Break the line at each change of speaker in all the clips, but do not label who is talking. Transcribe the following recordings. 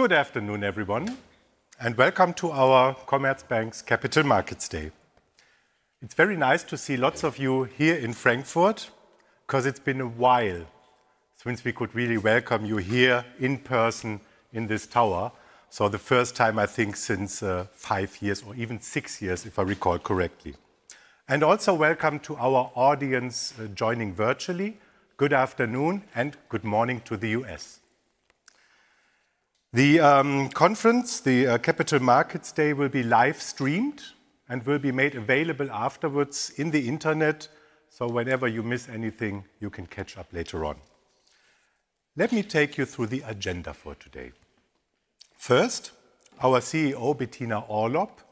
Good afternoon, everyone, and welcome to our Commerzbank Capital Markets Day. It's very nice to see lots of you here in Frankfurt because it's been a while since we could really welcome you here in person in this tower. So, the first time, I think, since five years or even six years, if I recall correctly, and also welcome to our audience joining virtually. Good afternoon and good morning to the U.S. The conference, the Capital Markets Day, will be live-streamed and will be made available afterwards on the internet, so whenever you miss anything, you can catch up later on. Let me take you through the agenda for today. First, our CEO, Bettina Orlopp,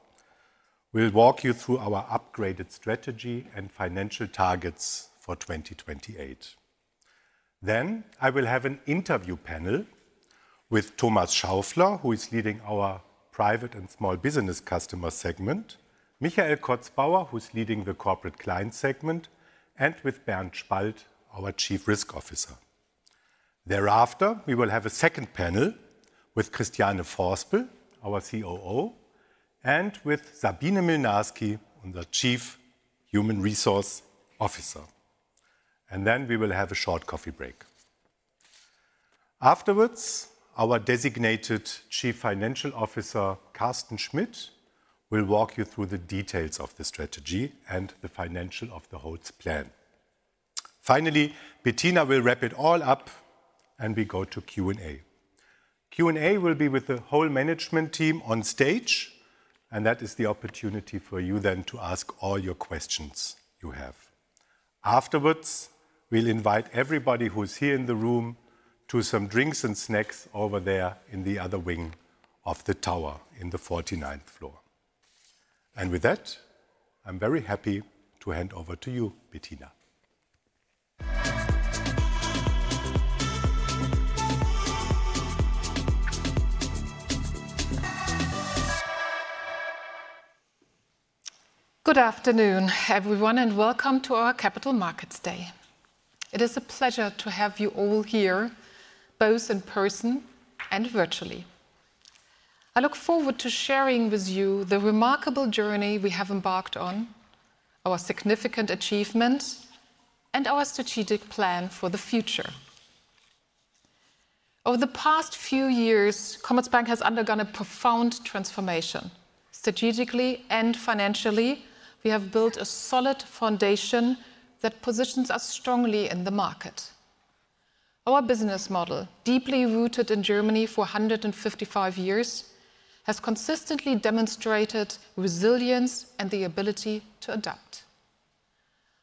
will walk you through our upgraded strategy and financial targets for 2028. Then I will have an interview panel with Thomas Schaufler, who is leading our private and small business customer segment, Michael Kotzbauer, who is leading the corporate client segment, and with Bernd Spalt, our Chief Risk Officer. Thereafter, we will have a second panel with Christiane Vorspel, our COO, and with Sabine Mlnarsky, the Chief Human Resources Officer. And then we will have a short coffee break. Afterwards, our designated Chief Financial Officer, Carsten Schmitt, will walk you through the details of the strategy and the financials of the holistic plan. Finally, Bettina will wrap it all up, and we go to Q&A. Q&A will be with the whole management team on stage, and that is the opportunity for you then to ask all your questions you have. Afterwards, we'll invite everybody who's here in the room to some drinks and snacks over there in the other wing of the tower on the 49th floor, and with that, I'm very happy to hand over to you, Bettina.
Good afternoon, everyone, and welcome to our Capital Markets Day. It is a pleasure to have you all here, both in person and virtually. I look forward to sharing with you the remarkable journey we have embarked on, our significant achievements, and our strategic plan for the future. Over the past few years, Commerzbank has undergone a profound transformation. Strategically and financially, we have built a solid foundation that positions us strongly in the market. Our business model, deeply rooted in Germany for 155 years, has consistently demonstrated resilience and the ability to adapt.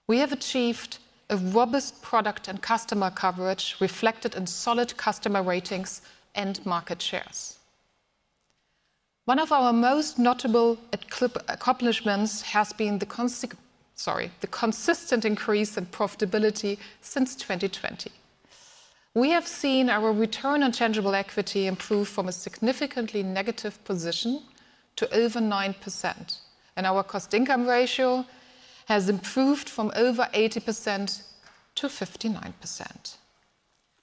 We have achieved a robust product and customer coverage reflected in solid customer ratings and market shares. One of our most notable accomplishments has been the consistent increase in profitability since 2020. We have seen our return on tangible equity improve from a significantly negative position to over 9%, and our cost-income ratio has improved from over 80% to 59%.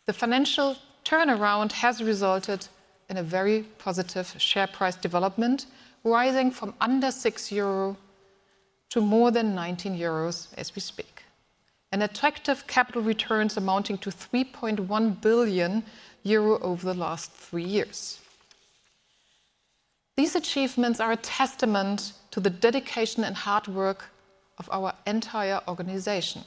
The financial turnaround has resulted in a very positive share price development, rising from under 6 euro to more than 19 euros as we speak, and attractive capital returns amounting to 3.1 billion euro over the last three years. These achievements are a testament to the dedication and hard work of our entire organization.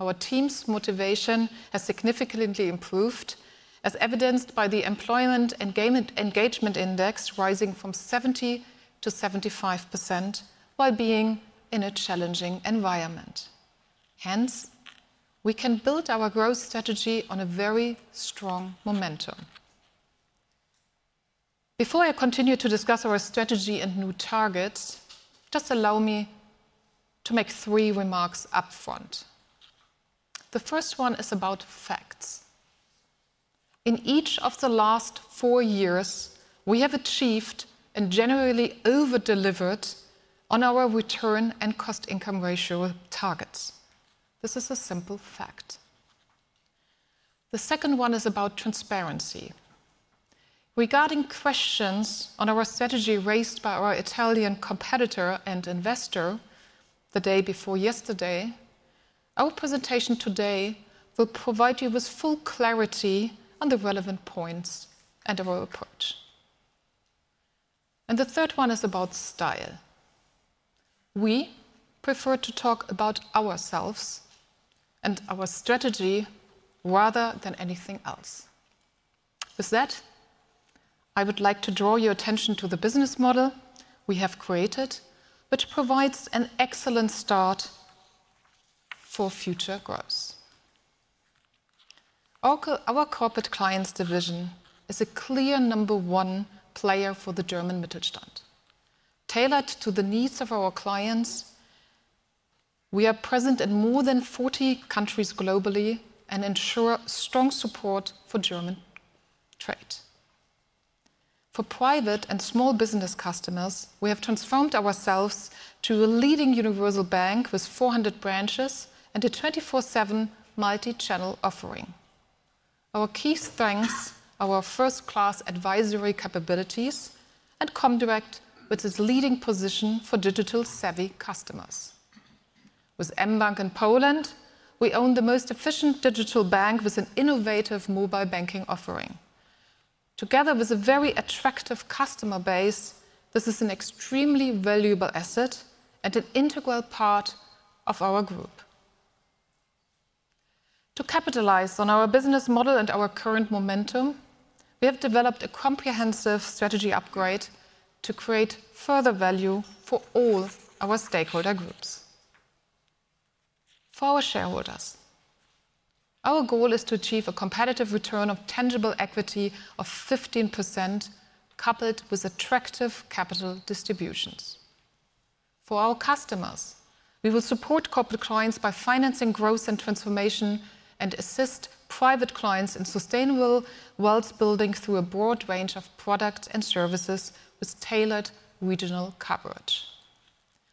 Our team's motivation has significantly improved, as evidenced by the employment engagement index rising from 70% to 75% while being in a challenging environment. Hence, we can build our growth strategy on a very strong momentum. Before I continue to discuss our strategy and new targets, just allow me to make three remarks upfront. The first one is about facts. In each of the last four years, we have achieved and generally over-delivered on our return and cost-income ratio targets. This is a simple fact. The second one is about transparency. Regarding questions on our strategy raised by our Italian competitor and investor the day before yesterday, our presentation today will provide you with full clarity on the relevant points and our approach. And the third one is about style. We prefer to talk about ourselves and our strategy rather than anything else. With that, I would like to draw your attention to the business model we have created, which provides an excellent start for future growth. Our corporate clients' division is a clear number one player for the German Mittelstand. Tailored to the needs of our clients, we are present in more than 40 countries globally and ensure strong support for German trade. For private and small business customers, we have transformed ourselves to a leading universal bank with 400 branches and a 24/7 multi-channel offering. Our key strengths are our first-class advisory capabilities and Comdirect, which is leading position for digital-savvy customers. With mBank in Poland, we own the most efficient digital bank with an innovative mobile banking offering. Together with a very attractive customer base, this is an extremely valuable asset and an integral part of our group. To capitalize on our business model and our current momentum, we have developed a comprehensive strategy upgrade to create further value for all our stakeholder groups. For our shareholders, our goal is to achieve a competitive return on tangible equity of 15%, coupled with attractive capital distributions. For our customers, we will support corporate clients by financing growth and transformation and assist private clients in sustainable wealth building through a broad range of products and services with tailored regional coverage.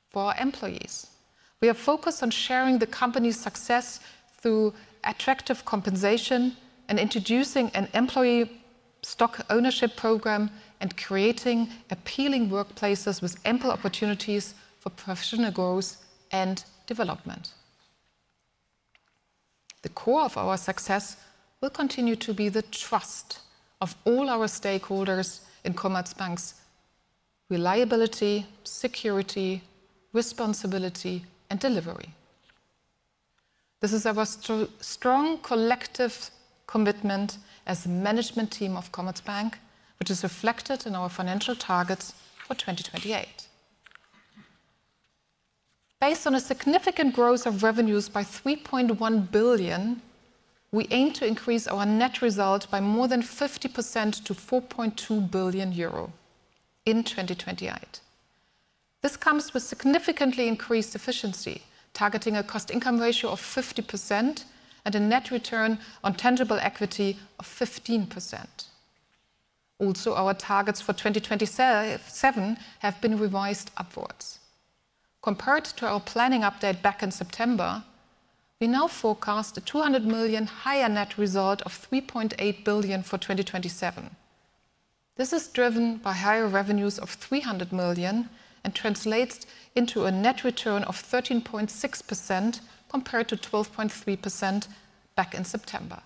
For our employees, we are focused on sharing the company's success through attractive compensation and introducing an employee stock ownership program and creating appealing workplaces with ample opportunities for professional growth and development. The core of our success will continue to be the trust of all our stakeholders in Commerzbank's reliability, security, responsibility, and delivery. This is our strong collective commitment as a management team of Commerzbank, which is reflected in our financial targets for 2028. Based on a significant growth of revenues by 3.1 billion, we aim to increase our net result by more than 50% to 4.2 billion euro in 2028. This comes with significantly increased efficiency, targeting a cost-income ratio of 50% and a net return on tangible equity of 15%. Also, our targets for 2027 have been revised upwards. Compared to our planning update back in September, we now forecast a 200 million higher net result of 3.8 billion for 2027. This is driven by higher revenues of 300 million and translates into a net return of 13.6% compared to 12.3% back in September.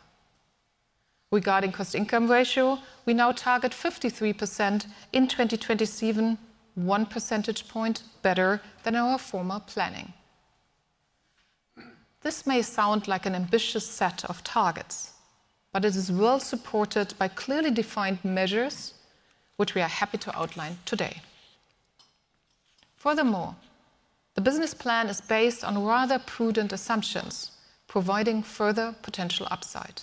Regarding cost-income ratio, we now target 53% in 2027, one percentage point better than our former planning. This may sound like an ambitious set of targets, but it is well supported by clearly defined measures, which we are happy to outline today. Furthermore, the business plan is based on rather prudent assumptions, providing further potential upside.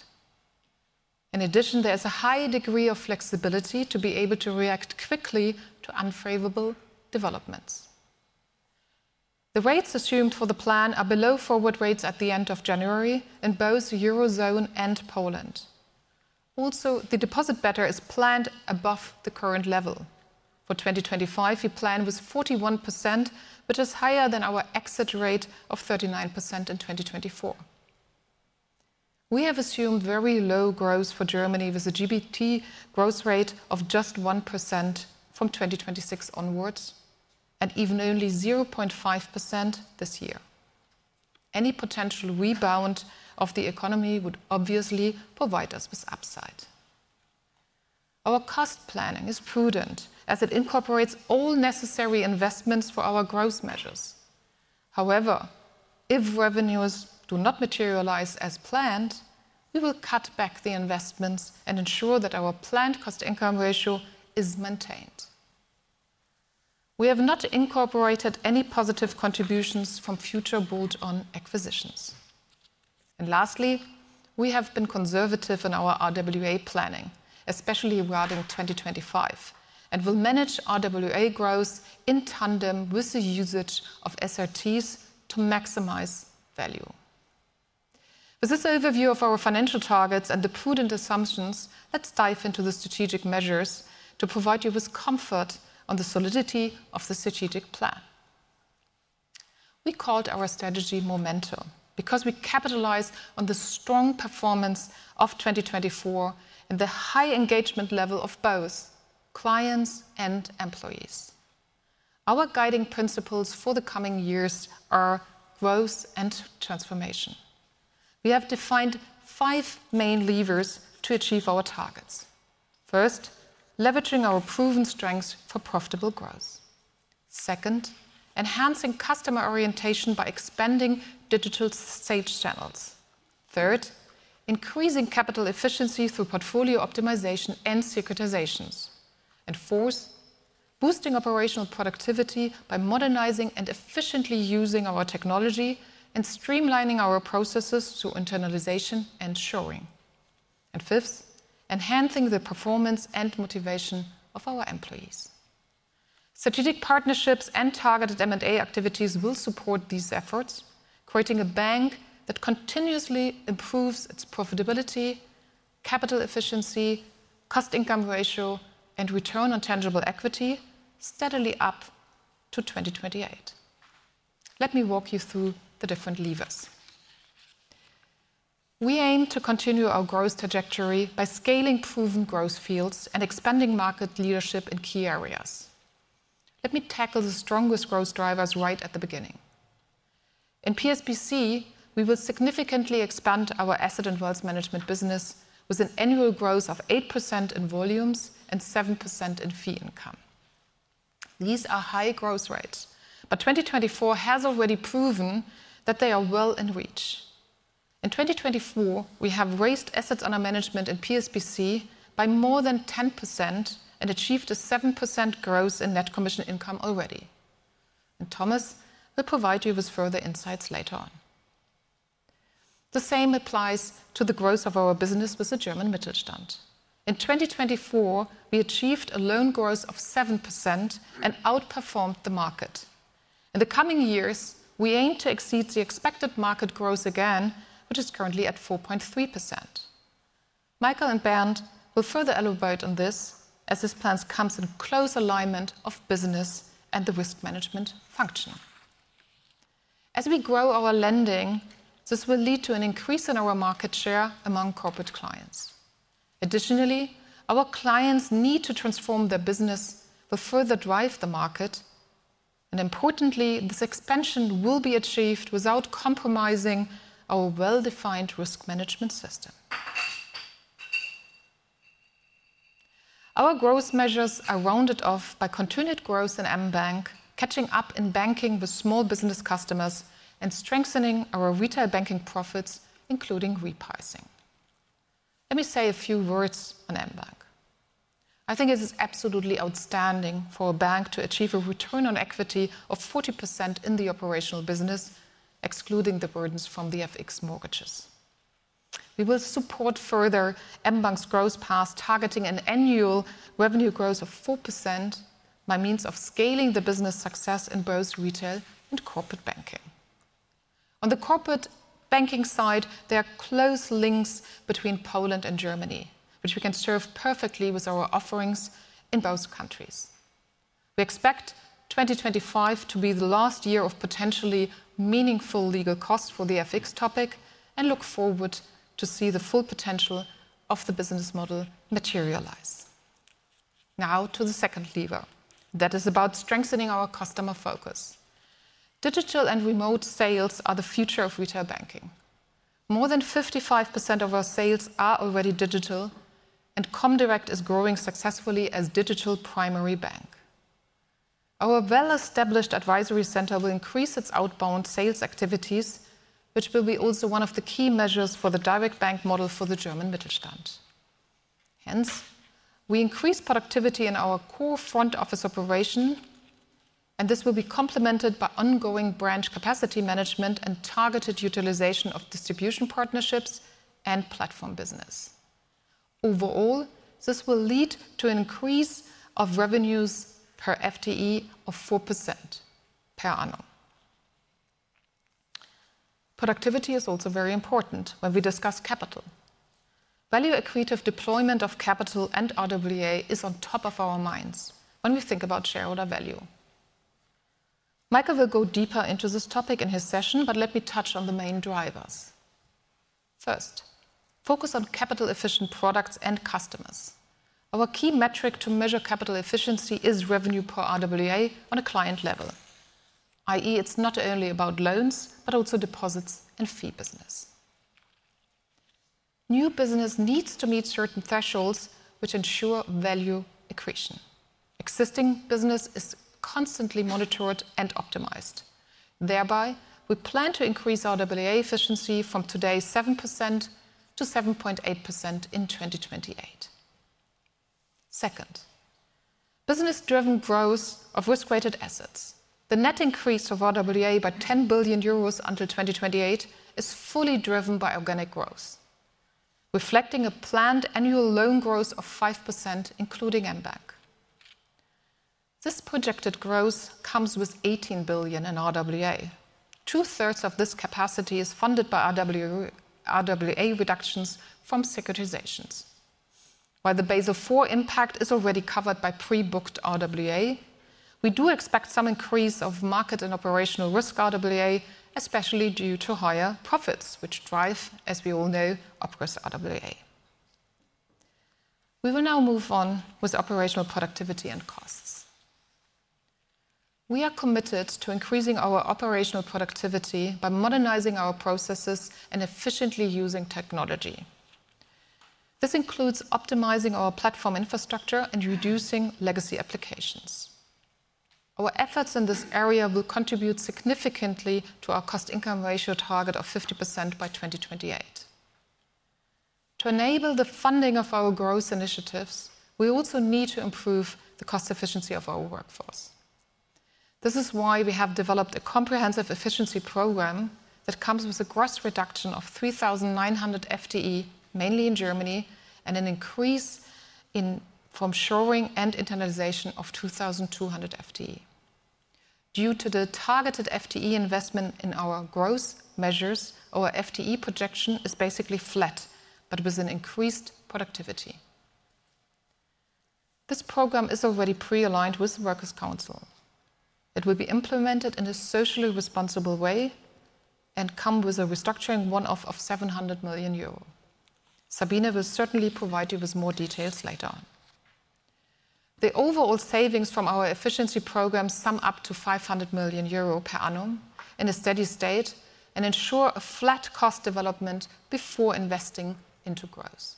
In addition, there is a high degree of flexibility to be able to react quickly to unfavorable developments. The rates assumed for the plan are below forward rates at the end of January in both the Eurozone and Poland. Also, the deposit beta is planned above the current level. For 2025, we plan with 41%, which is higher than our exit rate of 39% in 2024. We have assumed very low growth for Germany with a GDP growth rate of just 1% from 2026 onwards and even only 0.5% this year. Any potential rebound of the economy would obviously provide us with upside. Our cost planning is prudent as it incorporates all necessary investments for our growth measures. However, if revenues do not materialize as planned, we will cut back the investments and ensure that our planned cost-income ratio is maintained. We have not incorporated any positive contributions from future bolt-on acquisitions. And lastly, we have been conservative in our RWA planning, especially regarding 2025, and will manage RWA growth in tandem with the usage of SRTs to maximize value. With this overview of our financial targets and the prudent assumptions, let's dive into the strategic measures to provide you with comfort on the solidity of the strategic plan. We called our strategy Momentum because we capitalize on the strong performance of 2024 and the high engagement level of both clients and employees. Our guiding principles for the coming years are growth and transformation. We have defined five main levers to achieve our targets. First, leveraging our proven strengths for profitable growth. Second, enhancing customer orientation by expanding digital sales channels. Third, increasing capital efficiency through portfolio optimization and securitizations. And fourth, boosting operational productivity by modernizing and efficiently using our technology and streamlining our processes through internalization and shoring. Fifth, enhancing the performance and motivation of our employees. Strategic partnerships and targeted M&A activities will support these efforts, creating a bank that continuously improves its profitability, capital efficiency, cost-income ratio, and return on tangible equity steadily up to 2028. Let me walk you through the different levers. We aim to continue our growth trajectory by scaling proven growth fields and expanding market leadership in key areas. Let me tackle the strongest growth drivers right at the beginning. In PSBC, we will significantly expand our asset and wealth management business with an annual growth of 8% in volumes and 7% in fee income. These are high growth rates, but 2024 has already proven that they are well in reach. In 2024, we have raised assets under management in PSBC by more than 10% and achieved a 7% growth in net commission income already. Thomas will provide you with further insights later on. The same applies to the growth of our business with the German Mittelstand. In 2024, we achieved a loan growth of 7% and outperformed the market. In the coming years, we aim to exceed the expected market growth again, which is currently at 4.3%. Michael and Bernd will further elaborate on this as his plans come in close alignment with business and the risk management function. As we grow our lending, this will lead to an increase in our market share among corporate clients. Additionally, our clients need to transform their business to further drive the market. Importantly, this expansion will be achieved without compromising our well-defined risk management system. Our growth measures are rounded off by continued growth in mBank, catching up in banking with small business customers and strengthening our retail banking profits, including repricing. Let me say a few words on mBank. I think it is absolutely outstanding for a bank to achieve a return on equity of 40% in the operational business, excluding the burdens from the FX mortgages. We will support further mBank's growth path, targeting an annual revenue growth of 4% by means of scaling the business success in both retail and corporate banking. On the corporate banking side, there are close links between Poland and Germany, which we can serve perfectly with our offerings in both countries. We expect 2025 to be the last year of potentially meaningful legal costs for the FX topic and look forward to seeing the full potential of the business model materialize. Now to the second lever that is about strengthening our customer focus. Digital and remote sales are the future of retail banking. More than 55% of our sales are already digital, and Comdirect is growing successfully as digital primary bank. Our well-established advisory center will increase its outbound sales activities, which will be also one of the key measures for the direct bank model for the German Mittelstand. Hence, we increase productivity in our core front office operation, and this will be complemented by ongoing branch capacity management and targeted utilization of distribution partnerships and platform business. Overall, this will lead to an increase of revenues per FTE of 4% per annum. Productivity is also very important when we discuss capital. Value equity of deployment of capital and RWA is on top of our minds when we think about shareholder value. Michael will go deeper into this topic in his session, but let me touch on the main drivers. First, focus on capital-efficient products and customers. Our key metric to measure capital efficiency is revenue per RWA on a client level, i.e., it's not only about loans but also deposits and fee business. New business needs to meet certain thresholds which ensure value accretion. Existing business is constantly monitored and optimized. Thereby, we plan to increase RWA efficiency from today's 7% to 7.8% in 2028. Second, business-driven growth of risk-weighted assets. The net increase of RWA by 10 billion euros until 2028 is fully driven by organic growth, reflecting a planned annual loan growth of 5%, including mBank. This projected growth comes with 18 billion in RWA. Two-thirds of this capacity is funded by RWA reductions from securitizations. While the Basel IV impact is already covered by pre-booked RWA, we do expect some increase of market and operational risk RWA, especially due to higher profits, which drive, as we all know, OpRisk RWA. We will now move on with operational productivity and costs. We are committed to increasing our operational productivity by modernizing our processes and efficiently using technology. This includes optimizing our platform infrastructure and reducing legacy applications. Our efforts in this area will contribute significantly to our cost-income ratio target of 50% by 2028. To enable the funding of our growth initiatives, we also need to improve the cost efficiency of our workforce. This is why we have developed a comprehensive efficiency program that comes with a gross reduction of 3,900 FTE, mainly in Germany, and an increase in offshoring and internalization of 2,200 FTE. Due to the targeted FTE investment in our growth measures, our FTE projection is basically flat but with an increased productivity. This program is already pre-aligned with the Works Council. It will be implemented in a socially responsible way and come with a restructuring one-off of 700 million euro. Sabine will certainly provide you with more details later. The overall savings from our efficiency program sum up to 500 million euro per annum in a steady state and ensure a flat cost development before investing into growth.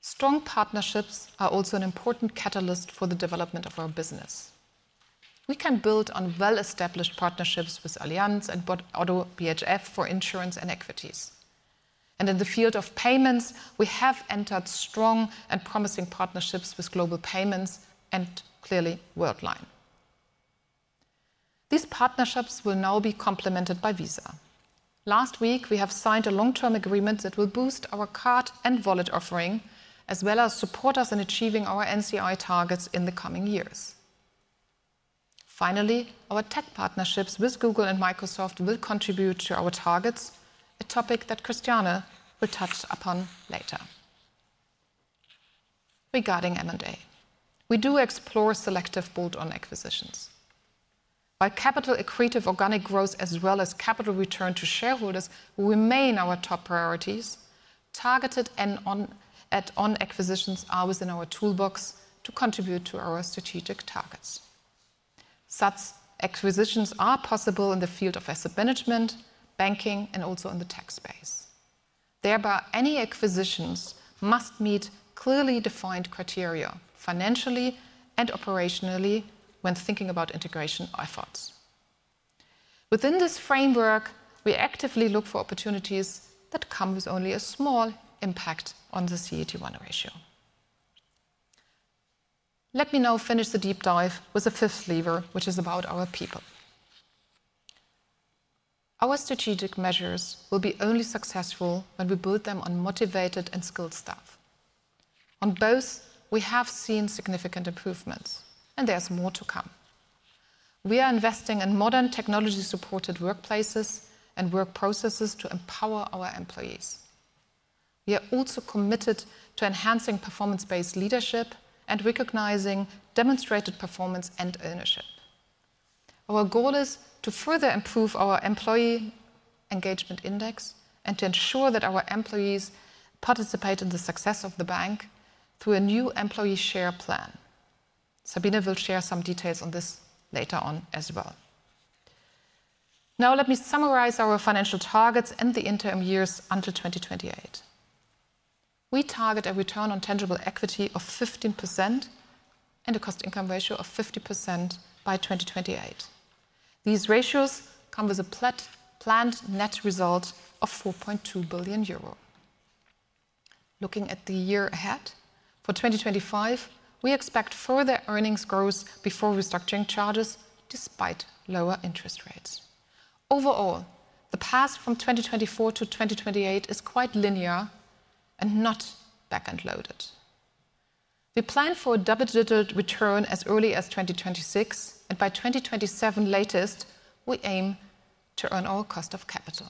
Strong partnerships are also an important catalyst for the development of our business. We can build on well-established partnerships with Allianz and BHF for insurance and equities, and in the field of payments, we have entered strong and promising partnerships with Global Payments and clearly Worldline. These partnerships will now be complemented by Visa. Last week, we have signed a long-term agreement that will boost our card and wallet offering, as well as support us in achieving our NCI targets in the coming years. Finally, our tech partnerships with Google and Microsoft will contribute to our targets, a topic that Christiane will touch upon later. Regarding M&A, we do explore selective bolt-on acquisitions. While capital accretive organic growth, as well as capital return to shareholders, will remain our top priorities, targeted add-on acquisitions are within our toolbox to contribute to our strategic targets. Such acquisitions are possible in the field of asset management, banking, and also in the tech space. Thereby, any acquisitions must meet clearly defined criteria financially and operationally when thinking about integration efforts. Within this framework, we actively look for opportunities that come with only a small impact on the CET1 ratio. Let me now finish the deep dive with the fifth lever, which is about our people. Our strategic measures will be only successful when we build them on motivated and skilled staff. On both, we have seen significant improvements, and there's more to come. We are investing in modern technology-supported workplaces and work processes to empower our employees. We are also committed to enhancing performance-based leadership and recognizing demonstrated performance and ownership. Our goal is to further improve our employee engagement index and to ensure that our employees participate in the success of the bank through a new employee share plan. Sabine will share some details on this later on as well. Now, let me summarize our financial targets and the interim years until 2028. We target a return on tangible equity of 15% and a cost-income ratio of 50% by 2028. These ratios come with a planned net result of 4.2 billion euro. Looking at the year ahead for 2025, we expect further earnings growth before restructuring charges despite lower interest rates. Overall, the path from 2024 to 2028 is quite linear and not back-end loaded. We plan for a double-digit return as early as 2026, and by 2027 latest, we aim to earn all cost of capital.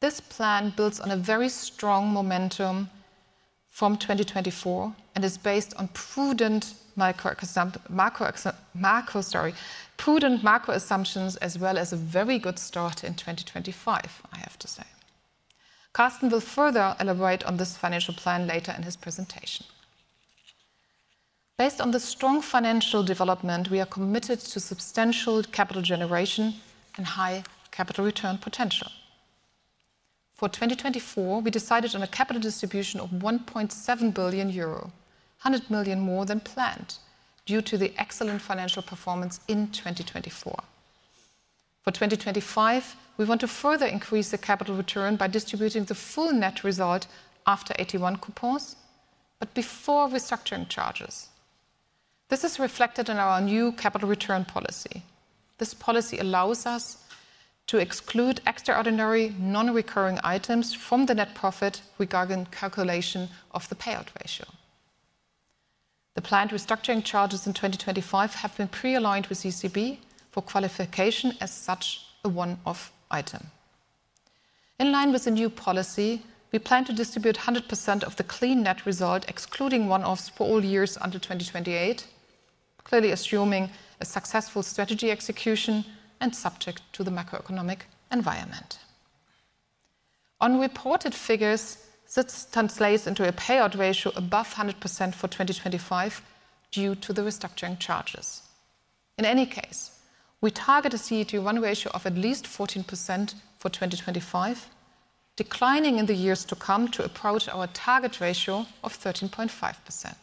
This plan builds on a very strong momentum from 2024 and is based on prudent macro assumptions, as well as a very good start in 2025, I have to say. Carsten will further elaborate on this financial plan later in his presentation. Based on the strong financial development, we are committed to substantial capital generation and high capital return potential. For 2024, we decided on a capital distribution of 1.7 billion euro, 100 million more than planned due to the excellent financial performance in 2024. For 2025, we want to further increase the capital return by distributing the full net result after AT1 coupons but before restructuring charges. This is reflected in our new capital return policy. This policy allows us to exclude extraordinary non-recurring items from the net profit regarding calculation of the payout ratio. The planned restructuring charges in 2025 have been pre-aligned with ECB for qualification as such a one-off item. In line with the new policy, we plan to distribute 100% of the clean net result, excluding one-offs for all years until 2028, clearly assuming a successful strategy execution and subject to the macroeconomic environment. On reported figures, this translates into a payout ratio above 100% for 2025 due to the restructuring charges. In any case, we target a CET1 ratio of at least 14% for 2025, declining in the years to come to approach our target ratio of 13.5%.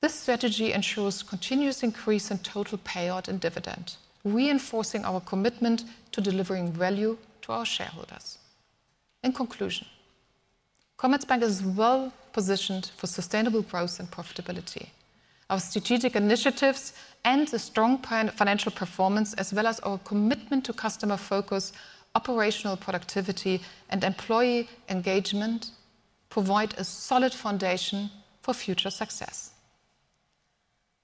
This strategy ensures continuous increase in total payout and dividend, reinforcing our commitment to delivering value to our shareholders. In conclusion, Commerzbank is well positioned for sustainable growth and profitability. Our strategic initiatives and the strong financial performance, as well as our commitment to customer focus, operational productivity, and employee engagement, provide a solid foundation for future success.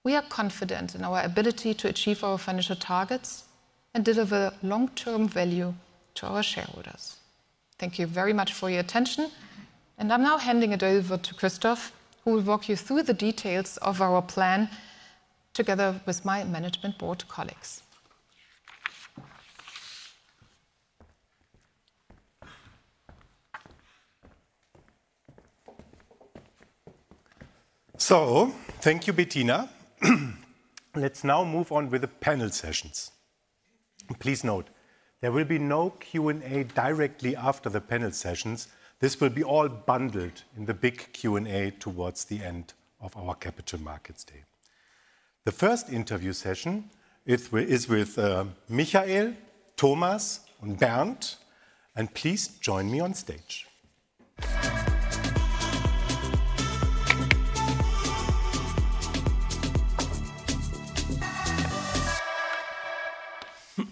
We are confident in our ability to achieve our financial targets and deliver long-term value to our shareholders. Thank you very much for your attention, and I'm now handing it over to Christoph, who will walk you through the details of our plan together with my management board colleagues.
So, thank you, Bettina. Let's now move on with the panel sessions. Please note, there will be no Q&A directly after the panel sessions. This will be all bundled in the big Q&A towards the end of our Capital Markets Day. The first interview session is with Michael, Thomas, and Bernd, and please join me on stage.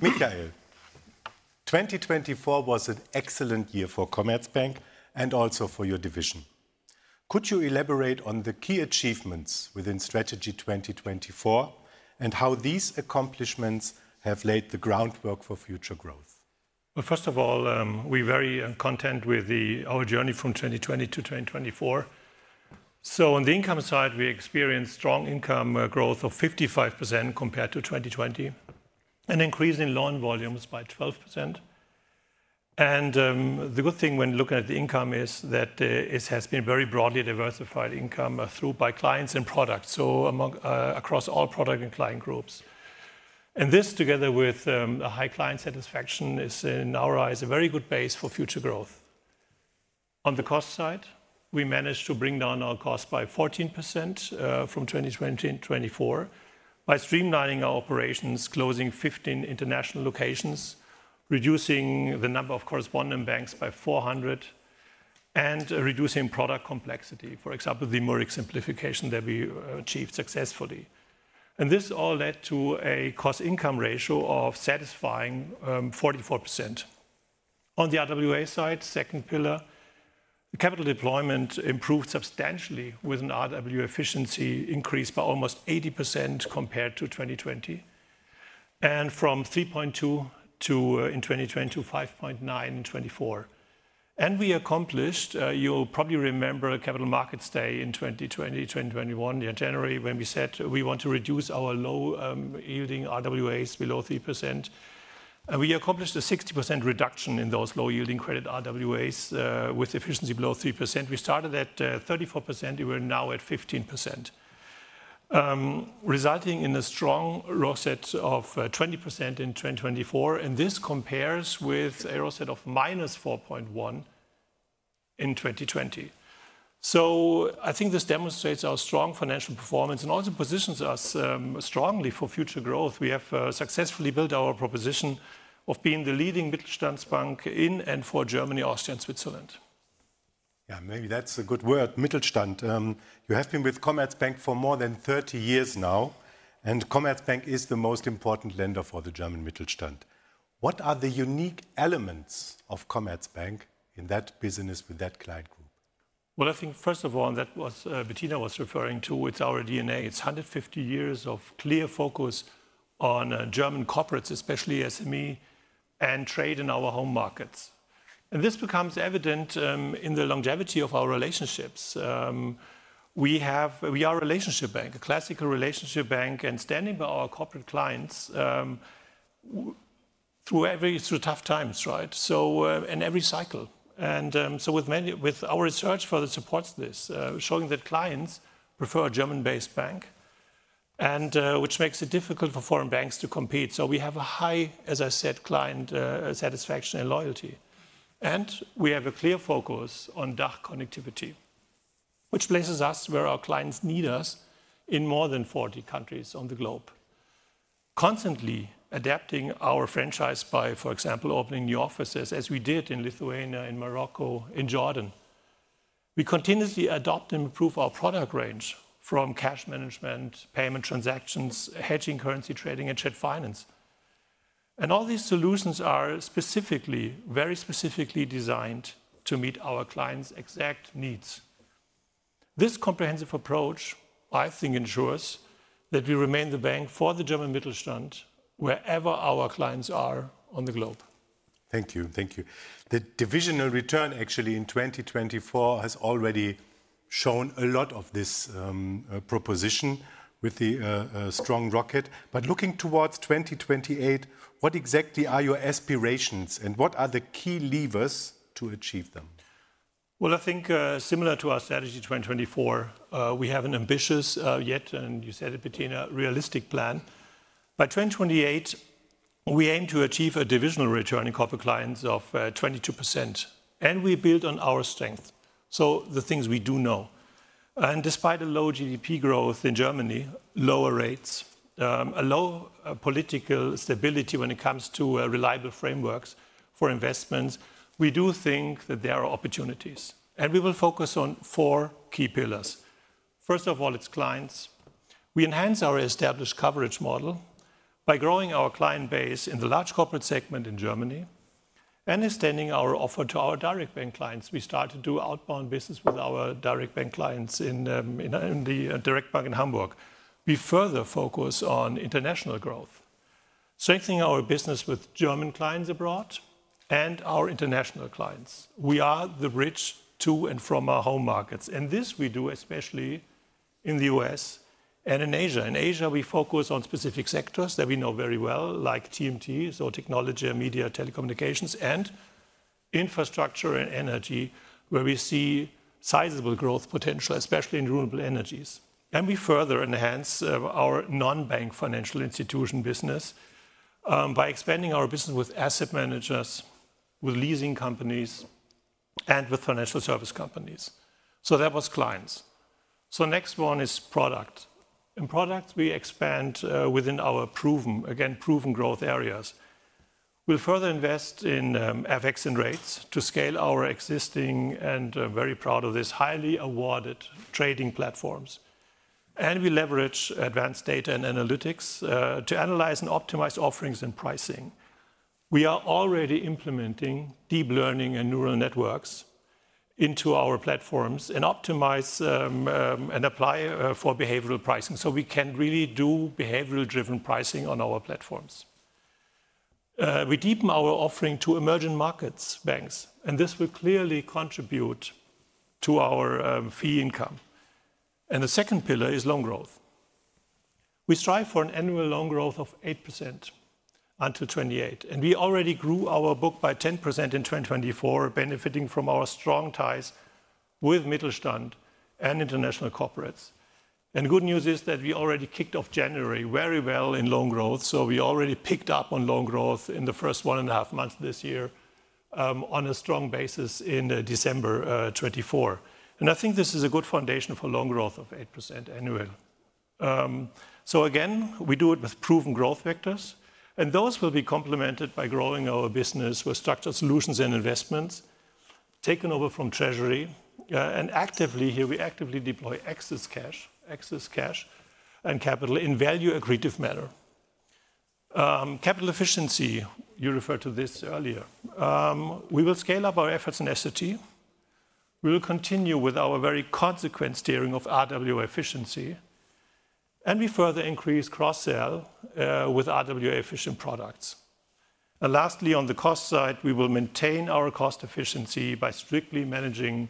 Michael, 2024 was an excellent year for Commerzbank and also for your division. Could you elaborate on the key achievements within Strategy 2024 and how these accomplishments have laid the groundwork for future growth?
First of all, we're very content with our journey from 2020 to 2024. On the income side, we experienced strong income growth of 55% compared to 2020 and an increase in loan volumes by 12%. The good thing when looking at the income is that it has been very broadly diversified income through clients and products, so across all product and client groups. This, together with high client satisfaction, is, in our eyes, a very good base for future growth. On the cost side, we managed to bring down our cost by 14% from 2020 to 2024 by streamlining our operations, closing 15 international locations, reducing the number of correspondent banks by 400, and reducing product complexity, for example, the Murex simplification that we achieved successfully. This all led to a satisfactory cost-income ratio of 44%. On the RWA side, second pillar, capital deployment improved substantially with an RWA efficiency increase by almost 80% compared to 2020 and from 3.2 to, in 2022, 5.9 in 2024. We accomplished, you'll probably remember, a Capital Markets Day in 2020, 2021, in January, when we said we want to reduce our low-yielding RWAs below 3%. We accomplished a 60% reduction in those low-yielding credit RWAs with efficiency below 3%. We started at 34%.We're now at 15%, resulting in a strong RoTE of 20% in 2024, and this compares with a RoTE of minus 4.1 in 2020. I think this demonstrates our strong financial performance and also positions us strongly for future growth. We have successfully built our proposition of being the leading Mittelstandsbank in and for Germany, Austria, and Switzerland.
Yeah, maybe that's a good word, Mittelstand. You have been with Commerzbank for more than 30 years now, and Commerzbank is the most important lender for the German Mittelstand. What are the unique elements of Commerzbank in that business with that client group?
I think, first of all, that what Bettina was referring to, it's our DNA. It's 150 years of clear focus on German corporates, especially SME and trade in our home markets. This becomes evident in the longevity of our relationships. We are a relationship bank, a classical relationship bank, and standing by our corporate clients through tough times and every cycle, right. Our research further supports this, showing that clients prefer a German-based bank, which makes it difficult for foreign banks to compete. We have a high, as I said, client satisfaction and loyalty. We have a clear focus on DACH connectivity, which places us where our clients need us in more than 40 countries on the globe. Constantly adapting our franchise by, for example, opening new offices, as we did in Lithuania, in Morocco, in Jordan. We continuously adapt and improve our product range from cash management, payment transactions, hedging, currency trading, and trade finance. All these solutions are specifically, very specifically designed to meet our clients' exact needs. This comprehensive approach, I think, ensures that we remain the bank for the German Mittelstand wherever our clients are on the globe.
Thank you. Thank you. The divisional return, actually, in 2024 has already shown a lot of this proposition with a strong RoTE. But looking towards 2028, what exactly are your aspirations, and what are the key levers to achieve them?
Well, I think similar to our strategy 2024, we have an ambitious, yet, and you said it, Bettina, realistic plan. By 2028, we aim to achieve a divisional return in corporate clients of 22%, and we build on our strengths, so the things we do well. And despite a low GDP growth in Germany, lower rates, a low political stability when it comes to reliable frameworks for investments, we do think that there are opportunities. And we will focus on four key pillars. First of all, it's clients. We enhance our established coverage model by growing our client base in the large corporate segment in Germany and extending our offer to our direct bank clients. We start to do outbound business with our direct bank clients in the Comdirect in Hamburg. We further focus on international growth, strengthening our business with German clients abroad and our international clients. We are the bridge to and from our home markets, and this we do especially in the U.S. and in Asia. In Asia, we focus on specific sectors that we know very well, like TMT, so technology, media, telecommunications, and infrastructure and energy, where we see sizable growth potential, especially in renewable energies, and we further enhance our non-bank financial institution business by expanding our business with asset managers, with leasing companies, and with financial service companies, so that was clients. Next one is product. In products, we expand within our proven, again, proven growth areas. We'll further invest in FX and rates to scale our existing, and I'm very proud of this, highly awarded trading platforms. And we leverage advanced data and analytics to analyze and optimize offerings and pricing. We are already implementing deep learning and neural networks into our platforms and optimize and apply for behavioral pricing, so we can really do behavioral-driven pricing on our platforms. We deepen our offering to emerging markets banks, and this will clearly contribute to our fee income. And the second pillar is loan growth. We strive for an annual loan growth of 8% until 2028. And we already grew our book by 10% in 2024, benefiting from our strong ties with Mittelstand and international corporates. The good news is that we already kicked off January very well in loan growth, so we already picked up on loan growth in the first one and a half months this year on a strong basis in December 2024. I think this is a good foundation for loan growth of 8% annually. Again, we do it with proven growth factors, and those will be complemented by growing our business with structured solutions and investments taken over from Treasury. Actively, here we actively deploy excess cash and capital in value-accretive manner. Capital efficiency, you referred to this earlier. We will scale up our efforts in S&T. We will continue with our very consistent steering of RWA efficiency, and we further increase cross-sale with RWA-efficient products. Lastly, on the cost side, we will maintain our cost efficiency by strictly managing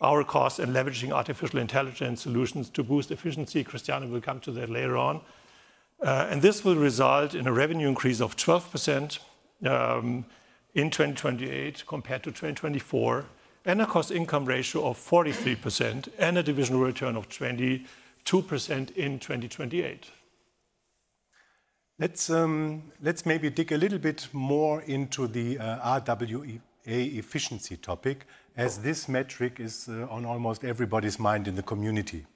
our costs and leveraging artificial intelligence solutions to boost efficiency. Christiane will come to that later on. This will result in a revenue increase of 12% in 2028 compared to 2024, and a cost-income ratio of 43% and a divisional return of 22% in 2028.
Let's maybe dig a little bit more into the RWA efficiency topic, as this metric is on almost everybody's mind in the community.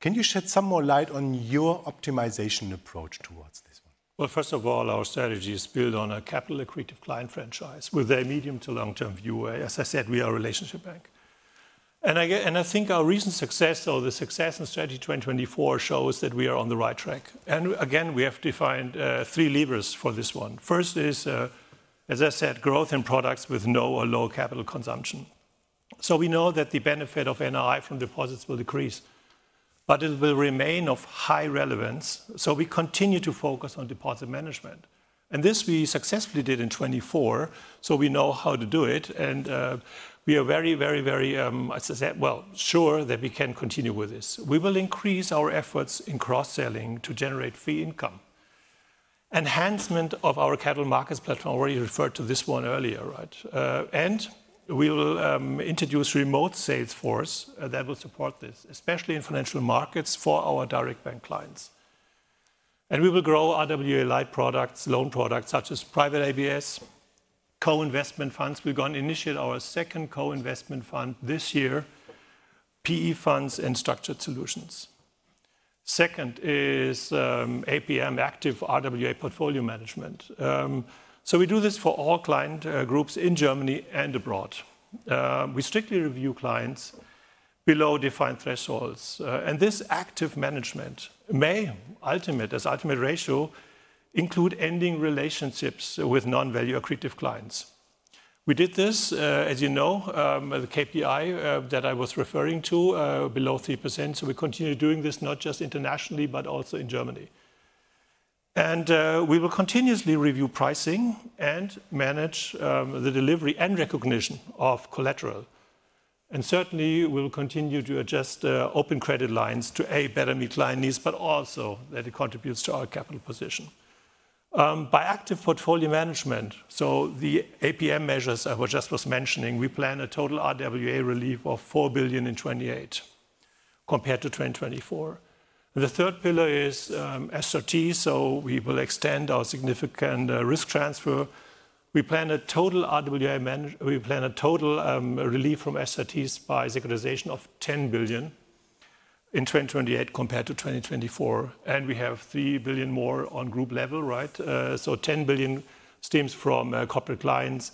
Can you shed some more light on your optimization approach towards this one?
First of all, our strategy is built on a capital-accretive client franchise with a medium to long-term view, whereas I said we are a relationship bank. And I think our recent success, or the success in Strategy 2024, shows that we are on the right track. And again, we have defined three levers for this one. First is, as I said, growth in products with no or low capital consumption. So we know that the benefit of NII from deposits will decrease, but it will remain of high relevance. So we continue to focus on deposit management. And this we successfully did in 2024, so we know how to do it. And we are very, very, very, as I said, well, sure that we can continue with this. We will increase our efforts in cross-selling to generate fee income. Enhancement of our capital markets platform, I already referred to this one earlier, right? And we will introduce remote sales force that will support this, especially in financial markets for our direct bank clients. And we will grow RWA like products, loan products such as private ABS, co-investment funds. We're going to initiate our second co-investment fund this year, PE funds and structured solutions. Second is APM, active RWA portfolio management. So we do this for all client groups in Germany and abroad. We strictly review clients below defined thresholds. And this active management may, as ultimate ratio, include ending relationships with non-value-accretive clients. We did this, as you know, the KPI that I was referring to, below 3%. So we continue doing this not just internationally, but also in Germany. And we will continuously review pricing and manage the delivery and recognition of collateral. And certainly, we'll continue to adjust open credit lines to, A, better meet client needs, but also that it contributes to our capital position. By active portfolio management, so the APM measures I just was mentioning, we plan a total RWA relief of 4 billion in 2028 compared to 2024.The third pillar is SRT, so we will extend our significant risk transfer. We plan a total RWA management, we plan a total relief from SRTs by securitization of 10 billion in 2028 compared to 2024. And we have three billion more on group level, right? So 10 billion stems from corporate clients.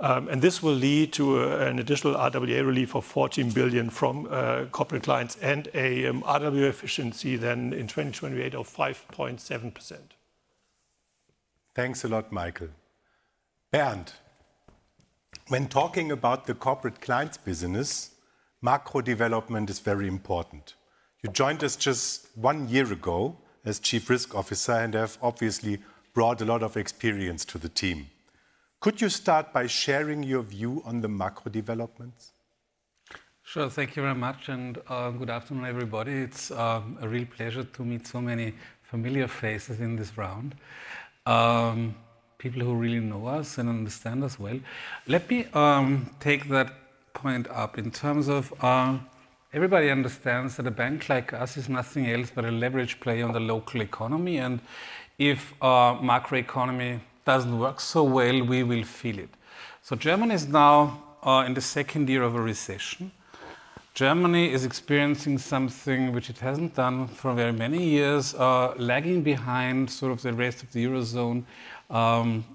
And this will lead to an additional RWA relief of 14 billion from corporate clients and an RWA efficiency then in 2028 of 5.7%.
Thanks a lot, Michael. Bernd, when talking about the corporate clients business, macro development is very important. You joined us just one year ago as Chief Risk Officer and have obviously brought a lot of experience to the team. Could you start by sharing your view on the macro developments?
Sure. Thank you very much. And good afternoon, everybody. It's a real pleasure to meet so many familiar faces in this round, people who really know us and understand us well. Let me take that point up. In terms of everybody understands that a bank like us is nothing else but a leverage play on the local economy, and if our macro economy doesn't work so well, we will feel it, so Germany is now in the second year of a recession. Germany is experiencing something which it hasn't done for very many years, lagging behind sort of the rest of the Eurozone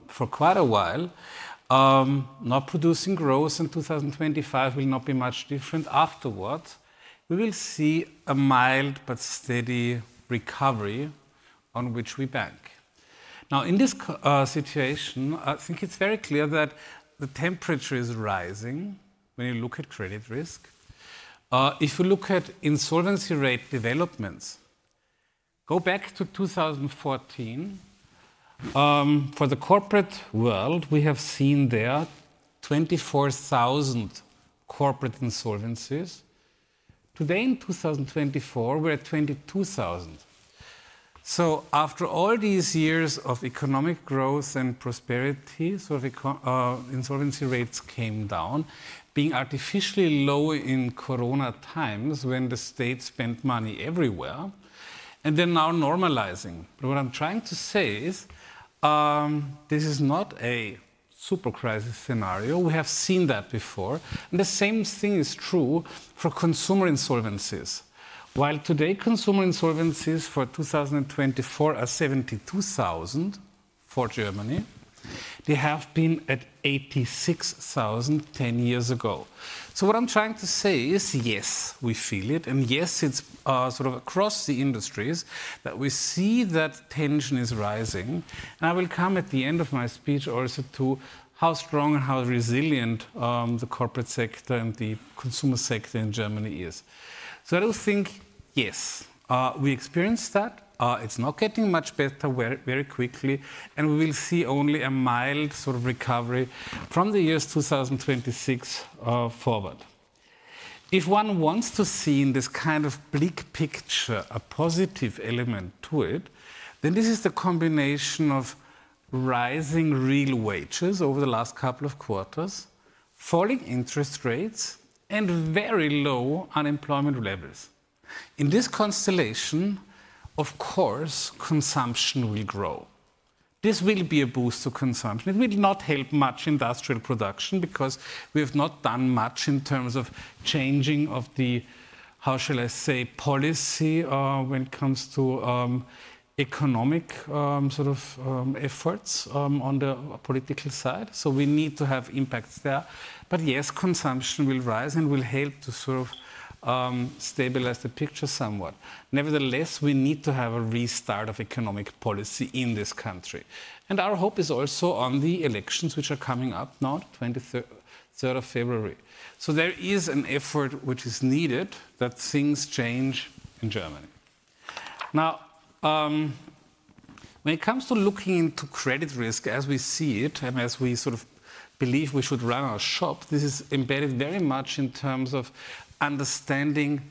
for quite a while. Not producing growth in 2025 will not be much different afterwards. We will see a mild but steady recovery on which we bank. Now, in this situation, I think it's very clear that the temperature is rising when you look at credit risk. If you look at insolvency rate developments, go back to 2014. For the corporate world, we have seen there 24,000 corporate insolvencies. Today, in 2024, we're at 22,000. So after all these years of economic growth and prosperity, sort of insolvency rates came down, being artificially low in corona times when the states spent money everywhere, and they're now normalizing. But what I'm trying to say is this is not a super crisis scenario. We have seen that before. And the same thing is true for consumer insolvencies. While today, consumer insolvencies for 2024 are 72,000 for Germany, they have been at 86,000 10 years ago. So what I'm trying to say is, yes, we feel it. And yes, it's sort of across the industries that we see that tension is rising.I will come at the end of my speech also to how strong and how resilient the corporate sector and the consumer sector in Germany is. I do think, yes, we experienced that. It's not getting much better very quickly. We will see only a mild sort of recovery from the years 2026 forward. If one wants to see in this kind of bleak picture a positive element to it, then this is the combination of rising real wages over the last couple of quarters, falling interest rates, and very low unemployment levels. In this constellation, of course, consumption will grow. This will be a boost to consumption. It will not help much industrial production because we have not done much in terms of changing of the, how shall I say, policy when it comes to economic sort of efforts on the political side. We need to have impacts there. But yes, consumption will rise and will help to sort of stabilize the picture somewhat. Nevertheless, we need to have a restart of economic policy in this country, and our hope is also on the elections, which are coming up now, 23rd of February. There is an effort which is needed that things change in Germany. Now, when it comes to looking into credit risk, as we see it and as we sort of believe we should run our shop, this is embedded very much in terms of understanding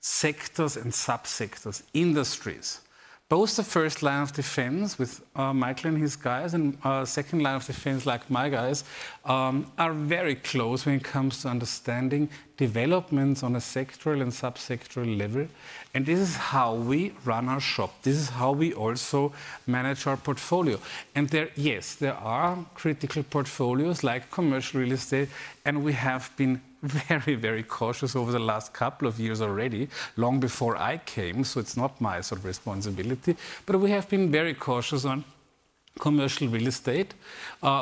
sectors and subsectors, industries. Both the first line of defense with Michael and his guys and second line of defense like my guys are very close when it comes to understanding developments on a sectoral and subsectoral level, and this is how we run our shop. This is how we also manage our portfolio. And there, yes, there are critical portfolios like commercial real estate. And we have been very, very cautious over the last couple of years already, long before I came. So it's not my sort of responsibility. But we have been very cautious on commercial real estate.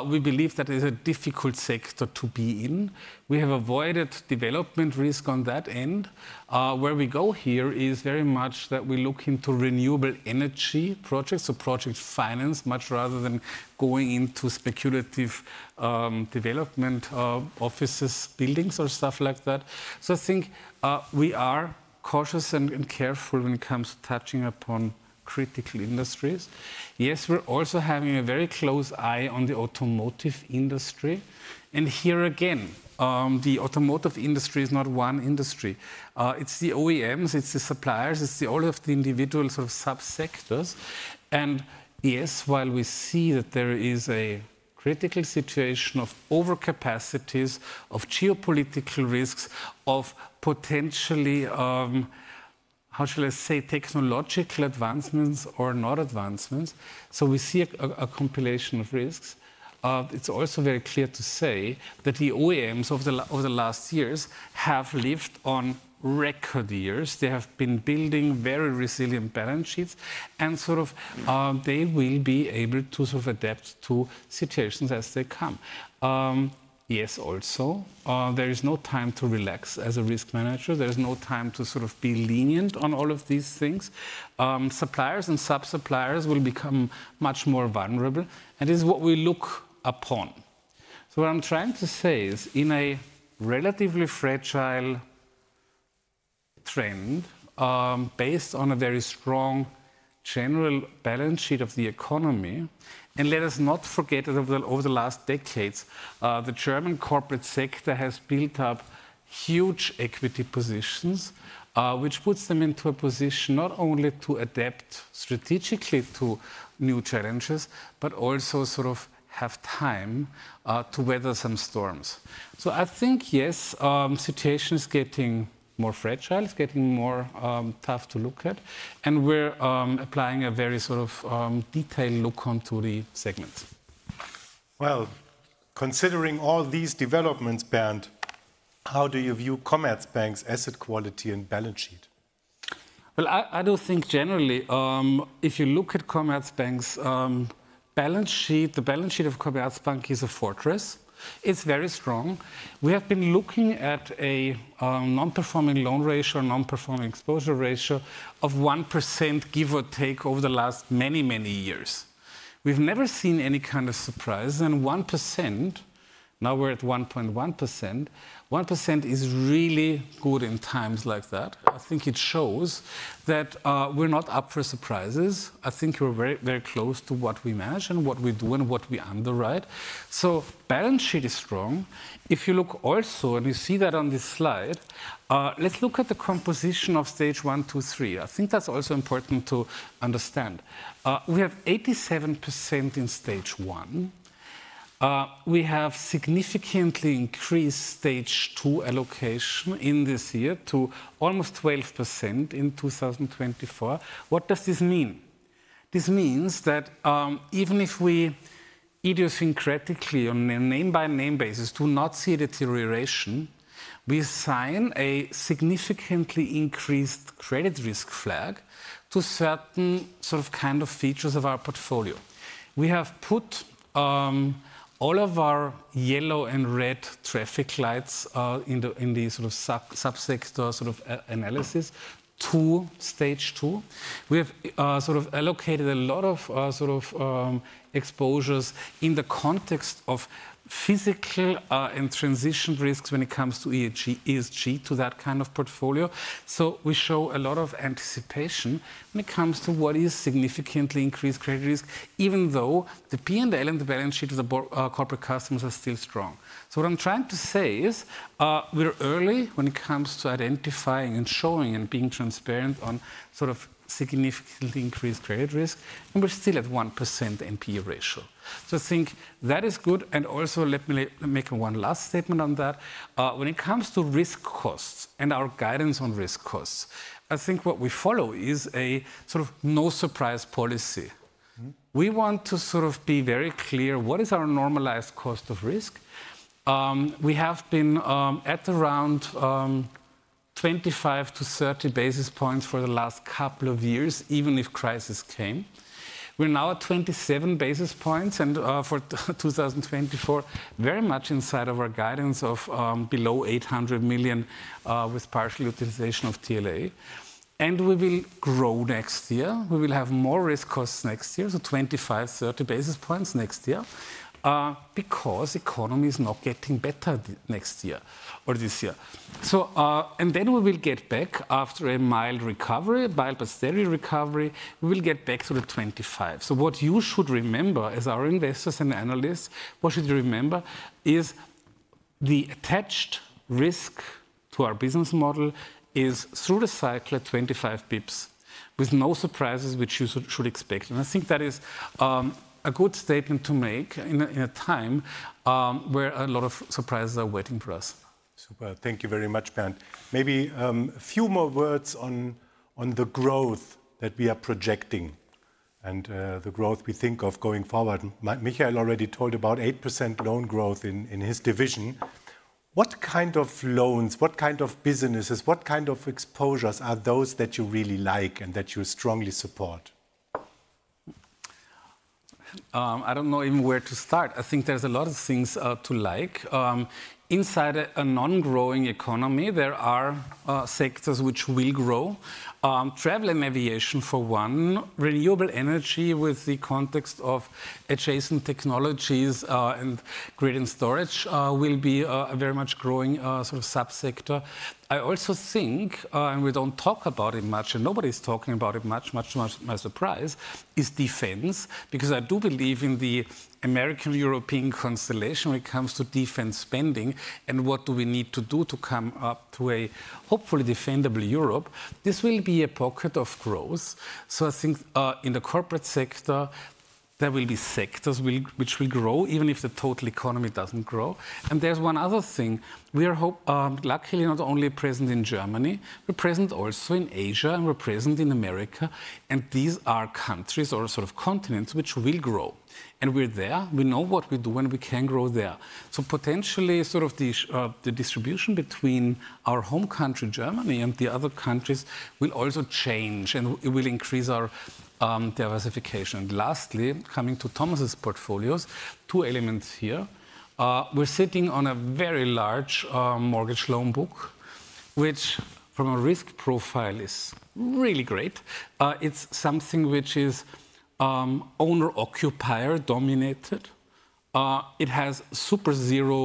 We believe that it is a difficult sector to be in. We have avoided development risk on that end. Where we go here is very much that we look into renewable energy projects, so project finance, much rather than going into speculative development offices, buildings, or stuff like that. So I think we are cautious and careful when it comes to touching upon critical industries. Yes, we're also having a very close eye on the automotive industry. And here again, the automotive industry is not one industry. It's the OEMs, it's the suppliers, it's all of the individual sort of subsectors. And yes, while we see that there is a critical situation of overcapacities, of geopolitical risks, of potentially, how shall I say, technological advancements or not advancements, so we see a compilation of risks. It's also very clear to say that the OEMs over the last years have lived on record years. They have been building very resilient balance sheets, and sort of they will be able to sort of adapt to situations as they come. Yes, also, there is no time to relax as a risk manager. There is no time to sort of be lenient on all of these things. Suppliers and subsuppliers will become much more vulnerable. And this is what we look upon. So what I'm trying to say is in a relatively fragile trend based on a very strong general balance sheet of the economy. And let us not forget that over the last decades, the German corporate sector has built up huge equity positions, which puts them into a position not only to adapt strategically to new challenges, but also sort of have time to weather some storms. So I think, yes, situation is getting more fragile. It's getting more tough to look at. And we're applying a very sort of detailed look onto the segments.
Well, considering all these developments, Bernd, how do you view Commerzbank's asset quality and balance sheet?
Well, I do think generally, if you look at Commerzbank's balance sheet, the balance sheet of Commerzbank is a fortress. It's very strong. We have been looking at a non-performing loan ratio, non-performing exposure ratio of 1%, give or take, over the last many, many years. We've never seen any kind of surprise, and 1%, now we're at 1.1%. 1% is really good in times like that. I think it shows that we're not up for surprises. I think we're very, very close to what we manage and what we do and what we underwrite, so the balance sheet is strong. If you look also and you see that on this slide, let's look at the composition of stage one, two, three. I think that's also important to understand. We have 87% in stage one. We have significantly increased stage two allocation in this year to almost 12% in 2024. What does this mean? This means that even if we idiosyncratically, on a name-by-name basis, do not see a deterioration, we sign a significantly increased credit risk flag to certain sort of kind of features of our portfolio. We have put all of our yellow and red traffic lights in the sort of subsector sort of analysis to stage two. We have sort of allocated a lot of sort of exposures in the context of physical and transition risks when it comes to ESG to that kind of portfolio. So we show a lot of anticipation when it comes to what is significantly increased credit risk, even though the P&L and the balance sheet of the corporate customers are still strong. So what I'm trying to say is we're early when it comes to identifying and showing and being transparent on sort of significantly increased credit risk, and we're still at 1% NPE ratio. I think that is good. Also, let me make one last statement on that. When it comes to risk costs and our guidance on risk costs, I think what we follow is a sort of no surprise policy. We want to sort of be very clear what is our normalized cost of risk. We have been at around 25-30 basis points for the last couple of years, even if crisis came. We're now at 27 basis points and for 2024, very much inside of our guidance of below 800 million with partial utilization of TLA. We will grow next year. We will have more risk costs next year, so 25-30 basis points next year because the economy is not getting better next year or this year. Then we will get back after a mild recovery, a mild but steady recovery. We will get back to the 25. So what you should remember as our investors and analysts, what should you remember is the attached risk to our business model is through the cycle at 25 basis points with no surprises, which you should expect. And I think that is a good statement to make in a time where a lot of surprises are waiting for us.
Super. Thank you very much, Bernd. Maybe a few more words on the growth that we are projecting and the growth we think of going forward. Michael already told about 8% loan growth in his division. What kind of loans, what kind of businesses, what kind of exposures are those that you really like and that you strongly support?
I don't know even where to start. I think there's a lot of things to like. Inside a non-growing economy, there are sectors which will grow. Travel and aviation, for one. Renewable energy with the context of adjacent technologies and grid and storage will be a very much growing sort of subsector. I also think, and we don't talk about it much and nobody's talking about it much, much to my surprise, is defense. Because I do believe in the American-European constellation when it comes to defense spending and what do we need to do to come up to a hopefully defendable Europe. This will be a pocket of growth. So I think in the corporate sector, there will be sectors which will grow even if the total economy doesn't grow. And there's one other thing. We are hopefully, luckily, not only present in Germany. We're present also in Asia and we're present in America. And these are countries or sort of continents which will grow. And we're there. We know what we do and we can grow there. So potentially sort of the distribution between our home country, Germany, and the other countries will also change and it will increase our diversification. Lastly, coming to Thomas's portfolios, two elements here. We're sitting on a very large mortgage loan book, which from a risk profile is really great. It's something which is owner-occupier dominated. It has super zero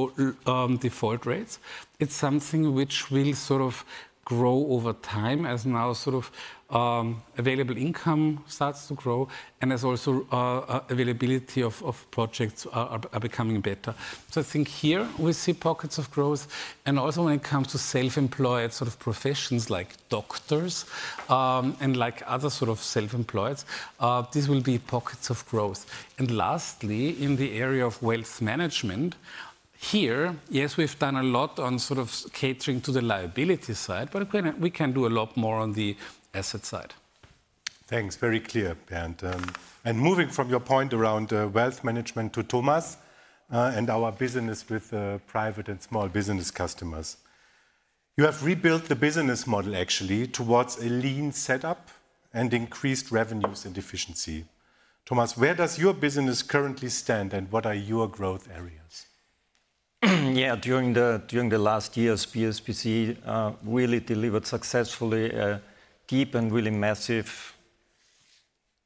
default rates. It's something which will sort of grow over time as now sort of available income starts to grow. And as also availability of projects are becoming better. So I think here we see pockets of growth. And also when it comes to self-employed sort of professions like doctors and like other sort of self-employed, this will be pockets of growth. And lastly, in the area of wealth management here, yes, we've done a lot on sort of catering to the liability side, but we can do a lot more on the asset side.
Thanks. Very clear, Bernd. And moving from your point around wealth management to Thomas and our business with private and small business customers, you have rebuilt the business model actually towards a lean setup and increased revenues and efficiency. Thomas, where does your business currently stand and what are your growth areas?
Yeah, during the last years, PSBC really delivered successfully a deep and really massive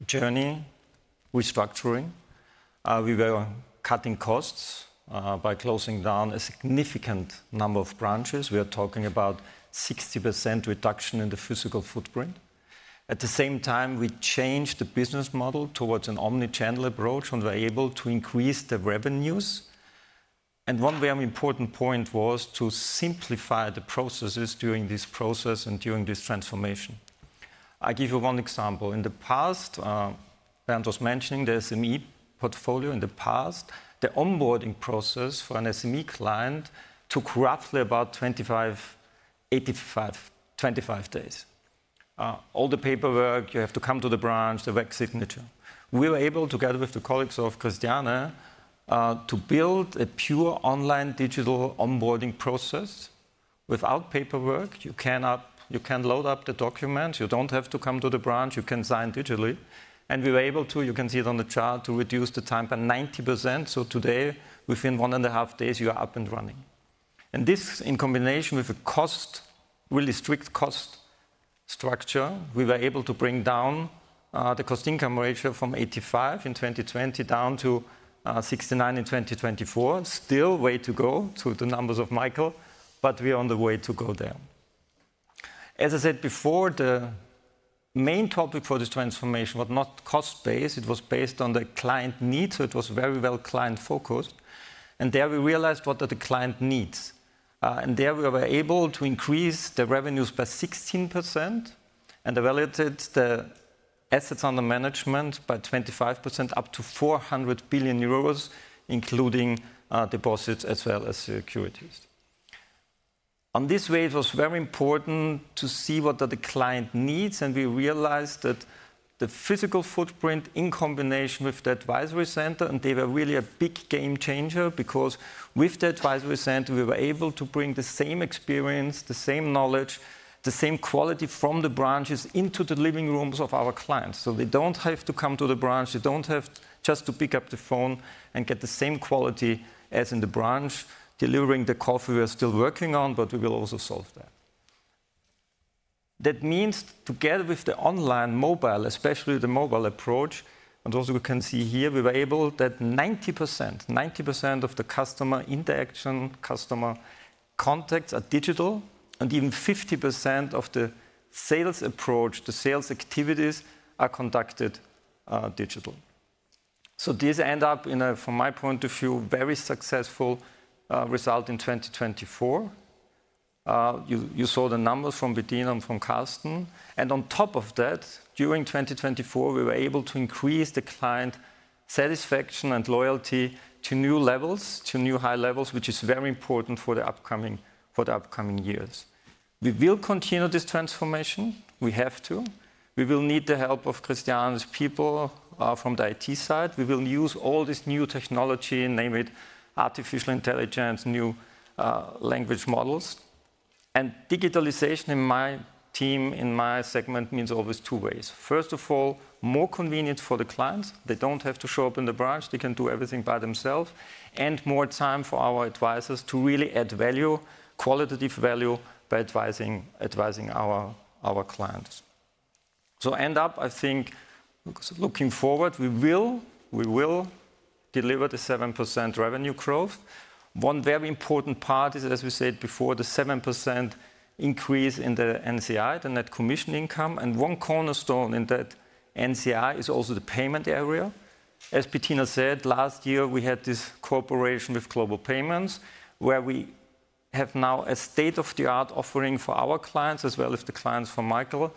journey restructuring. We were cutting costs by closing down a significant number of branches. We are talking about 60% reduction in the physical footprint. At the same time, we changed the business model towards an omnichannel approach and were able to increase the revenues. One very important point was to simplify the processes during this process and during this transformation. I'll give you one example. In the past, Bernd was mentioning the SME portfolio. In the past, the onboarding process for an SME client took roughly about 25, 85, 25 days. All the paperwork, you have to come to the branch, the wet signature. We were able to get with the colleagues of Christiane to build a pure online digital onboarding process without paperwork. You can load up the documents. You don't have to come to the branch. You can sign digitally. We were able to, you can see it on the chart, to reduce the time by 90%. Today, within one and a half days, you are up and running. And this in combination with a really strict cost structure, we were able to bring down the cost-income ratio from 85% in 2020 down to 69% in 2024. Still a way to go to the numbers of Michael, but we are on the way to go there. As I said before, the main topic for this transformation was not cost-based. It was based on the client needs. So it was very well client-focused. And there we realized what the client needs. And there we were able to increase the revenues by 16% and validated the assets under management by 25%, up to 400 billion euros, including deposits as well as securities. On this way, it was very important to see what the client needs. We realized that the physical footprint in combination with the Advisory Center, and they were really a big game changer because with the Advisory Center, we were able to bring the same experience, the same knowledge, the same quality from the branches into the living rooms of our clients. They don't have to come to the branch. They don't have just to pick up the phone and get the same quality as in the branch. Delivering the coffee we are still working on, but we will also solve that. That means together with the online mobile, especially the mobile approach, and also we can see here, we were able that 90%, 90% of the customer interaction, customer contacts are digital, and even 50% of the sales approach, the sales activities are conducted digital. So these end up in a, from my point of view, very successful result in 2024. You saw the numbers from Bettina and from Carsten. And on top of that, during 2024, we were able to increase the client satisfaction and loyalty to new levels, to new high levels, which is very important for the upcoming years. We will continue this transformation. We have to. We will need the help of Christiane's people from the IT side. We will use all this new technology, name it artificial intelligence, new language models. And digitalization in my team, in my segment, means always two ways. First of all, more convenience for the clients. They don't have to show up in the branch. They can do everything by themselves. And more time for our advisors to really add value, qualitative value by advising our clients. So end up, I think, looking forward, we will deliver the 7% revenue growth. One very important part is, as we said before, the 7% increase in the NCI, the net commission income. And one cornerstone in that NCI is also the payment area. As Bettina said, last year, we had this cooperation with Global Payments, where we have now a state-of-the-art offering for our clients as well as the clients for Michael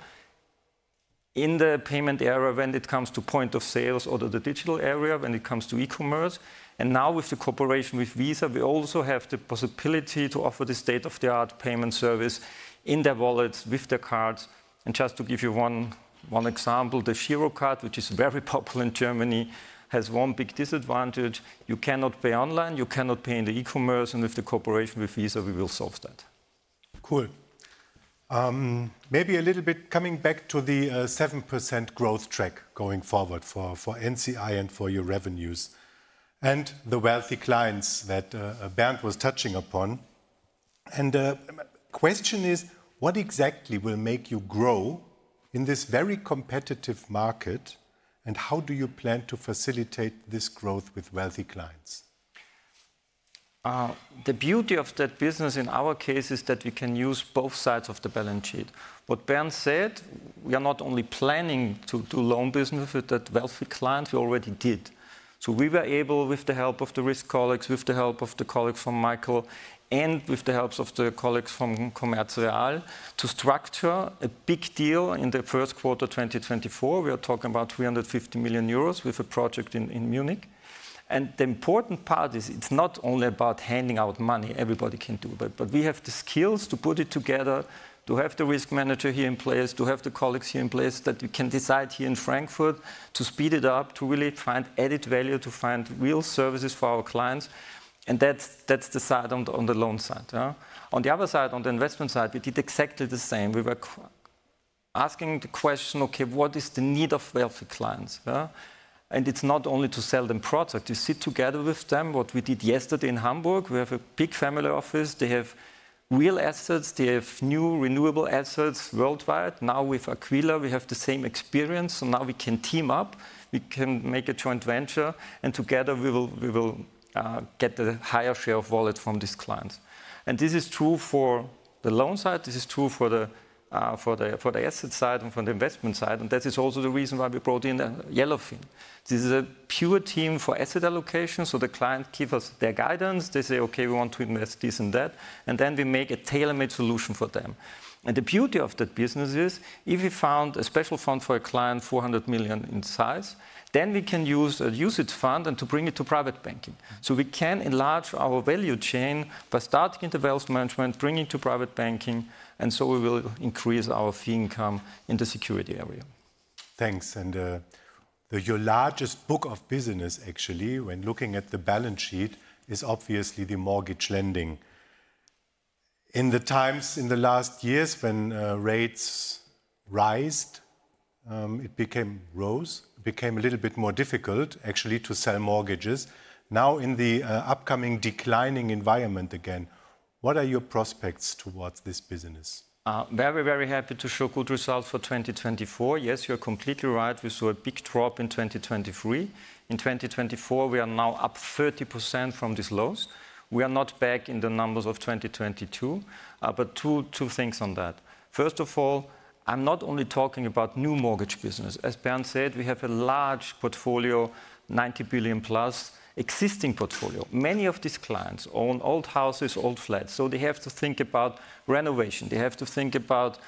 in the payment area when it comes to point of sales or the digital area when it comes to e-commerce. And now with the cooperation with Visa, we also have the possibility to offer the state-of-the-art payment service in their wallets with their cards. And just to give you one example, the Girocard, which is very popular in Germany, has one big disadvantage. You cannot pay online. You cannot pay in the e-commerce. And with the cooperation with Visa, we will solve that.
Cool. Maybe a little bit coming back to the 7% growth track going forward for NCI and for your revenues and the wealthy clients that Bernd was touching upon. And the question is, what exactly will make you grow in this very competitive market? And how do you plan to facilitate this growth with wealthy clients?
The beauty of that business in our case is that we can use both sides of the balance sheet. What Bernd said, we are not only planning to do loan business with that wealthy client. We already did. So we were able, with the help of the risk colleagues, with the help of the colleagues from Michael, and with the help of the colleagues from Commerz Real, to structure a big deal in the first quarter 2024. We are talking about 350 million euros with a project in Munich. And the important part is it's not only about handing out money. Everybody can do it. But we have the skills to put it together, to have the risk manager here in place, to have the colleagues here in place that we can decide here in Frankfurt to speed it up, to really find added value, to find real services for our clients. And that's the side on the loan side. On the other side, on the investment side, we did exactly the same. We were asking the question, okay, what is the need of wealthy clients? And it's not only to sell them product. You sit together with them. What we did yesterday in Hamburg, we have a big family office. They have real assets. They have new renewable assets worldwide. Now with Aquila, we have the same experience. So now we can team up. We can make a joint venture. And together, we will get a higher share of wallet from these clients. And this is true for the loan side. This is true for the asset side and for the investment side. And that is also the reason why we brought in Yellowfin. This is a pure team for asset allocation. So the client gives us their guidance. They say, okay, we want to invest this and that. And then we make a tailor-made solution for them. And the beauty of that business is if we found a special fund for a client, 400 million in size, then we can use a usage fund and bring it to private banking. So we can enlarge our value chain by starting in the wealth management, bringing to private banking. We will increase our fee income in the securities area.
Thanks. Your largest book of business, actually, when looking at the balance sheet, is obviously the mortgage lending. In the times in the last years when rates rose, it became a little bit more difficult, actually, to sell mortgages. Now, in the upcoming declining environment again, what are your prospects towards this business?
Very, very happy to show good results for 2024. Yes, you're completely right. We saw a big drop in 2023. In 2024, we are now up 30% from these lows. We are not back in the numbers of 2022. Two things on that. First of all, I'm not only talking about new mortgage business. As Bernd said, we have a large portfolio, 90 billion-plus, existing portfolio. Many of these clients own old houses, old flats. So they have to think about renovation. They have to think about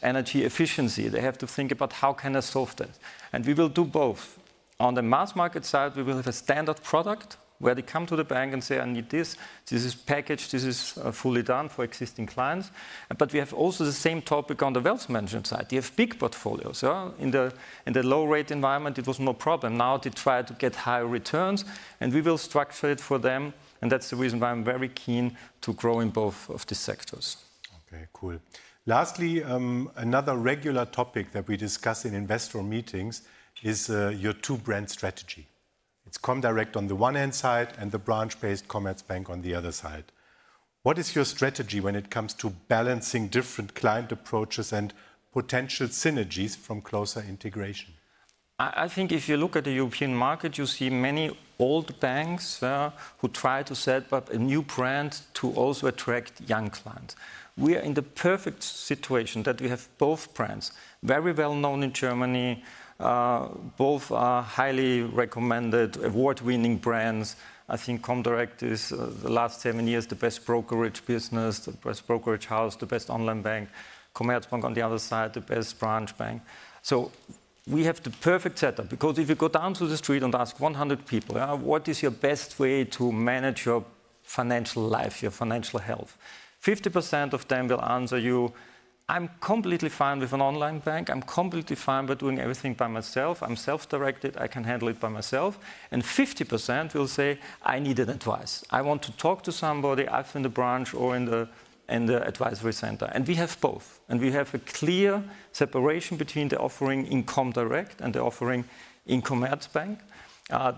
energy efficiency. They have to think about how can I solve that? And we will do both. On the mass market side, we will have a standard product where they come to the bank and say, I need this. This is packaged. This is fully done for existing clients. But we have also the same topic on the wealth management side. They have big portfolios. In the low-rate environment, it was no problem. Now they try to get higher returns. And we will structure it for them. And that's the reason why I'm very keen to grow in both of these sectors.
Okay, cool. Lastly, another regular topic that we discuss in investor meetings is your two-brand strategy. It's Comdirect on the one hand side and the branch-based Commerzbank on the other side. What is your strategy when it comes to balancing different client approaches and potential synergies from closer integration?
I think if you look at the European market, you see many old banks who try to set up a new brand to also attract young clients. We are in the perfect situation that we have both brands, very well known in Germany, both highly recommended, award-winning brands. I think Comdirect is, the last seven years, the best brokerage business, the best brokerage house, the best online bank, Commerzbank on the other side, the best branch bank. So we have the perfect setup because if you go down to the street and ask 100 people, what is your best way to manage your financial life, your financial health? 50% of them will answer you, I'm completely fine with an online bank. I'm completely fine by doing everything by myself. I'm self-directed. I can handle it by myself, and 50% will say, I need an advice. I want to talk to somebody either in the branch or in the advisory center, and we have both. We have a clear separation between the offering in Comdirect and the offering in Commerzbank.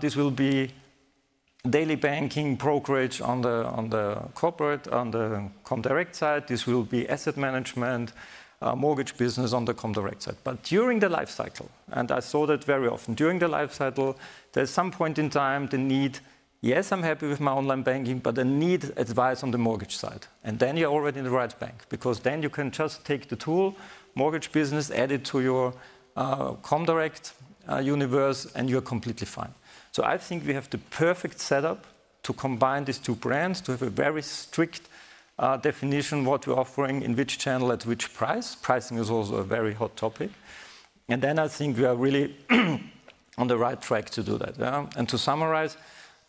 This will be daily banking, brokerage on the corporate, on the Comdirect side. This will be asset management, mortgage business on the Comdirect side. During the life cycle, and I saw that very often, during the life cycle, there's some point in time the need. Yes, I'm happy with my online banking, but I need advice on the mortgage side, and then you're already in the right bank because then you can just take the tool, mortgage business, add it to your Comdirect universe, and you're completely fine. I think we have the perfect setup to combine these two brands, to have a very strict definition of what we're offering, in which channel, at which price. Pricing is also a very hot topic. Then I think we are really on the right track to do that. To summarize,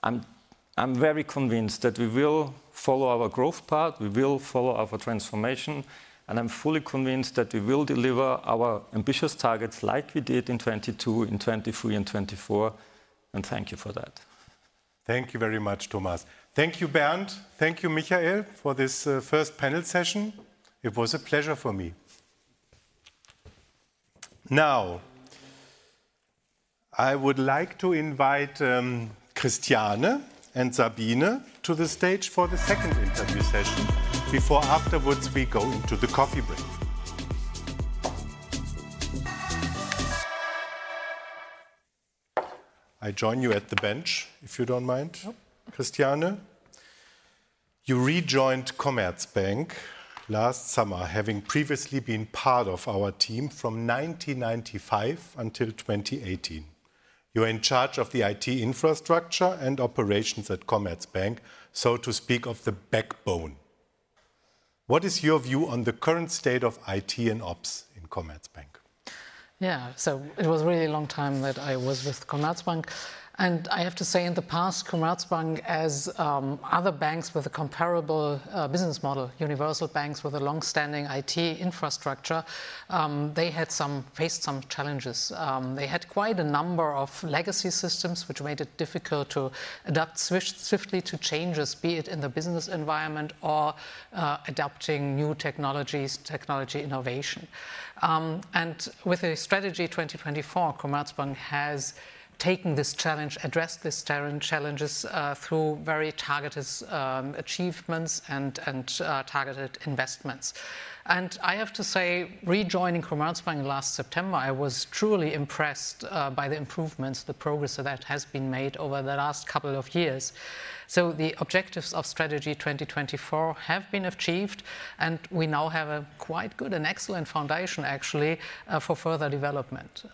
I'm very convinced that we will follow our growth path. We will follow our transformation. I'm fully convinced that we will deliver our ambitious targets like we did in 2022, in 2023, and 2024. Thank you for that.
Thank you very much, Thomas. Thank you, Bernd. Thank you, Michael, for this first panel session. It was a pleasure for me. Now, I would like to invite Christiane and Sabine to the stage for the second interview session before afterwards we go into the coffee break. I join you at the bench, if you don't mind. Christiane, you rejoined Commerzbank last summer, having previously been part of our team from 1995 until 2018. You are in charge of the IT infrastructure and operations at Commerzbank, so to speak, of the backbone. What is your view on the current state of IT and ops in Commerzbank?
Yeah, so it was a really long time that I was with Commerzbank. And I have to say in the past, Commerzbank, as other banks with a comparable business model, universal banks with a long-standing IT infrastructure, they had faced some challenges. They had quite a number of legacy systems, which made it difficult to adapt swiftly to changes, be it in the business environment or adapting new technologies, technology innovation. And with a Strategy 2024, Commerzbank has taken this challenge, addressed these challenges through very targeted achievements and targeted investments. I have to say, rejoining Commerzbank last September, I was truly impressed by the improvements, the progress that has been made over the last couple of years. The objectives of Strategy 2024 have been achieved, and we now have a quite good and excellent foundation, actually, for further development.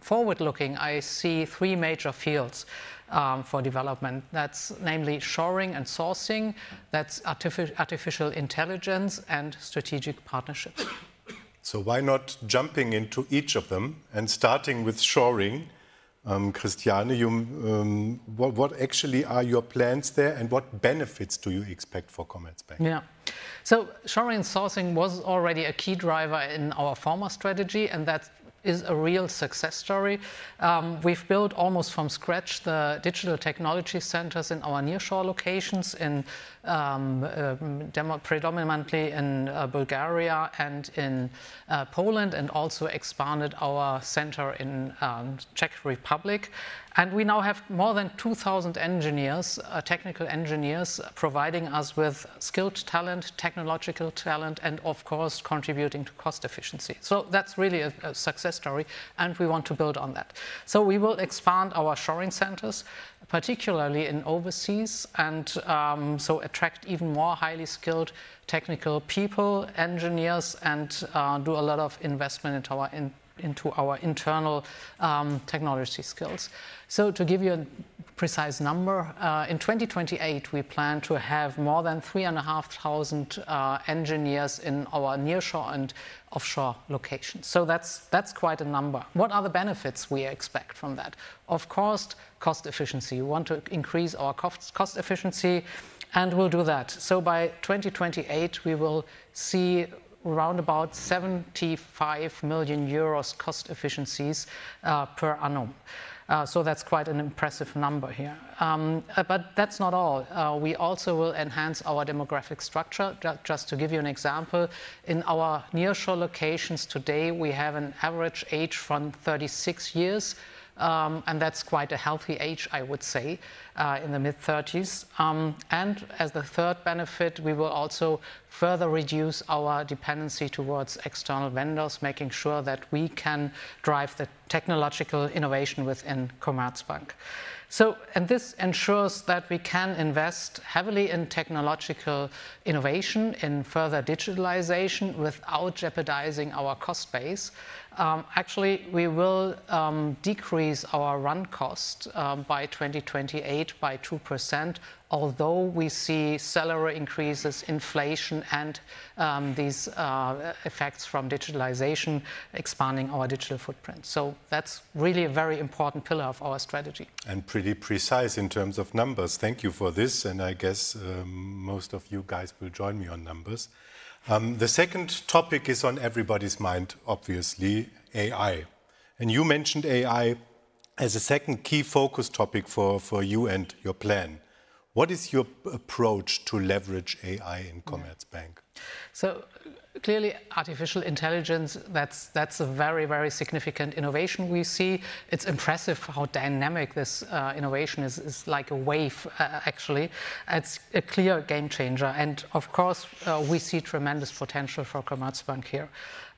Forward-looking, I see three major fields for development. That's namely shoring and sourcing. That's artificial intelligence and strategic partnerships.
Why not jumping into each of them and starting with shoring? Christiane, what actually are your plans there and what benefits do you expect for Commerzbank?
Yeah, shoring and sourcing was already a key driver in our former strategy, and that is a real success story. We've built almost from scratch the digital technology centers in our nearshore locations, predominantly in Bulgaria and in Poland, and also expanded our center in the Czech Republic. We now have more than 2,000 engineers, technical engineers, providing us with skilled talent, technological talent, and of course, contributing to cost efficiency. So that's really a success story, and we want to build on that. So we will expand our shoring centers, particularly in overseas, and so attract even more highly skilled technical people, engineers, and do a lot of investment into our internal technology skills. So to give you a precise number, in 2028, we plan to have more than 3,500 engineers in our nearshore and offshore locations. So that's quite a number. What are the benefits we expect from that? Of course, cost efficiency. We want to increase our cost efficiency, and we'll do that. So by 2028, we will see around about 75 million euros cost efficiencies per annum. So that's quite an impressive number here. But that's not all. We also will enhance our demographic structure. Just to give you an example, in our nearshore locations today, we have an average age from 36 years, and that's quite a healthy age, I would say, in the mid-30s. And as the third benefit, we will also further reduce our dependency towards external vendors, making sure that we can drive the technological innovation within Commerzbank. And this ensures that we can invest heavily in technological innovation, in further digitalization without jeopardizing our cost base. Actually, we will decrease our run cost by 2028 by 2%, although we see salary increases, inflation, and these effects from digitalization expanding our digital footprint. So that's really a very important pillar of our strategy.
And pretty precise in terms of numbers. Thank you for this. And I guess most of you guys will join me on numbers. The second topic is on everybody's mind, obviously, AI. And you mentioned AI as a second key focus topic for you and your plan. What is your approach to leverage AI in Commerzbank?
So clearly, artificial intelligence, that's a very, very significant innovation we see. It's impressive how dynamic this innovation is. It's like a wave, actually. It's a clear game changer. And of course, we see tremendous potential for Commerzbank here.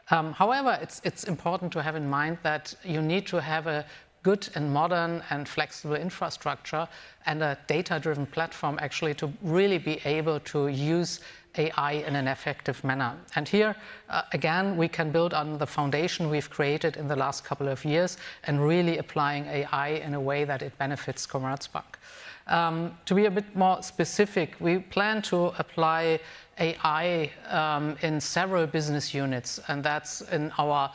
However, it's important to have in mind that you need to have a good and modern and flexible infrastructure and a data-driven platform, actually, to really be able to use AI in an effective manner. And here, again, we can build on the foundation we've created in the last couple of years and really apply AI in a way that it benefits Commerzbank. To be a bit more specific, we plan to apply AI in several business units, and that's in our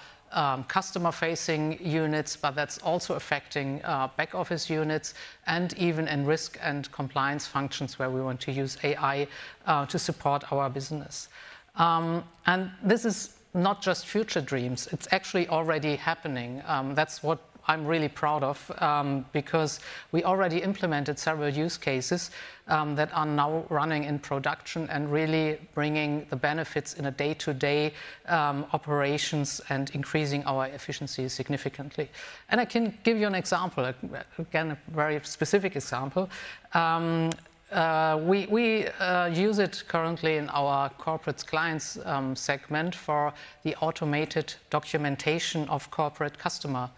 customer-facing units, but that's also affecting back office units and even in risk and compliance functions where we want to use AI to support our business. And this is not just future dreams. It's actually already happening. That's what I'm really proud of because we already implemented several use cases that are now running in production and really bringing the benefits in a day-to-day operations and increasing our efficiency significantly. And I can give you an example, again, a very specific example. We use it currently in our Corporate Clients segment for the automated documentation of corporate customer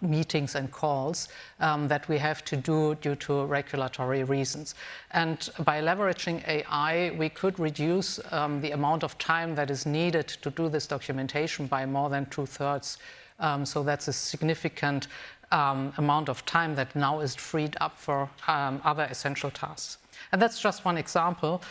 meetings and calls that we have to do due to regulatory reasons. And by leveraging AI, we could reduce the amount of time that is needed to do this documentation by more than two-thirds. So that's a significant amount of time that now is freed up for other essential tasks. And that's just one example.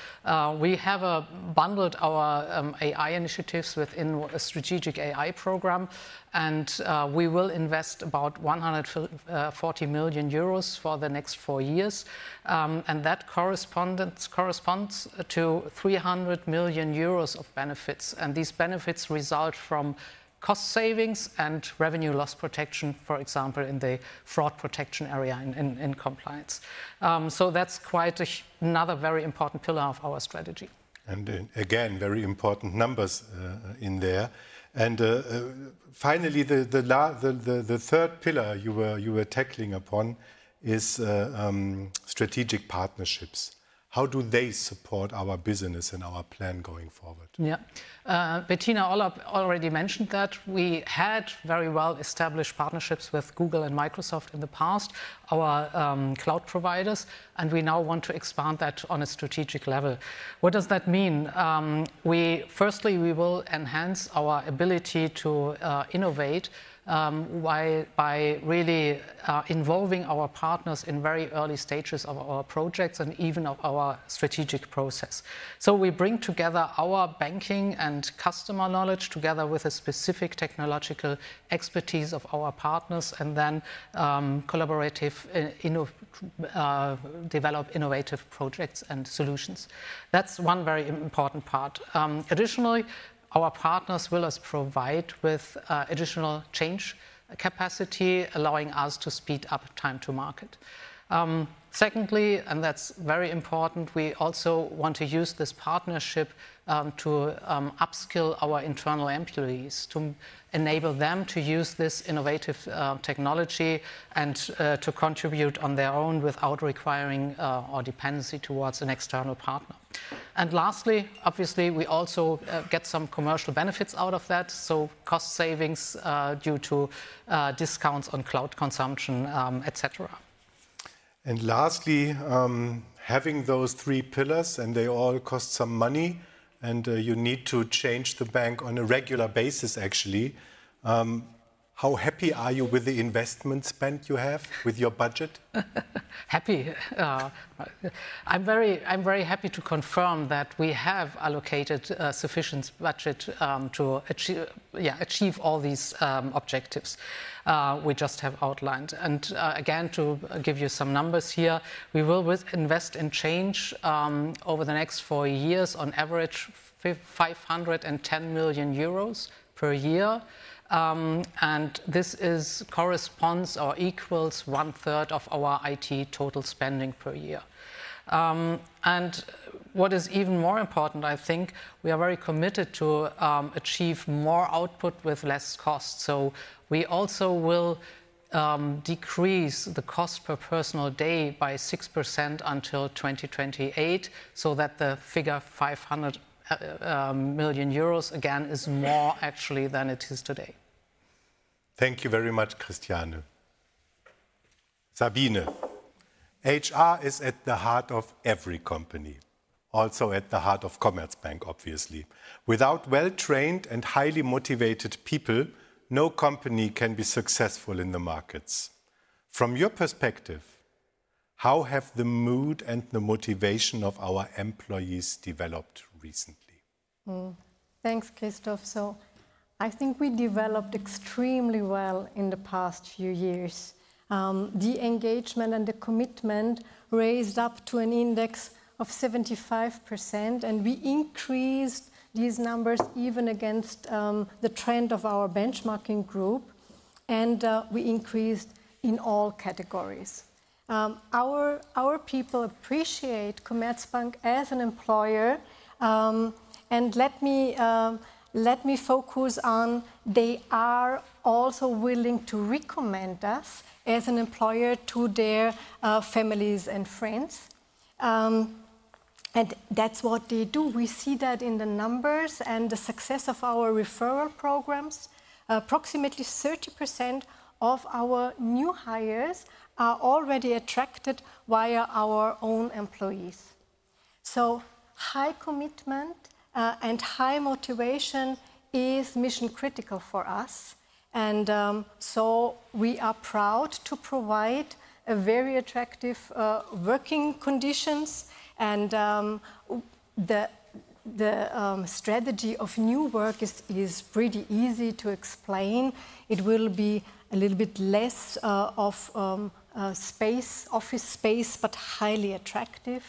We have bundled our AI initiatives within a strategic AI program, and we will invest about 140 million euros for the next four years. And that corresponds to 300 million euros of benefits. And these benefits result from cost savings and revenue loss protection, for example, in the fraud protection area in compliance. So that's quite another very important pillar of our strategy.
And again, very important numbers in there. And finally, the third pillar you were tackling upon is strategic partnerships. How do they support our business and our plan going forward?
Yeah, Bettina already mentioned that we had very well-established partnerships with Google and Microsoft in the past, our cloud providers, and we now want to expand that on a strategic level. What does that mean? Firstly, we will enhance our ability to innovate by really involving our partners in very early stages of our projects and even of our strategic process. So we bring together our banking and customer knowledge together with a specific technological expertise of our partners and then collaboratively develop innovative projects and solutions. That's one very important part. Additionally, our partners will provide with additional change capacity, allowing us to speed up time to market. Secondly, and that's very important, we also want to use this partnership to upskill our internal employees to enable them to use this innovative technology and to contribute on their own without requiring our dependency towards an external partner. And lastly, obviously, we also get some commercial benefits out of that, so cost savings due to discounts on cloud consumption, etc.
And lastly, having those three pillars, and they all cost some money, and you need to change the bank on a regular basis. Actually, how happy are you with the investment spend you have with your budget?
Happy. I'm very happy to confirm that we have allocated a sufficient budget to achieve all these objectives we just have outlined. And again, to give you some numbers here, we will invest in change over the next four years on average 510 million euros per year. And this corresponds or equals one-third of our IT total spending per year. And what is even more important, I think, we are very committed to achieve more output with less cost. So we also will decrease the cost per personal day by 6% until 2028 so that the figure 500 million euros, again, is more actually than it is today.
Thank you very much, Christiane. Sabine, HR is at the heart of every company, also at the heart of Commerzbank, obviously. Without well-trained and highly motivated people, no company can be successful in the markets. From your perspective, how have the mood and the motivation of our employees developed recently?
Thanks, Christoph. So I think we developed extremely well in the past few years. The engagement and the commitment raised up to an index of 75%, and we increased these numbers even against the trend of our benchmarking group, and we increased in all categories. Our people appreciate Commerzbank as an employer. Let me focus on they are also willing to recommend us as an employer to their families and friends. That's what they do. We see that in the numbers and the success of our referral programs. Approximately 30% of our new hires are already attracted via our own employees. High commitment and high motivation is mission-critical for us. We are proud to provide very attractive working conditions. The strategy of new work is pretty easy to explain. It will be a little bit less of office space, but highly attractive.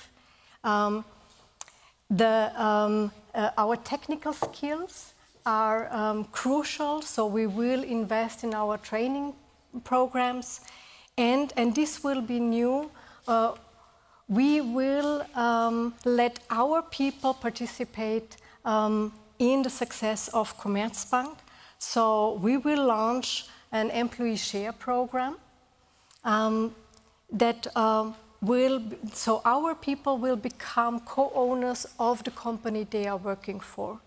Our technical skills are crucial, so we will invest in our training programs. This will be new. We will let our people participate in the success of Commerzbank. We will launch an employee share program that will, so our people will become co-owners of the company they are working for.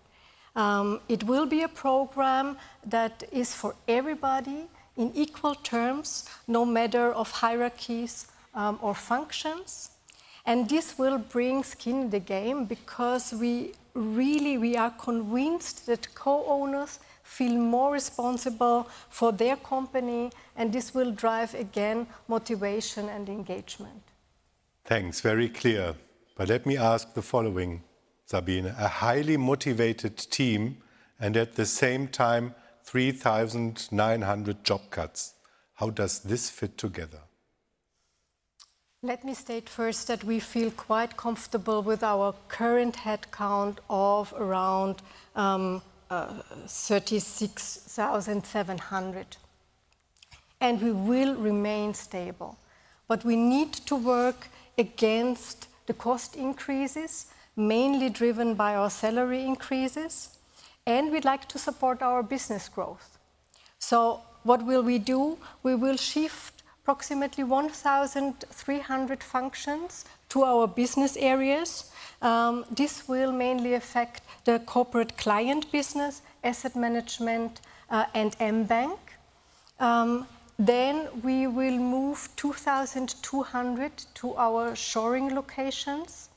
It will be a program that is for everybody in equal terms, no matter of hierarchies or functions, and this will bring skin in the game because we really are convinced that co-owners feel more responsible for their company, and this will drive, again, motivation and engagement.
Thanks. Very clear. But let me ask the following, Sabine. A highly motivated team and at the same time 3,900 job cuts. How does this fit together?
Let me state first that we feel quite comfortable with our current headcount of around 36,700, and we will remain stable. But we need to work against the cost increases, mainly driven by our salary increases, and we'd like to support our business growth. What will we do? We will shift approximately 1,300 functions to our business areas. This will mainly affect the corporate client business, asset management, and mBank. Then we will move 2,200 to our shoring locations.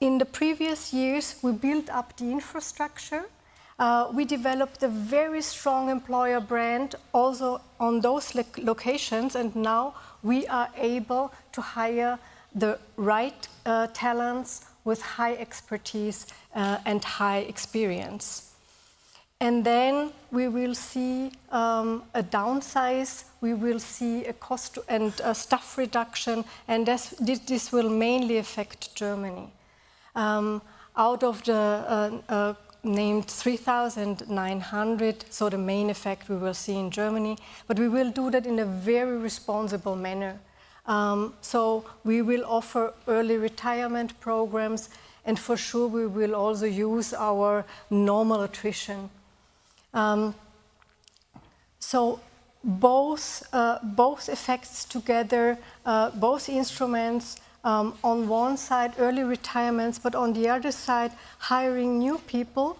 In the previous years, we built up the infrastructure. We developed a very strong employer brand also on those locations, and now we are able to hire the right talents with high expertise and high experience. And then we will see a downsize. We will see a cost and a staff reduction, and this will mainly affect Germany. Out of the named 3,900, so the main effect we will see in Germany, but we will do that in a very responsible manner. So we will offer early retirement programs, and for sure, we will also use our normal attrition. So both effects together, both instruments on one side, early retirements, but on the other side, hiring new people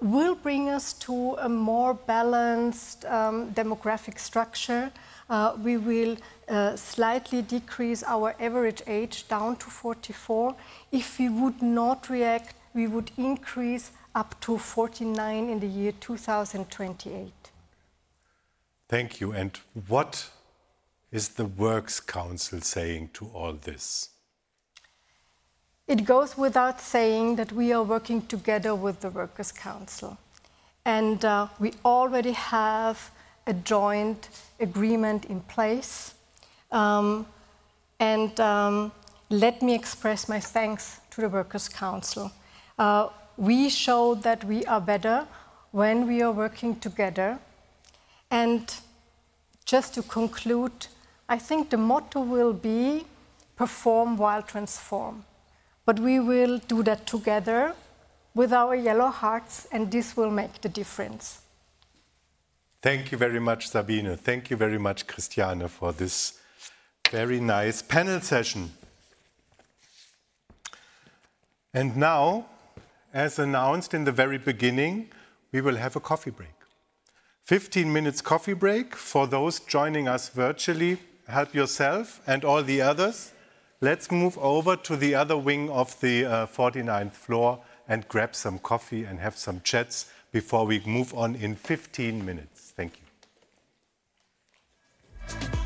will bring us to a more balanced demographic structure. We will slightly decrease our average age down to 44. If we would not react, we would increase up to 49 in the year 2028.
Thank you. And what is the Works Council saying to all this?
It goes without saying that we are working together with the Workers' Council. And we already have a joint agreement in place. And let me express my thanks to the Workers' Council. We showed that we are better when we are working together. And just to conclude, I think the motto will be perform while transform. But we will do that together with our yellow hearts, and this will make the difference.
Thank you very much, Sabine. Thank you very much, Christiane, for this very nice panel session. And now, as announced in the very beginning, we will have a coffee break. 15 minutes coffee break for those joining us virtually. Help yourself and all the others. Let's move over to the other wing of the 49th floor and grab some coffee and have some chats before we move on in 15 minutes. Thank you.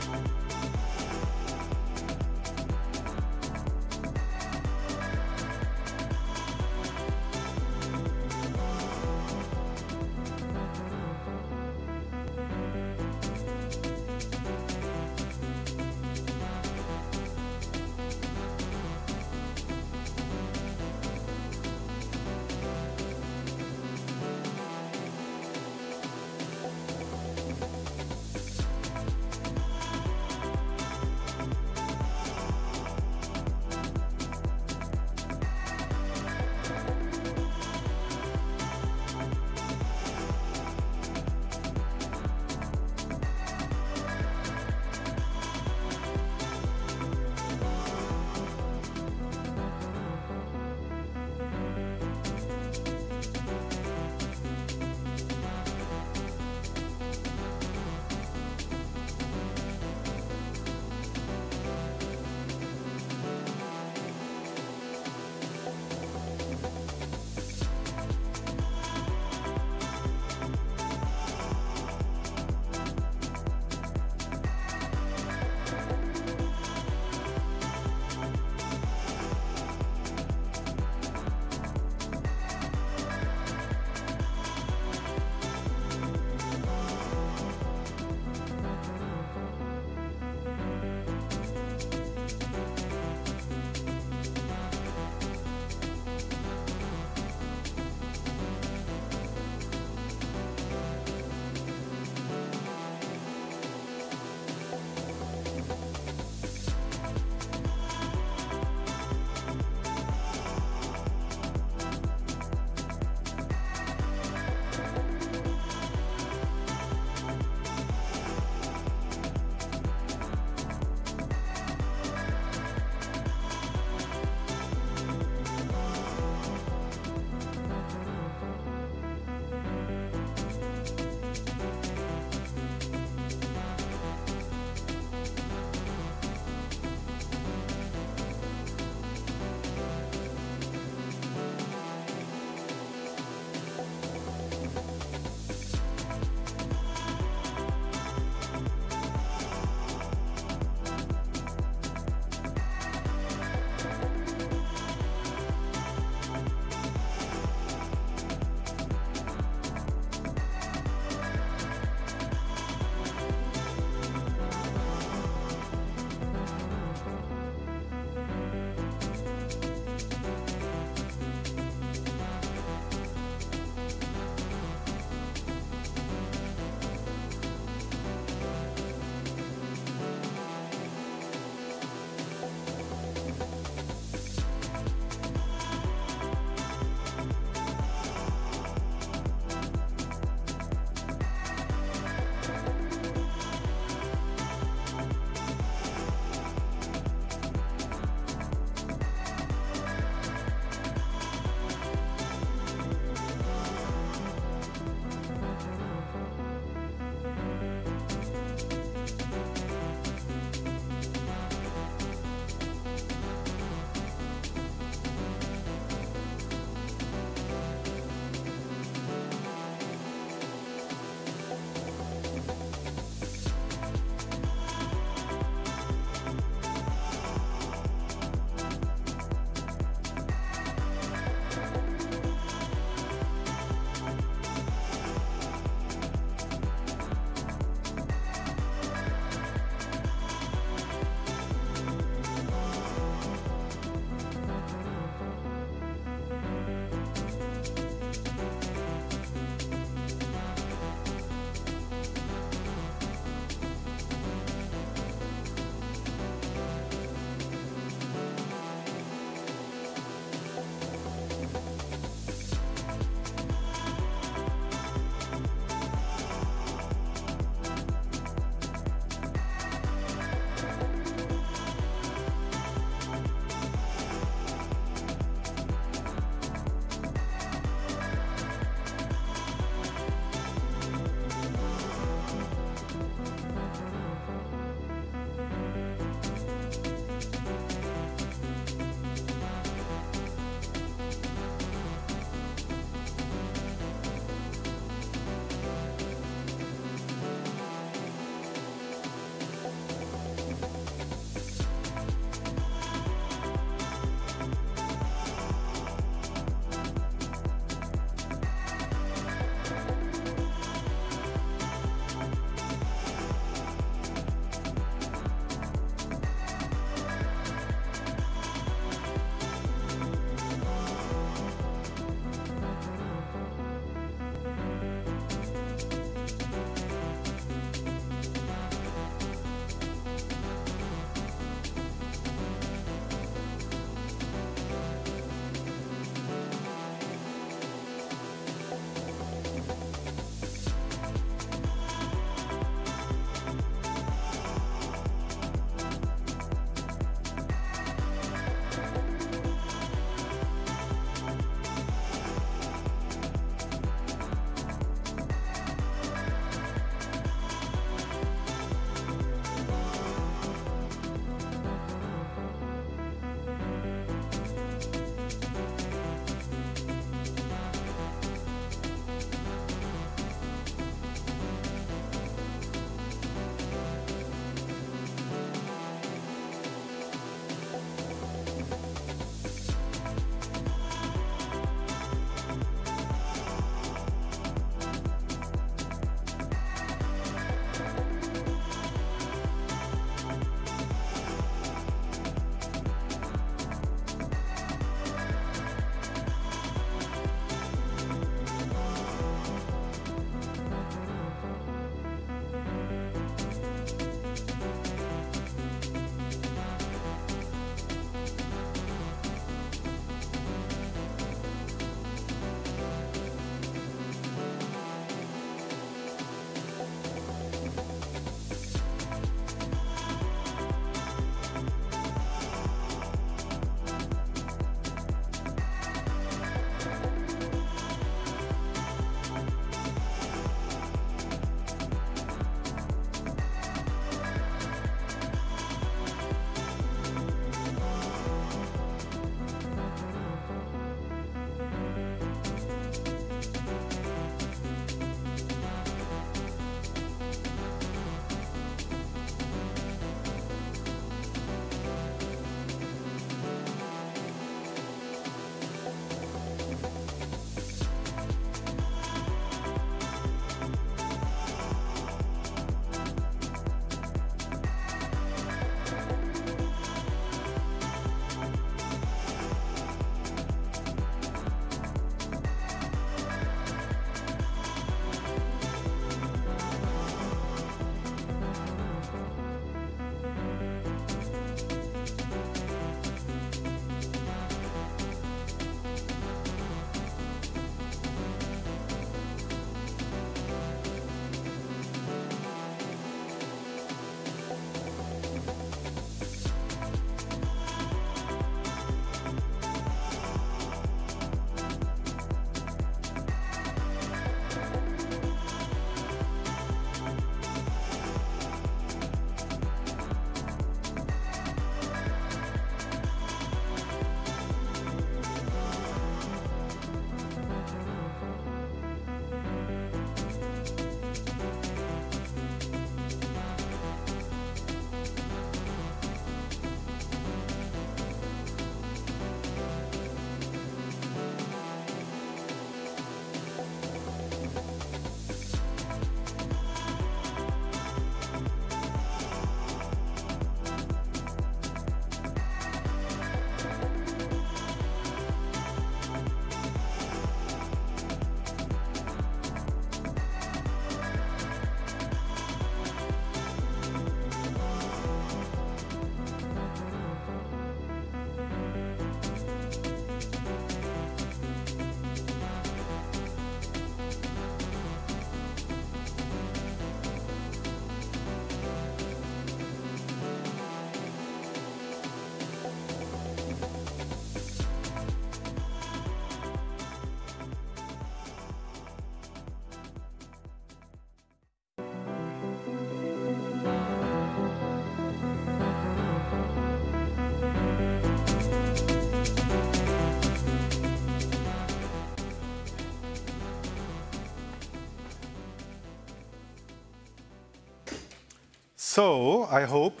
So, I hope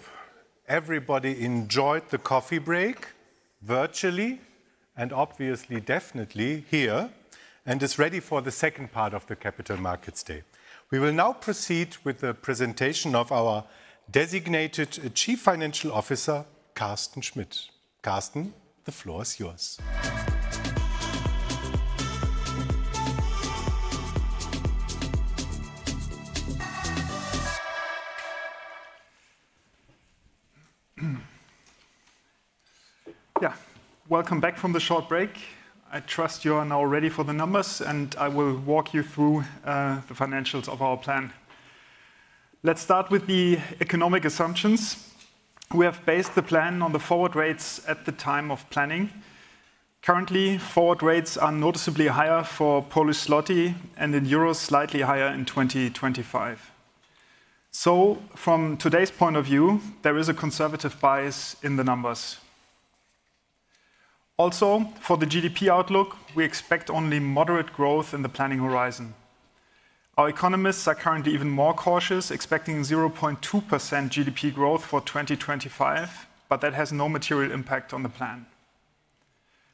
everybody enjoyed the coffee break virtually and obviously, definitely here, and is ready for the second part of the Capital Markets Day. We will now proceed with the presentation of our designated Chief Financial Officer, Carsten Schmitt. Carsten, the floor is yours.
Yeah, welcome back from the short break. I trust you are now ready for the numbers, and I will walk you through the financials of our plan. Let's start with the economic assumptions. We have based the plan on the forward rates at the time of planning. Currently, forward rates are noticeably higher for Polish zloty and in euros slightly higher in 2025. So, from today's point of view, there is a conservative bias in the numbers. Also, for the GDP outlook, we expect only moderate growth in the planning horizon. Our economists are currently even more cautious, expecting 0.2% GDP growth for 2025, but that has no material impact on the plan.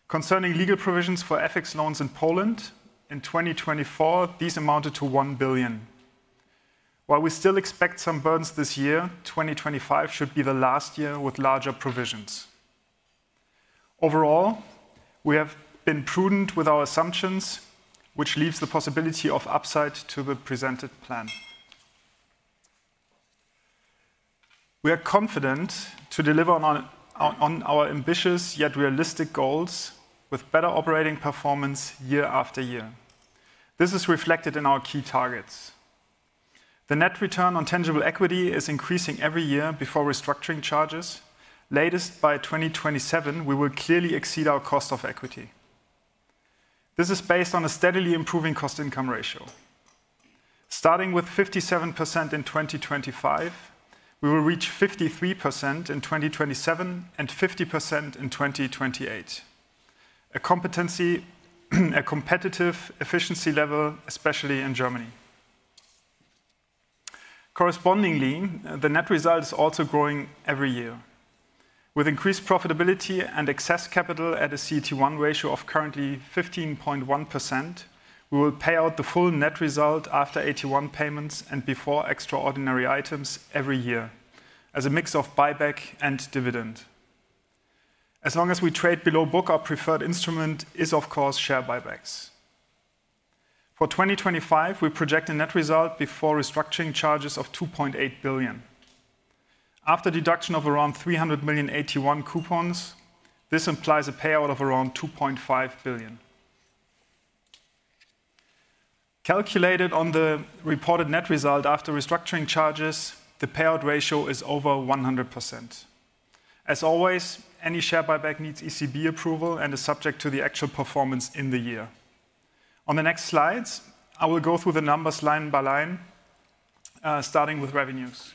Concerning legal provisions for FX loans in Poland, in 2024, these amounted to 1 billion. While we still expect some burdens this year, 2025 should be the last year with larger provisions. Overall, we have been prudent with our assumptions, which leaves the possibility of upside to the presented plan. We are confident to deliver on our ambitious yet realistic goals with better operating performance year after year. This is reflected in our key targets. The net return on tangible equity is increasing every year before restructuring charges. Latest by 2027, we will clearly exceed our cost of equity. This is based on a steadily improving cost-income ratio. Starting with 57% in 2025, we will reach 53% in 2027 and 50% in 2028. A competitive efficiency level, especially in Germany. Correspondingly, the net result is also growing every year. With increased profitability and excess capital at a CET1 ratio of currently 15.1%, we will pay out the full net result after AT1 payments and before extraordinary items every year as a mix of buyback and dividend. As long as we trade below book, our preferred instrument is, of course, share buybacks. For 2025, we project a net result before restructuring charges of 2.8 billion. After deduction of around 381 million coupons, this implies a payout of around 2.5 billion. Calculated on the reported net result after restructuring charges, the payout ratio is over 100%. As always, any share buyback needs ECB approval and is subject to the actual performance in the year. On the next slides, I will go through the numbers line by line, starting with revenues.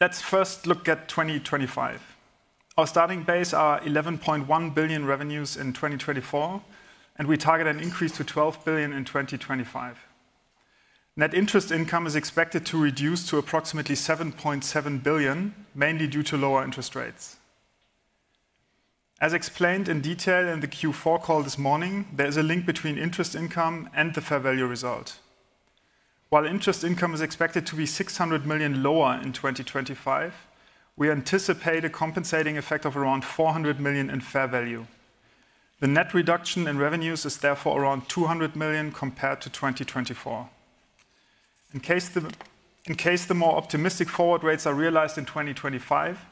Let's first look at 2025. Our starting base is 11.1 billion revenues in 2024, and we target an increase to 12 billion in 2025. Net interest income is expected to reduce to approximately 7.7 billion, mainly due to lower interest rates. As explained in detail in the Q4 call this morning, there is a link between interest income and the fair value result. While interest income is expected to be 600 million lower in 2025, we anticipate a compensating effect of around 400 million in fair value. The net reduction in revenues is therefore around 200 million compared to 2024. In case the more optimistic forward rates are realized in 2025,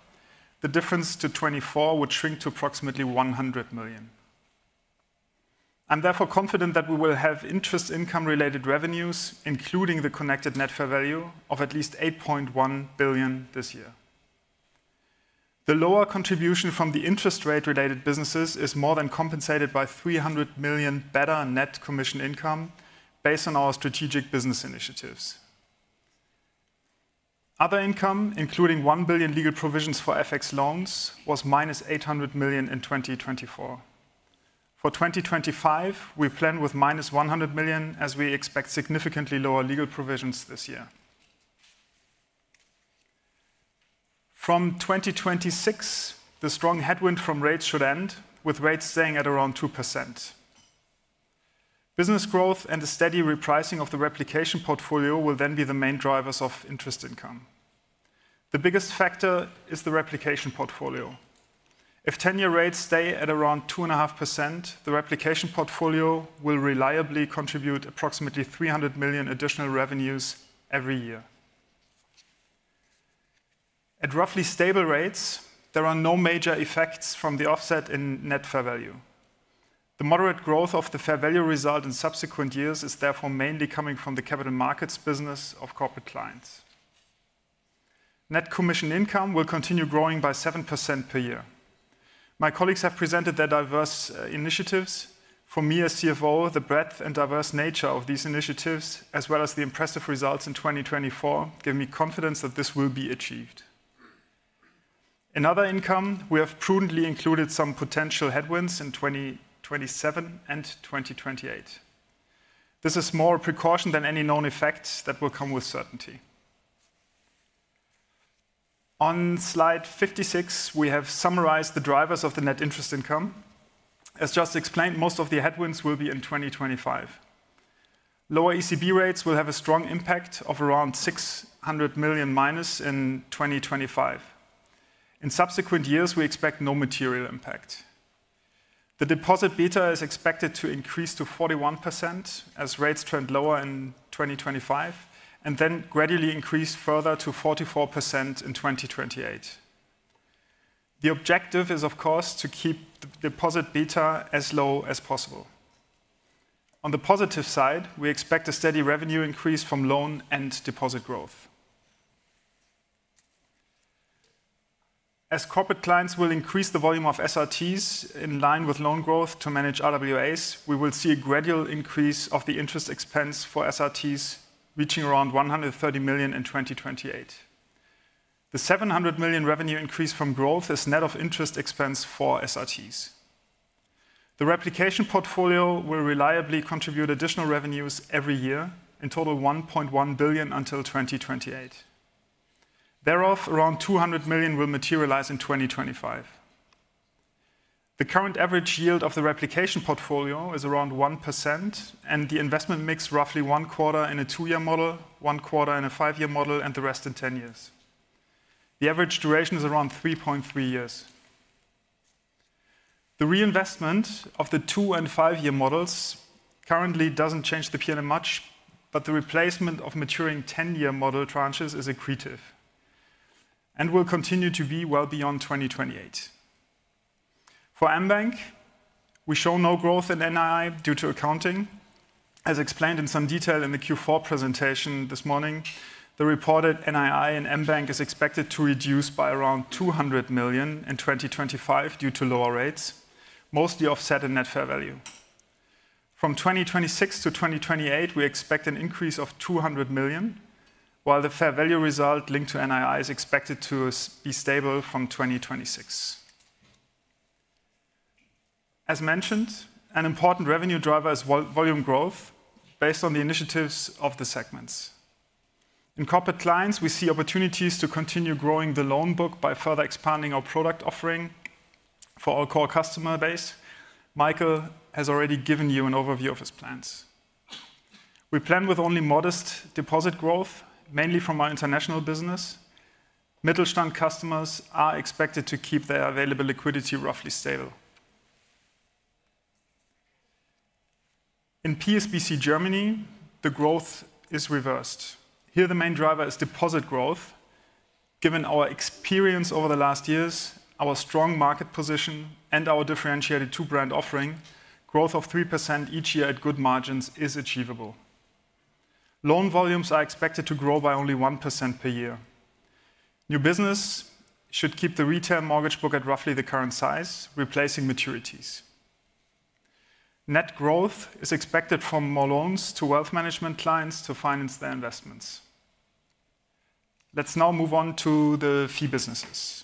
the difference to 2024 would shrink to approximately 100 million. I'm therefore confident that we will have interest income-related revenues, including the connected net fair value of at least 8.1 billion this year. The lower contribution from the interest rate-related businesses is more than compensated by 300 million better net commission income based on our strategic business initiatives. Other income, including 1 billion legal provisions for FX loans, was -800 million in 2024. For 2025, we plan with -100 million as we expect significantly lower legal provisions this year. From 2026, the strong headwind from rates should end, with rates staying at around 2%. Business growth and a steady repricing of the replication portfolio will then be the main drivers of interest income. The biggest factor is the replication portfolio. If 10-year rates stay at around 2.5%, the replication portfolio will reliably contribute approximately 300 million additional revenues every year. At roughly stable rates, there are no major effects from the offset in net fair value. The moderate growth of the fair value result in subsequent years is therefore mainly coming from the capital markets business of corporate clients. Net commission income will continue growing by 7% per year. My colleagues have presented their diverse initiatives. For me as CFO, the breadth and diverse nature of these initiatives, as well as the impressive results in 2024, give me confidence that this will be achieved. In other income, we have prudently included some potential headwinds in 2027 and 2028. This is more a precaution than any known effect that will come with certainty. On slide 56, we have summarized the drivers of the net interest income. As just explained, most of the headwinds will be in 2025. Lower ECB rates will have a strong impact of around 600 million minus in 2025. In subsequent years, we expect no material impact. The deposit beta is expected to increase to 41% as rates trend lower in 2025 and then gradually increase further to 44% in 2028. The objective is, of course, to keep the deposit beta as low as possible. On the positive side, we expect a steady revenue increase from loan and deposit growth. As corporate clients will increase the volume of SRTs in line with loan growth to manage RWAs, we will see a gradual increase of the interest expense for SRTs reaching around 130 million in 2028. The 700 million revenue increase from growth is net of interest expense for SRTs. The replication portfolio will reliably contribute additional revenues every year in total 1.1 billion until 2028. Thereof, around 200 million will materialize in 2025. The current average yield of the replication portfolio is around 1%, and the investment mix roughly one quarter in a two-year model, one quarter in a five-year model, and the rest in 10 years. The average duration is around 3.3 years. The reinvestment of the two- and five-year models currently doesn't change the P&L much, but the replacement of maturing 10-year model tranches is accretive and will continue to be well beyond 2028. For mBank, we show no growth in NII due to accounting. As explained in some detail in the Q4 presentation this morning, the reported NII in mBank is expected to reduce by around 200 million in 2025 due to lower rates, mostly offset in net fair value. From 2026 to 2028, we expect an increase of 200 million, while the fair value result linked to NII is expected to be stable from 2026. As mentioned, an important revenue driver is volume growth based on the initiatives of the segments. In corporate clients, we see opportunities to continue growing the loan book by further expanding our product offering for our core customer base. Michael has already given you an overview of his plans. We plan with only modest deposit growth, mainly from our international business. Mittelstand customers are expected to keep their available liquidity roughly stable. In PSBC Germany, the growth is reversed. Here, the main driver is deposit growth. Given our experience over the last years, our strong market position, and our differentiated two-brand offering, growth of 3% each year at good margins is achievable. Loan volumes are expected to grow by only 1% per year. New business should keep the retail mortgage book at roughly the current size, replacing maturities. Net growth is expected from more loans to wealth management clients to finance their investments. Let's now move on to the fee businesses.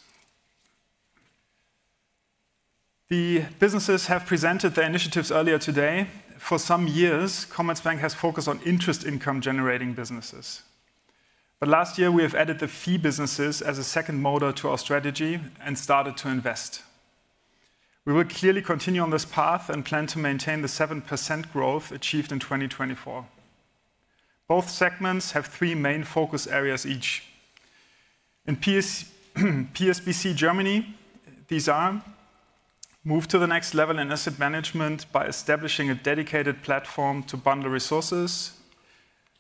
The businesses have presented their initiatives earlier today. For some years, Commerzbank has focused on interest income-generating businesses. But last year, we have added the fee businesses as a second motor to our strategy and started to invest. We will clearly continue on this path and plan to maintain the 7% growth achieved in 2024. Both segments have three main focus areas each. In PSBC Germany, these are: move to the next level in asset management by establishing a dedicated platform to bundle resources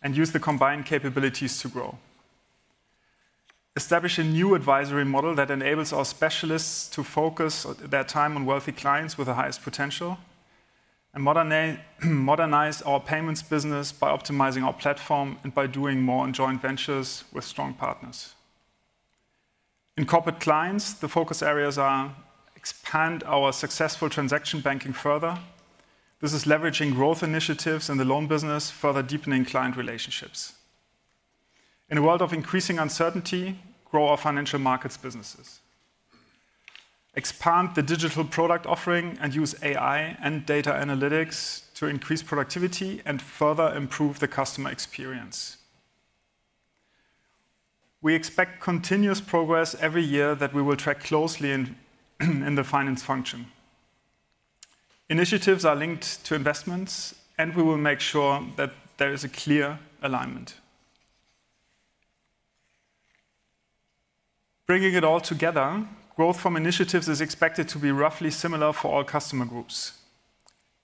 and use the combined capabilities to grow. Establish a new advisory model that enables our specialists to focus their time on wealthy clients with the highest potential. And modernize our payments business by optimizing our platform and by doing more joint ventures with strong partners. In corporate clients, the focus areas are: expand our successful transaction banking further. This is leveraging growth initiatives in the loan business, further deepening client relationships. In a world of increasing uncertainty, grow our financial markets businesses. Expand the digital product offering and use AI and data analytics to increase productivity and further improve the customer experience. We expect continuous progress every year that we will track closely in the finance function. Initiatives are linked to investments, and we will make sure that there is a clear alignment. Bringing it all together, growth from initiatives is expected to be roughly similar for all customer groups.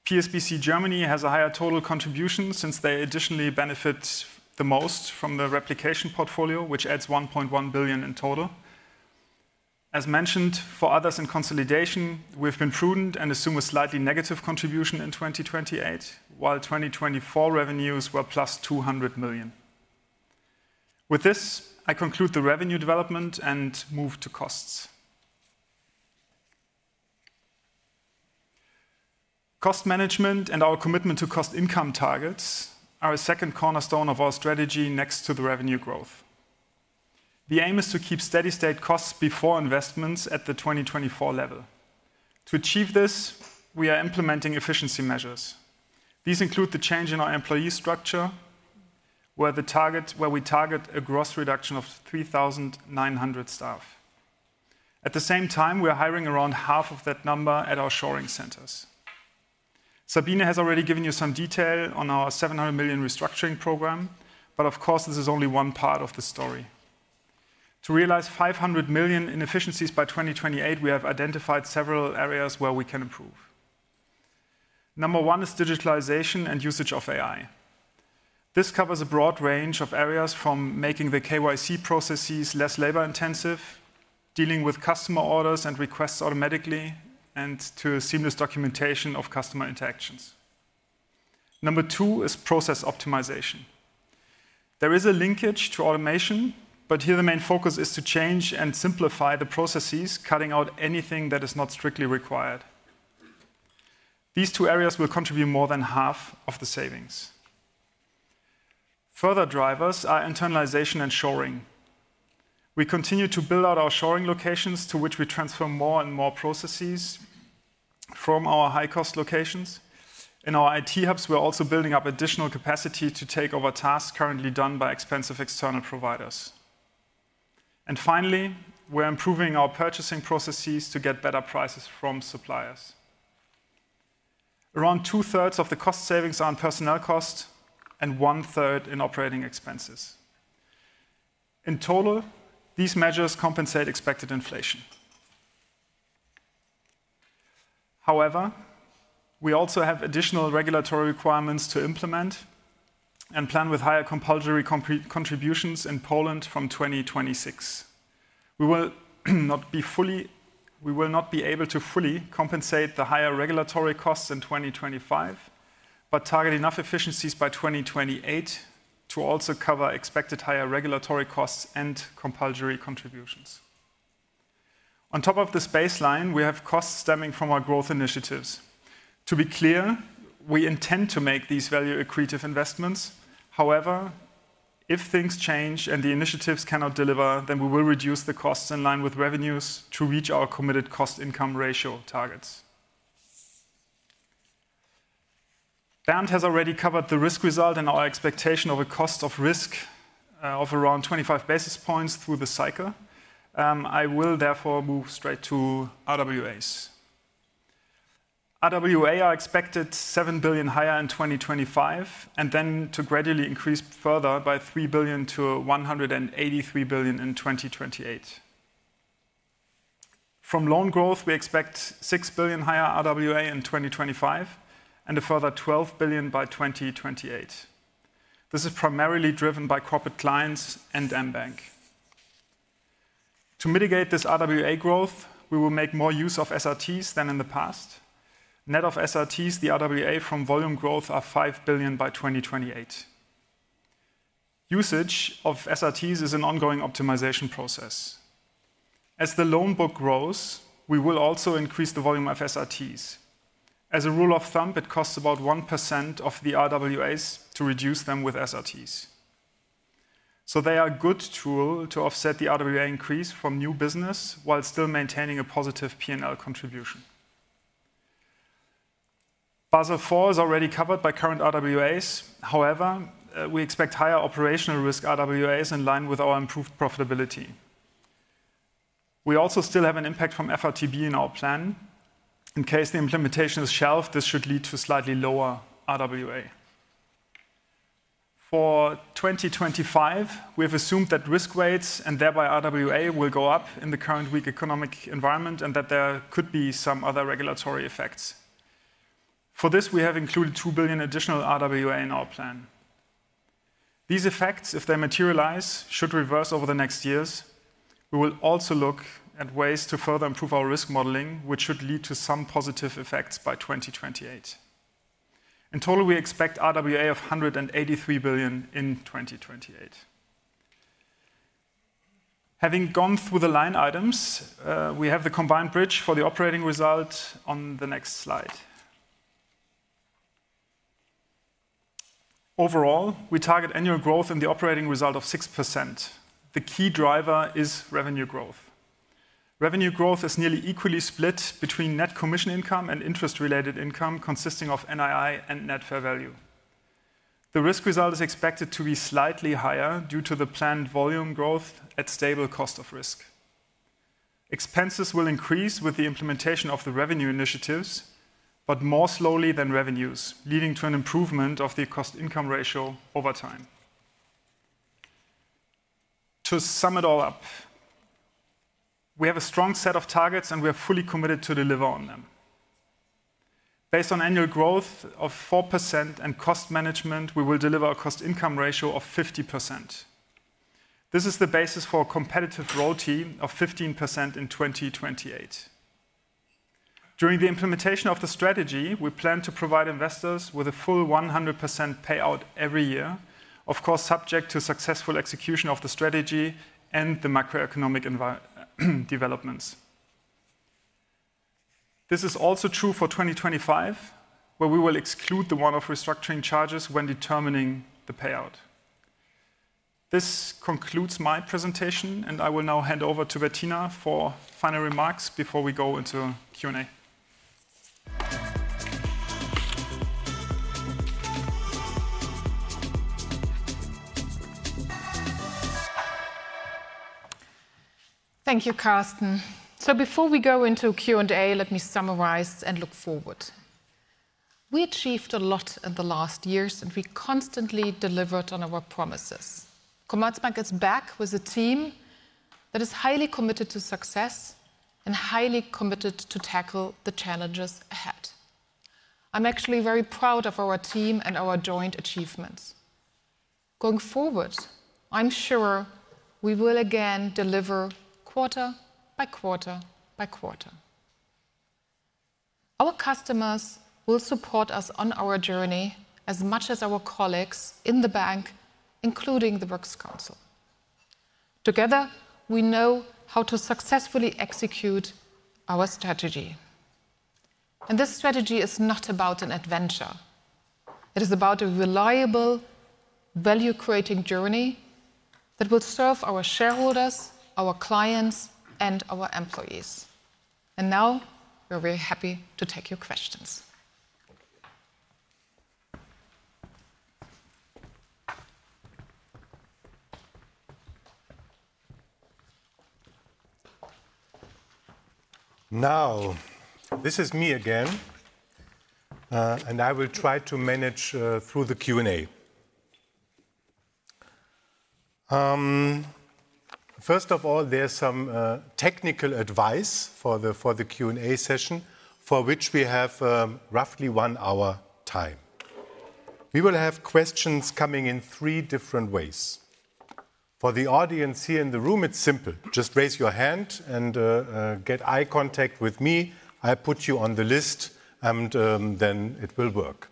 PSBC Germany has a higher total contribution since they additionally benefit the most from the replication portfolio, which adds 1.1 billion in total. As mentioned, for others in consolidation, we've been prudent and assume a slightly negative contribution in 2028, while 2024 revenues were plus 200 million. With this, I conclude the revenue development and move to costs. Cost management and our commitment to cost income targets are a second cornerstone of our strategy next to the revenue growth. The aim is to keep steady-state costs before investments at the 2024 level. To achieve this, we are implementing efficiency measures. These include the change in our employee structure, where we target a gross reduction of 3,900 staff. At the same time, we are hiring around half of that number at our shoring centers. Sabine has already given you some detail on our 700 million restructuring program, but of course, this is only one part of the story. To realize 500 million in efficiencies by 2028, we have identified several areas where we can improve. Number one is digitalization and usage of AI. This covers a broad range of areas from making the KYC processes less labor-intensive, dealing with customer orders and requests automatically, and to seamless documentation of customer interactions. Number two is process optimization. There is a linkage to automation, but here the main focus is to change and simplify the processes, cutting out anything that is not strictly required. These two areas will contribute more than half of the savings. Further drivers are internalization and shoring. We continue to build out our shoring locations to which we transfer more and more processes from our high-cost locations. In our IT hubs, we're also building up additional capacity to take over tasks currently done by expensive external providers. And finally, we're improving our purchasing processes to get better prices from suppliers. Around two-thirds of the cost savings are on personnel costs and one-third in operating expenses. In total, these measures compensate expected inflation. However, we also have additional regulatory requirements to implement and plan with higher compulsory contributions in Poland from 2026. We will not be fully able to compensate the higher regulatory costs in 2025, but target enough efficiencies by 2028 to also cover expected higher regulatory costs and compulsory contributions. On top of this baseline, we have costs stemming from our growth initiatives. To be clear, we intend to make these value-accretive investments. However, if things change and the initiatives cannot deliver, then we will reduce the costs in line with revenues to reach our committed cost-income ratio targets. Bernd has already covered the risk result and our expectation of a cost of risk of around 25 basis points through the cycle. I will therefore move straight to RWAs. RWA are expected 7 billion higher in 2025 and then to gradually increase further by 3 billion to 183 billion in 2028. From loan growth, we expect 6 billion higher RWA in 2025 and a further 12 billion by 2028. This is primarily driven by corporate clients and mBank. To mitigate this RWA growth, we will make more use of SRTs than in the past. Net of SRTs, the RWA from volume growth are 5 billion by 2028. Usage of SRTs is an ongoing optimization process. As the loan book grows, we will also increase the volume of SRTs. As a rule of thumb, it costs about 1% of the RWAs to reduce them with SRTs. So they are a good tool to offset the RWA increase from new business while still maintaining a positive P&L contribution. Basel IV is already covered by current RWAs. However, we expect higher operational risk RWAs in line with our improved profitability. We also still have an impact from FRTB in our plan. In case the implementation is shelved, this should lead to slightly lower RWA. For 2025, we have assumed that risk rates and thereby RWA will go up in the current weak economic environment and that there could be some other regulatory effects. For this, we have included 2 billion additional RWA in our plan. These effects, if they materialize, should reverse over the next years. We will also look at ways to further improve our risk modeling, which should lead to some positive effects by 2028. In total, we expect RWA of 183 billion in 2028. Having gone through the line items, we have the combined bridge for the operating result on the next slide. Overall, we target annual growth in the operating result of 6%. The key driver is revenue growth. Revenue growth is nearly equally split between net commission income and interest-related income consisting of NII and net fair value. The risk result is expected to be slightly higher due to the planned volume growth at stable cost of risk. Expenses will increase with the implementation of the revenue initiatives, but more slowly than revenues, leading to an improvement of the cost-income ratio over time. To sum it all up, we have a strong set of targets, and we are fully committed to deliver on them. Based on annual growth of 4% and cost management, we will deliver a cost-income ratio of 50%. This is the basis for a competitive RoTE of 15% in 2028. During the implementation of the strategy, we plan to provide investors with a full 100% payout every year, of course subject to successful execution of the strategy and the macroeconomic developments. This is also true for 2025, where we will exclude the one-off restructuring charges when determining the payout. This concludes my presentation, and I will now hand over to Bettina for final remarks before we go into Q&A.
Thank you, Carsten. So before we go into Q&A, let me summarize and look forward. We achieved a lot in the last years, and we constantly delivered on our promises. Commerzbank is back with a team that is highly committed to success and highly committed to tackle the challenges ahead. I'm actually very proud of our team and our joint achievements. Going forward, I'm sure we will again deliver quarter by quarter by quarter. Our customers will support us on our journey as much as our colleagues in the bank, including the Works Council. Together, we know how to successfully execute our strategy. And this strategy is not about an adventure. It is about a reliable value-creating journey that will serve our shareholders, our clients, and our employees. And now we're very happy to take your questions.
Now, this is me again, and I will try to manage through the Q&A. First of all, there's some technical advice for the Q&A session, for which we have roughly one hour time. We will have questions coming in three different ways. For the audience here in the room, it's simple. Just raise your hand and get eye contact with me. I'll put you on the list, and then it will work.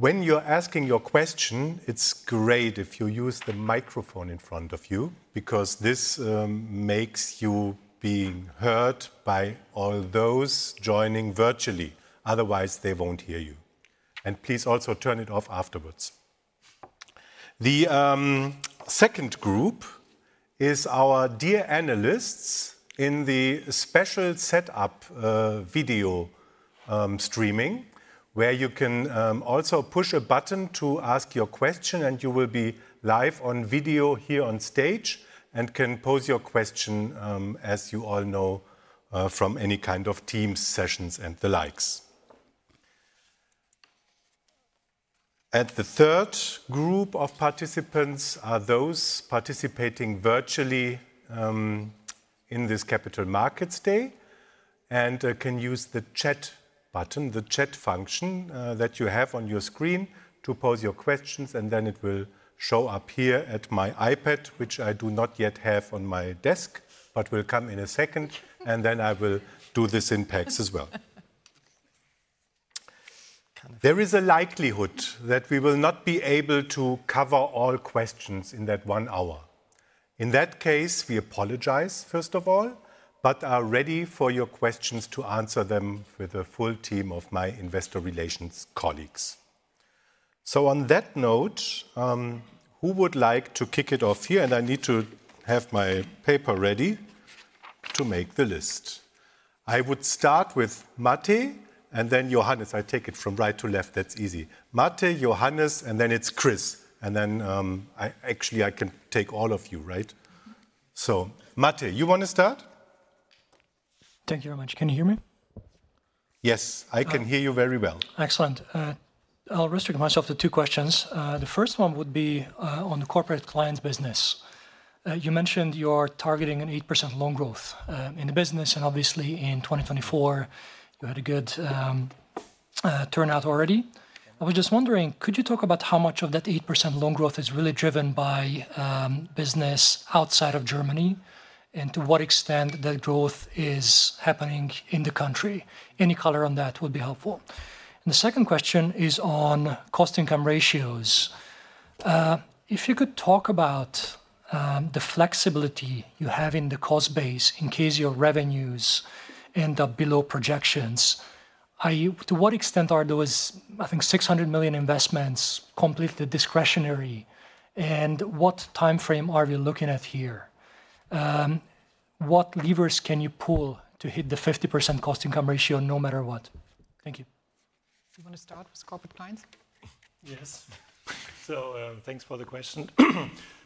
When you're asking your question, it's great if you use the microphone in front of you because this makes you be heard by all those joining virtually. Otherwise, they won't hear you, and please also turn it off afterwards. The second group is our dear analysts in the special setup video streaming, where you can also push a button to ask your question, and you will be live on video here on stage and can pose your question, as you all know, from any kind of Teams sessions and the likes. And the third group of participants are those participating virtually in this Capital Markets Day and can use the chat button, the chat function that you have on your screen to pose your questions, and then it will show up here at my iPad, which I do not yet have on my desk, but will come in a second, and then I will do this in PEX as well. There is a likelihood that we will not be able to cover all questions in that one hour. In that case, we apologize, first of all, but are ready for your questions to answer them with a full team of my investor relations colleagues. So on that note, who would like to kick it off here? And I need to have my paper ready to make the list. I would start with Mate and then Johannes. I take it from right to left. That's easy. Mate, Johannes, and then it's Chris. And then actually, I can take all of you, right? So Mate, you want to start?
Thank you very much. Can you hear me? Yes, I can hear you very well. Excellent. I'll restrict myself to two questions. The first one would be on the corporate client business. You mentioned you're targeting an 8% loan growth in the business, and obviously in 2024, you had a good turnout already. I was just wondering, could you talk about how much of that 8% loan growth is really driven by business outside of Germany and to what extent that growth is happening in the country? Any color on that would be helpful. And the second question is on cost-income ratios. If you could talk about the flexibility you have in the cost base in case your revenues end up below projections, to what extent are those, I think, 600 million investments completely discretionary? And what timeframe are we looking at here? What levers can you pull to hit the 50% cost-income ratio no matter what? Thank you.
Do you want to start with corporate clients?
Yes. So thanks for the question.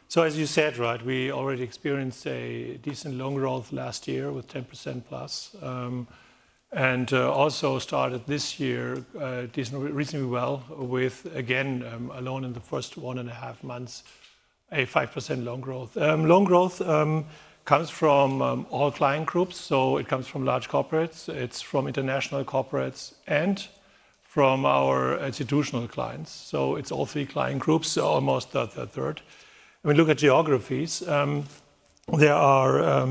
So as you said, right, we already experienced a decent loan growth last year with 10% plus. And also started this year reasonably well with, again, loan in the first one and a half months, a 5% loan growth. Loan growth comes from all client groups, so it comes from large corporates, it's from international corporates, and from our institutional clients. So it's all three client groups, almost a third. When we look at geographies, there are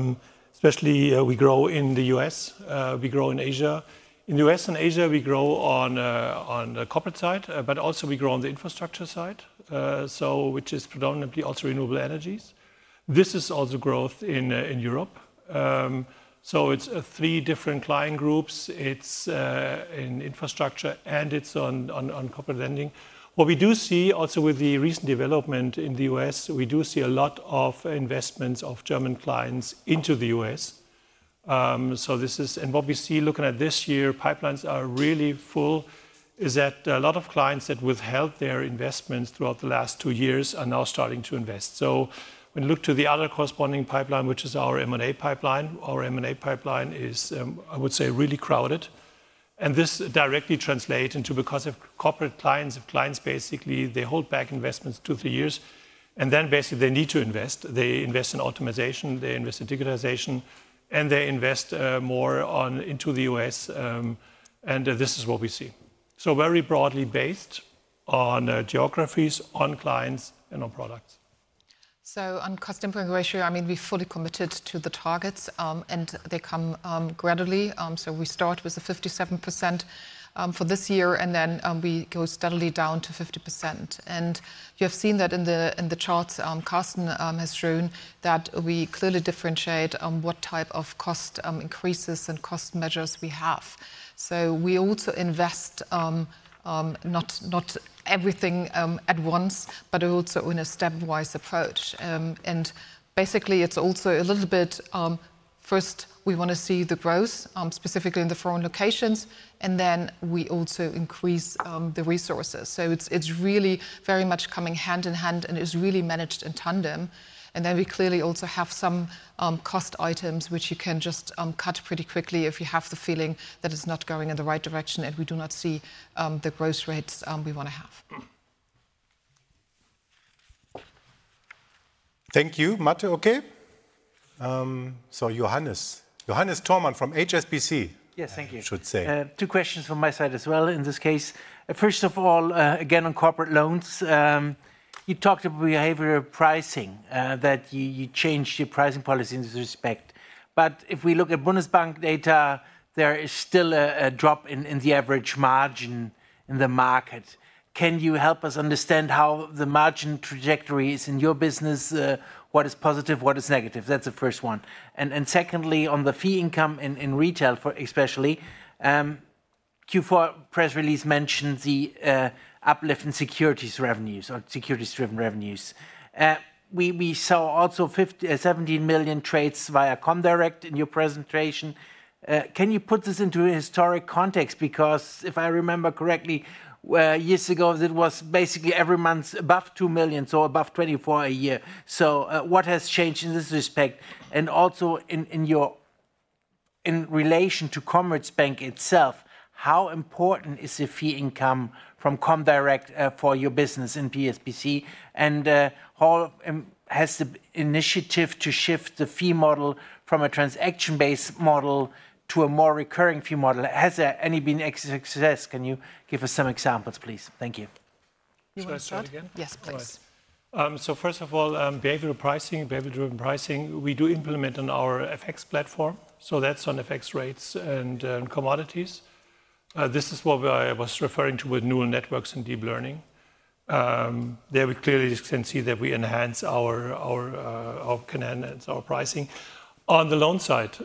especially we grow in the U.S., we grow in Asia. In the U.S. and Asia, we grow on the corporate side, but also we grow on the infrastructure side, which is predominantly also renewable energies. This is also growth in Europe. So it's three different client groups. It's in infrastructure, and it's on corporate lending. What we do see also with the recent development in the U.S., we do see a lot of investments of German clients into the U.S.And what we see looking at this year, pipelines are really full, is that a lot of clients that withheld their investments throughout the last two years are now starting to invest. So when we look to the other corresponding pipeline, which is our M&A pipeline, our M&A pipeline is, I would say, really crowded. This directly translates into, because of corporate clients, clients basically, they hold back investments two to three years, and then basically they need to invest. They invest in optimization, they invest in digitalization, and they invest more into the U.S. And this is what we see. So very broadly based on geographies, on clients, and on products.
So on cost-income ratio, I mean, we're fully committed to the targets, and they come gradually. So we start with the 57% for this year, and then we go steadily down to 50%. And you have seen that in the charts. Carsten has shown that we clearly differentiate what type of cost increases and cost measures we have. So we also invest not everything at once, but also in a stepwise approach. And basically, it's also a little bit first, we want to see the growth specifically in the foreign locations, and then we also increase the resources. So it's really very much coming hand in hand, and it's really managed in tandem. And then we clearly also have some cost items which you can just cut pretty quickly if you have the feeling that it's not going in the right direction, and we do not see the growth rates we want to have.
Thank you. Next, okay. So Johannes. Johannes Thormann from HSBC.
Yes, thank you. Should say two questions from my side as well in this case. First of all, again, on corporate loans, you talked about behavioral pricing, that you changed your pricing policy in this respect. But if we look at Bundesbank data, there is still a drop in the average margin in the market. Can you help us understand how the margin trajectory is in your business? What is positive, what is negative? That's the first one. And secondly, on the fee income in retail, especially, Q4 press release mentioned the uplift in securities revenues or securities-driven revenues. We saw also 17 million trades via Comdirect in your presentation. Can you put this into historic context? Because if I remember correctly, years ago, it was basically every month above two million, so above 24 a year. So what has changed in this respect? And also in relation to Commerzbank itself, how important is the fee income from Comdirect for your business in PSBC? And has the initiative to shift the fee model from a transaction-based model to a more recurring fee model? Has there any been success? Can you give us some examples, please? Thank you.
You want to start again? Yes, please.
So first of all, behavioral pricing, behavior-driven pricing, we do implement on our FX platform. So that's on FX rates and commodities. This is what I was referring to with neural networks and deep learning. There we clearly can see that we enhance our pricing. On the loan side,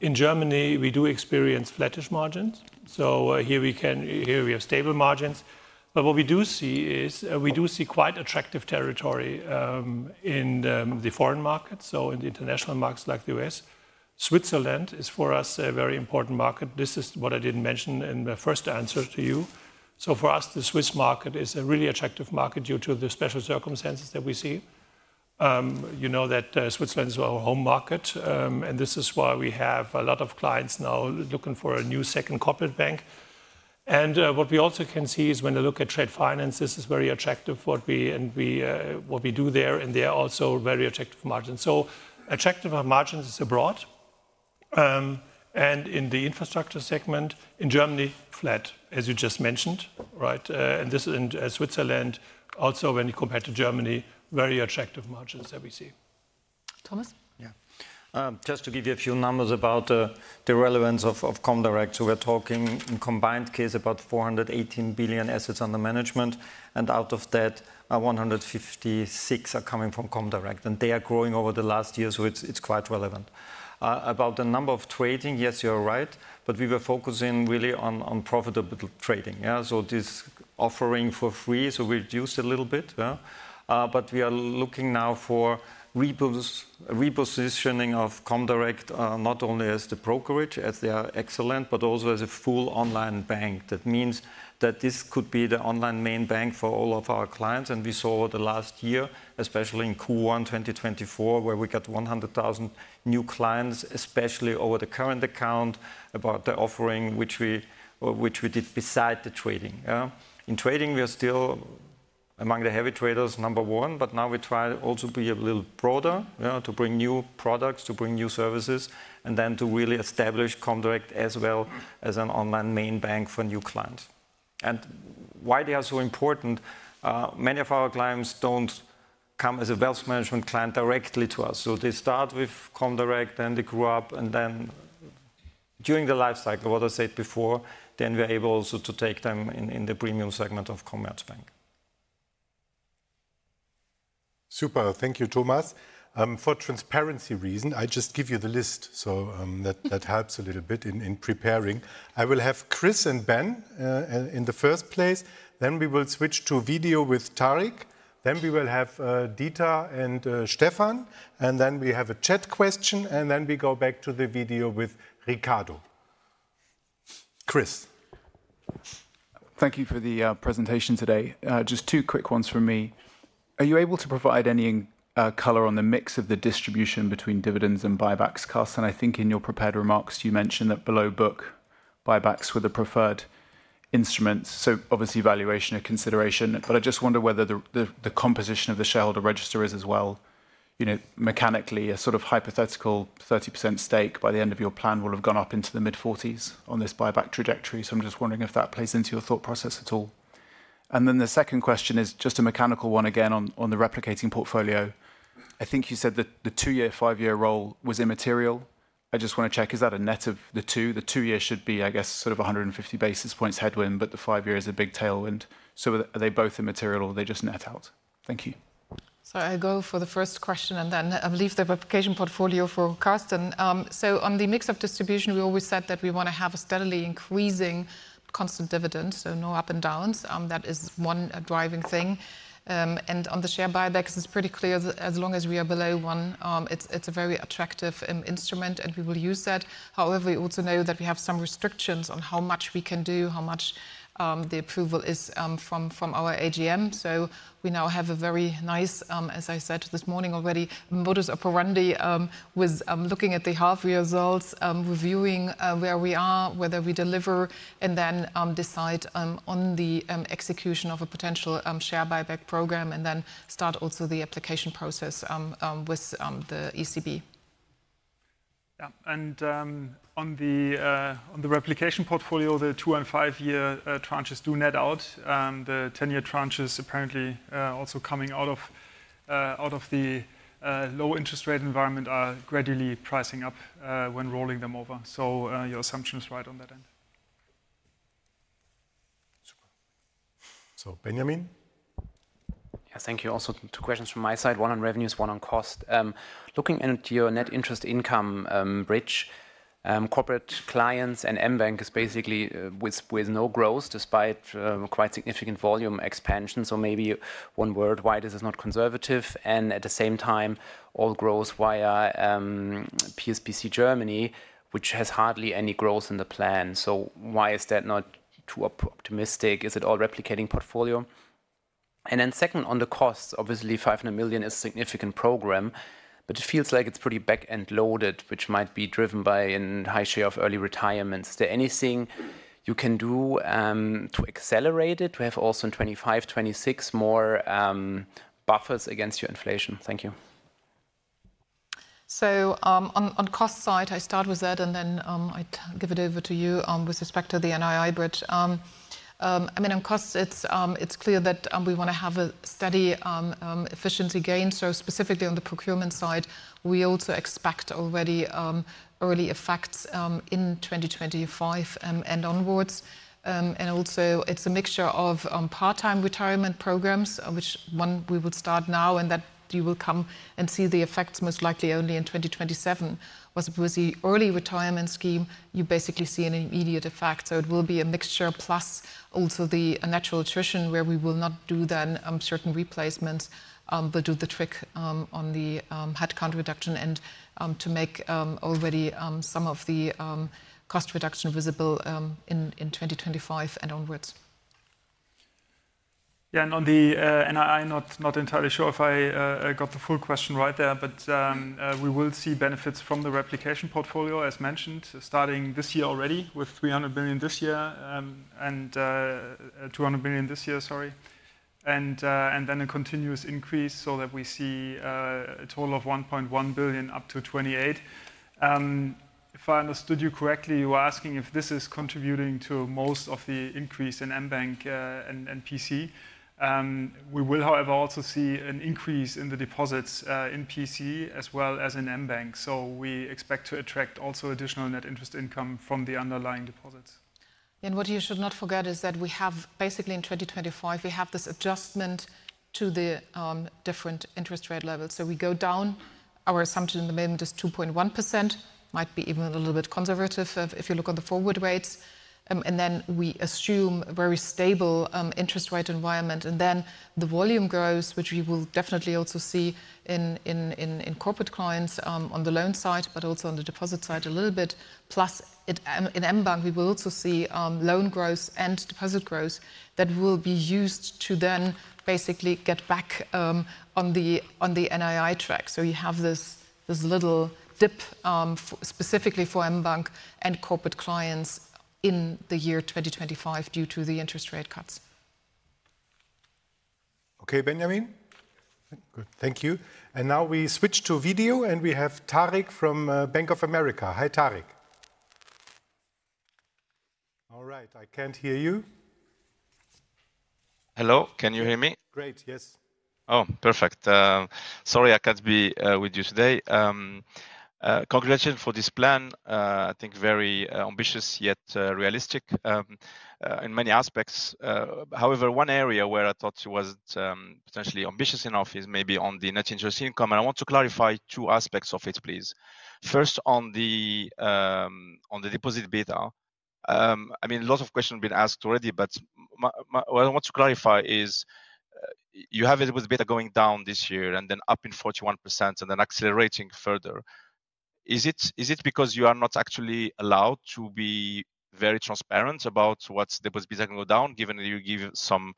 in Germany, we do experience flattish margins. So here we have stable margins. But what we do see is quite attractive territory in the foreign markets, so in the international markets like the U.S. Switzerland is for us a very important market. This is what I didn't mention in the first answer to you. So for us, the Swiss market is a really attractive market due to the special circumstances that we see. You know that Switzerland is our home market, and this is why we have a lot of clients now looking for a new second corporate bank. And what we also can see is when I look at trade finance, this is very attractive for what we do there, and they are also very attractive margins. So attractive margins abroad. And in the infrastructure segment in Germany, flat, as you just mentioned, right? And this is in Switzerland also, when you compare to Germany, very attractive margins that we see.
Thomas?
Yeah. Just to give you a few numbers about the relevance of Comdirect. So we're talking in combined case about 418 billion assets under management, and out of that, 156 are coming from Comdirect, and they are growing over the last year, so it's quite relevant. About the number of trading, yes, you're right, but we were focusing really on profitable trading. So this offering for free, so we reduced a little bit. But we are looking now for repositioning of Comdirect not only as the brokerage, as they are excellent, but also as a full online bank. That means that this could be the online main bank for all of our clients. And we saw the last year, especially in Q1 2024, where we got 100,000 new clients, especially over the current account about the offering which we did beside the trading. In trading, we are still among the heavy traders, number one, but now we try also to be a little broader to bring new products, to bring new services, and then to really establish Comdirect as well as an online main bank for new clients. And why they are so important? Many of our clients don't come as a wealth management client directly to us, so they start with Comdirect, then they grow up, and then during the lifecycle, what I said before, then we're able also to take them in the premium segment of Commerzbank.
Super. Thank you, Thomas. For transparency reasons, I just give you the list, so that helps a little bit in preparing. I will have Chris and Bernd in the first place. Then we will switch to video with Tarik. Then we will have Dieter and Stefan, and then we have a chat question, and then we go back to the video with Riccardo. Chris.
Thank you for the presentation today. Just two quick ones from me. Are you able to provide any color on the mix of the distribution between dividends and buybacks costs? And I think in your prepared remarks, you mentioned that below book, buybacks were the preferred instruments. So obviously, valuation a consideration, but I just wonder whether the composition of the shareholder register is as well. Mechanically, a sort of hypothetical 30% stake by the end of your plan will have gone up into the mid-40s on this buyback trajectory. So I'm just wondering if that plays into your thought process at all. And then the second question is just a mechanical one again on the replication portfolio. I think you said that the two-year, five-year roll was immaterial. I just want to check. Is that a net of the two? The two-year should be, I guess, sort of 150 basis points headwind, but the five-year is a big tailwind. So are they both immaterial or are they just net out? Thank you.
So I'll go for the first question, and then I'll leave the replication portfolio for Carsten. So on the mix of distribution, we always said that we want to have a steadily increasing constant dividend, so no up and downs. That is one driving thing. And on the share buybacks, it's pretty clear that as long as we are below one, it's a very attractive instrument, and we will use that. However, we also know that we have some restrictions on how much we can do, how much the approval is from our AGM. So we now have a very nice, as I said this morning already, Modus Operandi with looking at the half-year results, reviewing where we are, whether we deliver, and then decide on the execution of a potential share buyback program, and then start also the application process with the ECB.
Yeah. On the replication portfolio, the two and five-year tranches do net out. The ten-year tranches, apparently also coming out of the low interest rate environment, are gradually pricing up when rolling them over. Your assumption is right on that end. Super. Benjamin?
Yeah, thank you. Also, two questions from my side, one on revenues, one on cost. Looking at your net interest income bridge, corporate clients and mBank is basically with no growth despite quite significant volume expansion. Maybe one word, why this is not conservative? At the same time, all growth via PSBC Germany, which has hardly any growth in the plan. Why is that not too optimistic? Is it all replication portfolio? And then second, on the costs, obviously 500 million is a significant program, but it feels like it's pretty back-end loaded, which might be driven by a high share of early retirements. Is there anything you can do to accelerate it to have also in 2025, 2026 more buffers against your inflation?
Thank you. So on cost side, I start with that, and then I give it over to you with respect to the NII bridge. I mean, on costs, it's clear that we want to have a steady efficiency gain. So specifically on the procurement side, we also expect already early effects in 2025 and onwards. And also it's a mixture of part-time retirement programs, which one we will start now, and that you will come and see the effects most likely only in 2027. Whereas the early retirement scheme, you basically see an immediate effect. So it will be a mixture plus also the natural attrition, where we will not do then certain replacements, but do the trick on the headcount reduction and to make already some of the cost reduction visible in 2025 and onwards.
Yeah, and on the NII, not entirely sure if I got the full question right there, but we will see benefits from the replication portfolio, as mentioned, starting this year already with 300 million this year and 200 million this year, sorry. And then a continuous increase so that we see a total of 1.1 billion up to 2028. If I understood you correctly, you were asking if this is contributing to most of the increase in mBank and PC. We will, however, also see an increase in the deposits in PC as well as in mBank. So we expect to attract also additional net interest income from the underlying deposits.
And what you should not forget is that we have basically in 2025, we have this adjustment to the different interest rate levels. So we go down. Our assumption in the moment is 2.1%, might be even a little bit conservative if you look on the forward rates. And then we assume a very stable interest rate environment. And then the volume grows, which we will definitely also see in corporate clients on the loan side, but also on the deposit side a little bit. Plus in mBank, we will also see loan growth and deposit growth that will be used to then basically get back on the NII track. So you have this little dip specifically for mBank and corporate clients in the year 2025 due to the interest rate cuts.
Okay, Benjamin? Thank you. And now we switch to video, and we have Tarik El Mejjad from Bank of America. Hi, Tarik. All right, I can't hear you.
Hello, can you hear me? Great, yes. Oh, perfect. Sorry, I can't be with you today. Congratulations for this plan. I think very ambitious, yet realistic in many aspects. However, one area where I thought it was potentially ambitious enough is maybe on the net interest income. And I want to clarify two aspects of it, please. First, on the deposit beta, I mean, a lot of questions have been asked already, but what I want to clarify is you have a deposit beta going down this year and then up in 41% and then accelerating further. Is it because you are not actually allowed to be very transparent about what's deposit beta going to go down, given that you give some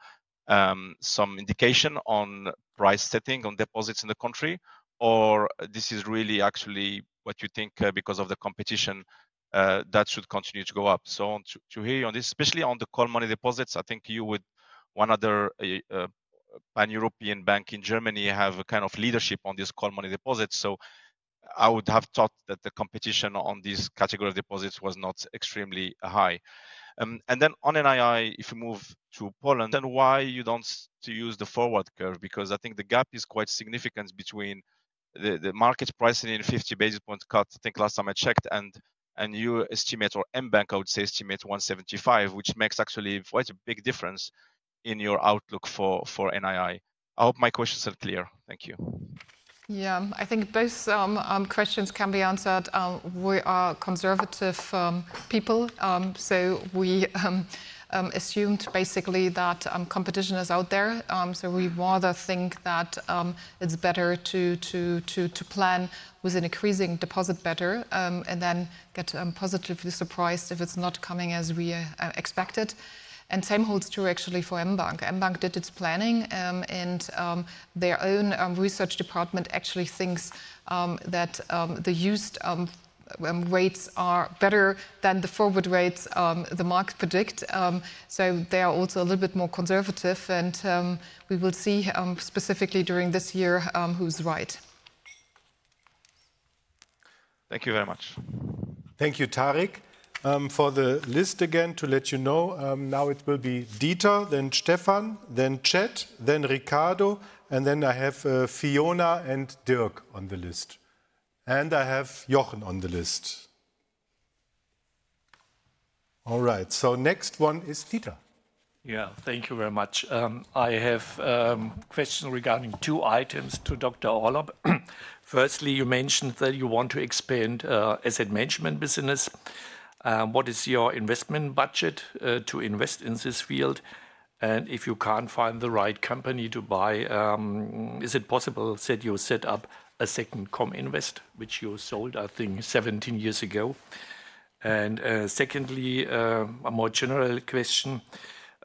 indication on price setting on deposits in the country, or this is really actually what you think because of the competition that should continue to go up? So, to hear you on this, especially on the call money deposits, I think you would, one other pan-European bank in Germany have a kind of leadership on these call money deposits. So, I would have thought that the competition on this category of deposits was not extremely high. And then, on NII if you move to Poland, and why you don't use the forward curve? Because I think the gap is quite significant between the market pricing and 50 basis points cut. I think last time I checked, and you estimate, or mBank, I would say, estimate 175, which makes actually quite a big difference in your outlook for NII. I hope my questions are clear. Thank you.
Yeah, I think both questions can be answered. We are conservative people, so we assumed basically that competition is out there. So we rather think that it's better to plan with an increasing deposit beta and then get positively surprised if it's not coming as we expected. And same holds true actually for mBank. mBank did its planning, and their own research department actually thinks that the swap rates are better than the forward rates the market predicts. So they are also a little bit more conservative, and we will see specifically during this year who's right.
Thank you very much.
Thank you, Tarik. For the list again, to let you know, now it will be Dieter, then Stefan, then Chat, then Ricardo, and then I have Fiona and Dirk on the list. And I have Jochen on the list. All right, so next one is Dieter.
Yeah, thank you very much. I have a question regarding two items to Dr. Orlopp. Firstly, you mentioned that you want to expand asset management business. What is your investment budget to invest in this field? And if you can't find the right company to buy, is it possible that you set up a second Cominvest, which you sold, I think, 17 years ago? And secondly, a more general question.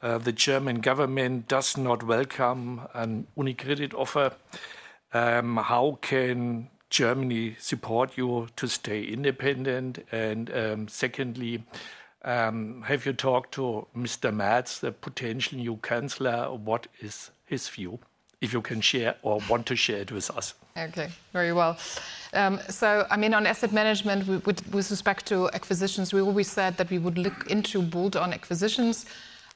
The German government does not welcome an UniCredit offer. How can Germany support you to stay independent? And secondly, have you talked to Mr. Merz, the potential new chancellor? What is his view? If you can share or want to share it with us.
Okay, very well. I mean, on asset management with respect to acquisitions, we always said that we would look into bolt-on acquisitions.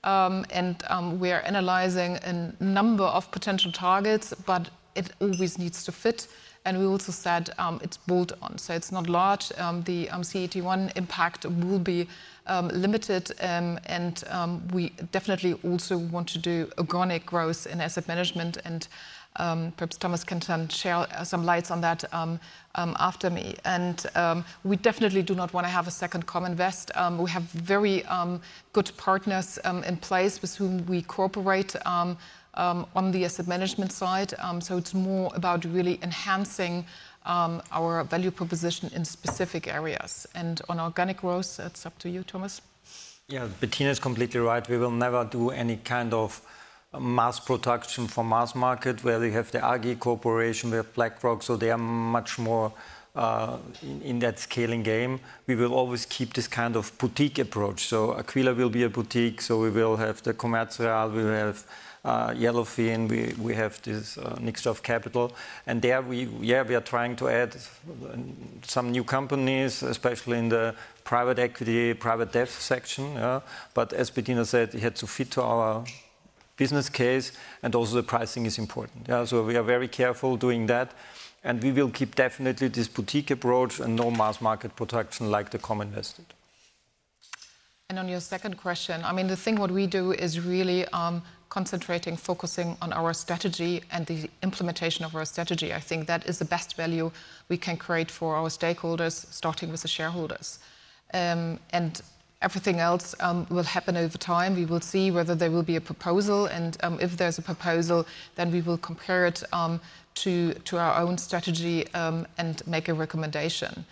We are analyzing a number of potential targets, but it always needs to fit. We also said it's bolt-on, so it's not large. The CET1 impact will be limited, and we definitely also want to do organic growth in asset management. Perhaps Thomas can shed some light on that after me. We definitely do not want to have a second Cominvest. We have very good partners in place with whom we cooperate on the asset management side. It's more about really enhancing our value proposition in specific areas. On organic growth, it's up to you, Thomas.
Yeah, Bettina is completely right. We will never do any kind of mass production for mass market where we have the AGI, we have BlackRock, so they are much more in that scaling game. We will always keep this kind of boutique approach. So Aquila will be a boutique, so we will have the Commerz Real, we will have Yellowfin, we have this Nixdorf Kapital. And there, yeah, we are trying to add some new companies, especially in the private equity, private debt section. But as Bettina said, it had to fit to our business case, and also the pricing is important. So we are very careful doing that. And we will keep definitely this boutique approach and no mass market production like the Cominvest.
And on your second question, I mean, the thing what we do is really concentrating, focusing on our strategy and the implementation of our strategy. I think that is the best value we can create for our stakeholders, starting with the shareholders. And everything else will happen over time. We will see whether there will be a proposal. And if there's a proposal, then we will compare it to our own strategy and make a recommendation.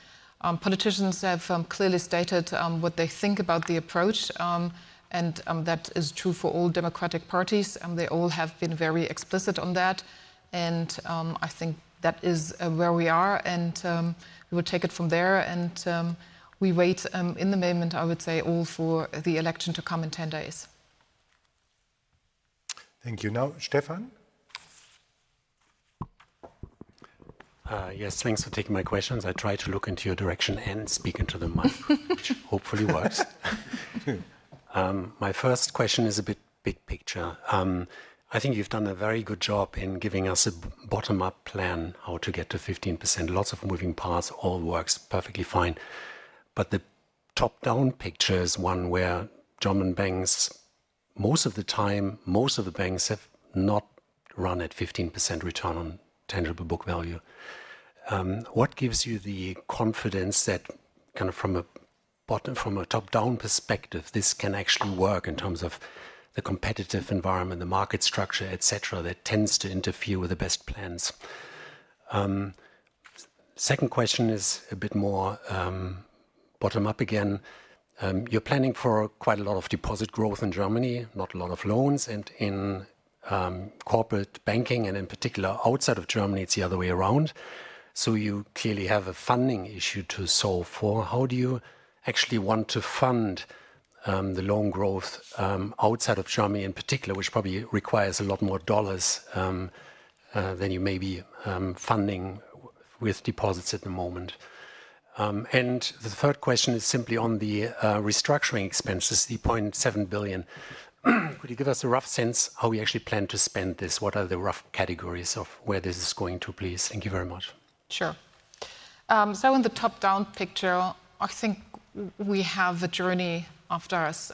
Politicians have clearly stated what they think about the approach, and that is true for all democratic parties. They all have been very explicit on that. And I think that is where we are, and we will take it from there. And we wait at the moment, I would say, all for the election to come in 10 days.
Thank you. Now, Stefan.
Yes, thanks for taking my questions. I try to look in your direction and speak into the microphone, which hopefully works. My first question is a bit big picture. I think you've done a very good job in giving us a bottom-up plan, how to get to 15%. Lots of moving parts, all works perfectly fine, but the top-down picture is one where German banks, most of the time, most of the banks have not run at 15% return on tangible book value. What gives you the confidence that kind of from a top-down perspective, this can actually work in terms of the competitive environment, the market structure, etc., that tends to interfere with the best plans? Second question is a bit more bottom-up again. You're planning for quite a lot of deposit growth in Germany, not a lot of loans, and in corporate banking and in particular outside of Germany, it's the other way around. So you clearly have a funding issue to solve for. How do you actually want to fund the loan growth outside of Germany in particular, which probably requires a lot more dollars than you may be funding with deposits at the moment? And the third question is simply on the restructuring expenses, the 0.7 billion. Could you give us a rough sense how we actually plan to spend this? What are the rough categories of where this is going to, please? Thank you very much.
Sure. So in the top-down picture, I think we have a journey ahead of us.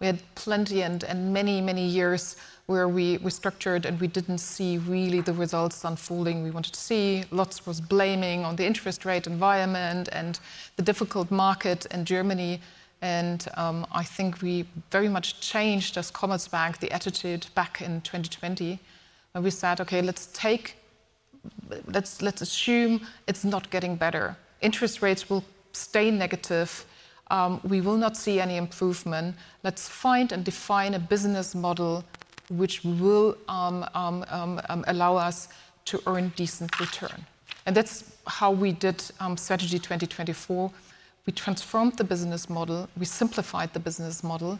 We had plenty and many, many years where we restructured and we didn't see really the results unfolding. We wanted to see. Lots was blaming on the interest rate environment and the difficult market in Germany. And I think we very much changed as Commerzbank the attitude back in 2020. We said, okay, let's assume it's not getting better. Interest rates will stay negative. We will not see any improvement. Let's find and define a business model which will allow us to earn decent return, and that's how we did Strategy 2024. We transformed the business model, we simplified the business model,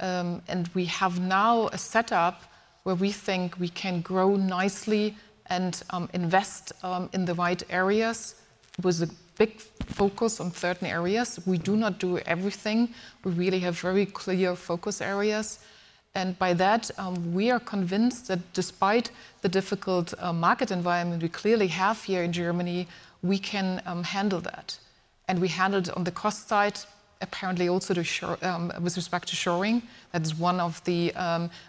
and we have now a setup where we think we can grow nicely and invest in the right areas with a big focus on certain areas. We do not do everything. We really have very clear focus areas, and by that, we are convinced that despite the difficult market environment we clearly have here in Germany, we can handle that, and we handled it on the cost side, apparently also with respect to shoring. That's one of the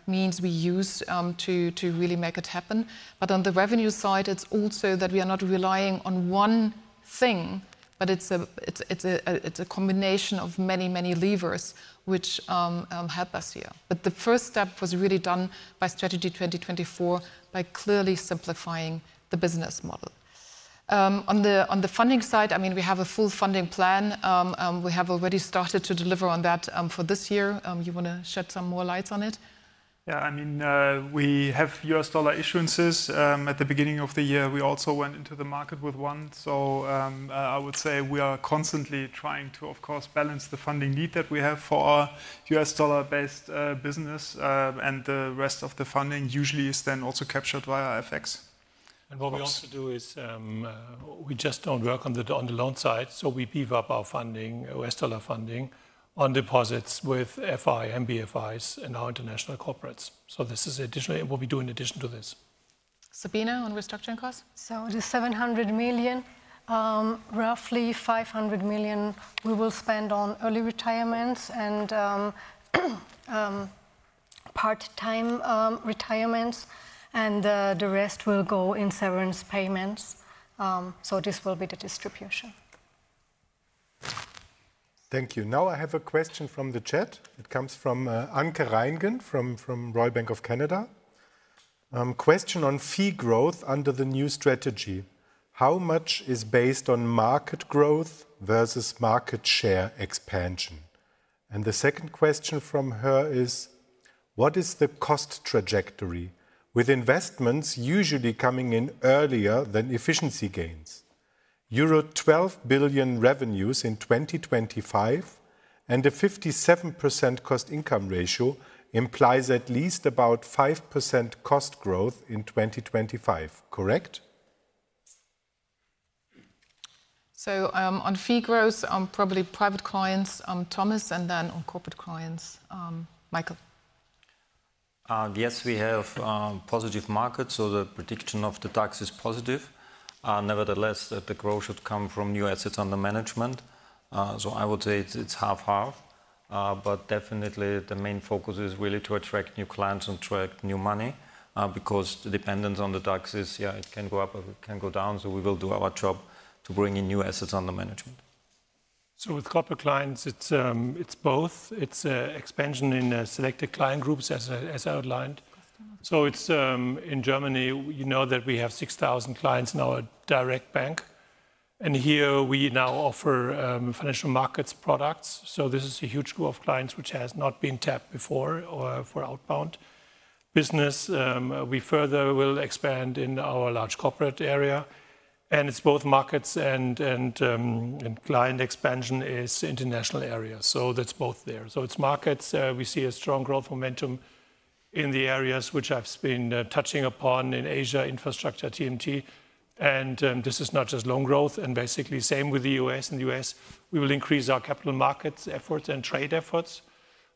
means we use to really make it happen. But on the revenue side, it's also that we are not relying on one thing, but it's a combination of many, many levers which help us here. But the first step was really done by Strategy 2024 by clearly simplifying the business model. On the funding side, I mean, we have a full funding plan. We have already started to deliver on that for this year. You want to shed some more lights on it?
Yeah, I mean, we have U.S. dollar issuances at the beginning of the year. We also went into the market with one. So I would say we are constantly trying to, of course, balance the funding need that we have for our U.S. dollar-based business. And the rest of the funding usually is then also captured via FX. And what we also do is we just don't work on the loan side. So we beef up our funding, US dollar funding on deposits with FI, NBFIs, and our international corporates. So this is additional what we do in addition to this.
Sabine, on restructuring costs?
So it is 700 million. Roughly 500 million we will spend on early retirements and part-time retirements. And the rest will go in severance payments. So this will be the distribution.
Thank you. Now I have a question from the chat. It comes from Anke Reingen from Royal Bank of Canada. Question on fee growth under the new strategy. How much is based on market growth versus market share expansion? And the second question from her is, what is the cost trajectory with investments usually coming in earlier than efficiency gains? Euro 12 billion revenues in 2025 and a 57% cost-income ratio implies at least about 5% cost growth in 2025. Correct?
On fee growth, probably private clients on Thomas and then on corporate clients, Michael.
Yes, we have positive markets, so the prediction of the markets is positive. Nevertheless, the growth should come from new assets under management. So I would say it's half-half. But definitely, the main focus is really to attract new clients and attract new money because the dependence on the markets, yeah, it can go up or it can go down. So we will do our job to bring in new assets under management.
So with corporate clients, it's both. It's expansion in selected client groups, as outlined. So in Germany, you know that we have 6,000 clients in our direct bank. And here, we now offer financial markets products. So this is a huge group of clients which has not been tapped before for outbound business. We further will expand in our large corporate area. And it's both markets and client expansion in the international area. So that's both there. So it's markets. We see a strong growth momentum in the areas which I've been touching upon in Asia, infrastructure, TMT. And this is not just loan growth. And basically, same with the U.S. In the U.S., we will increase our capital markets efforts and trade efforts.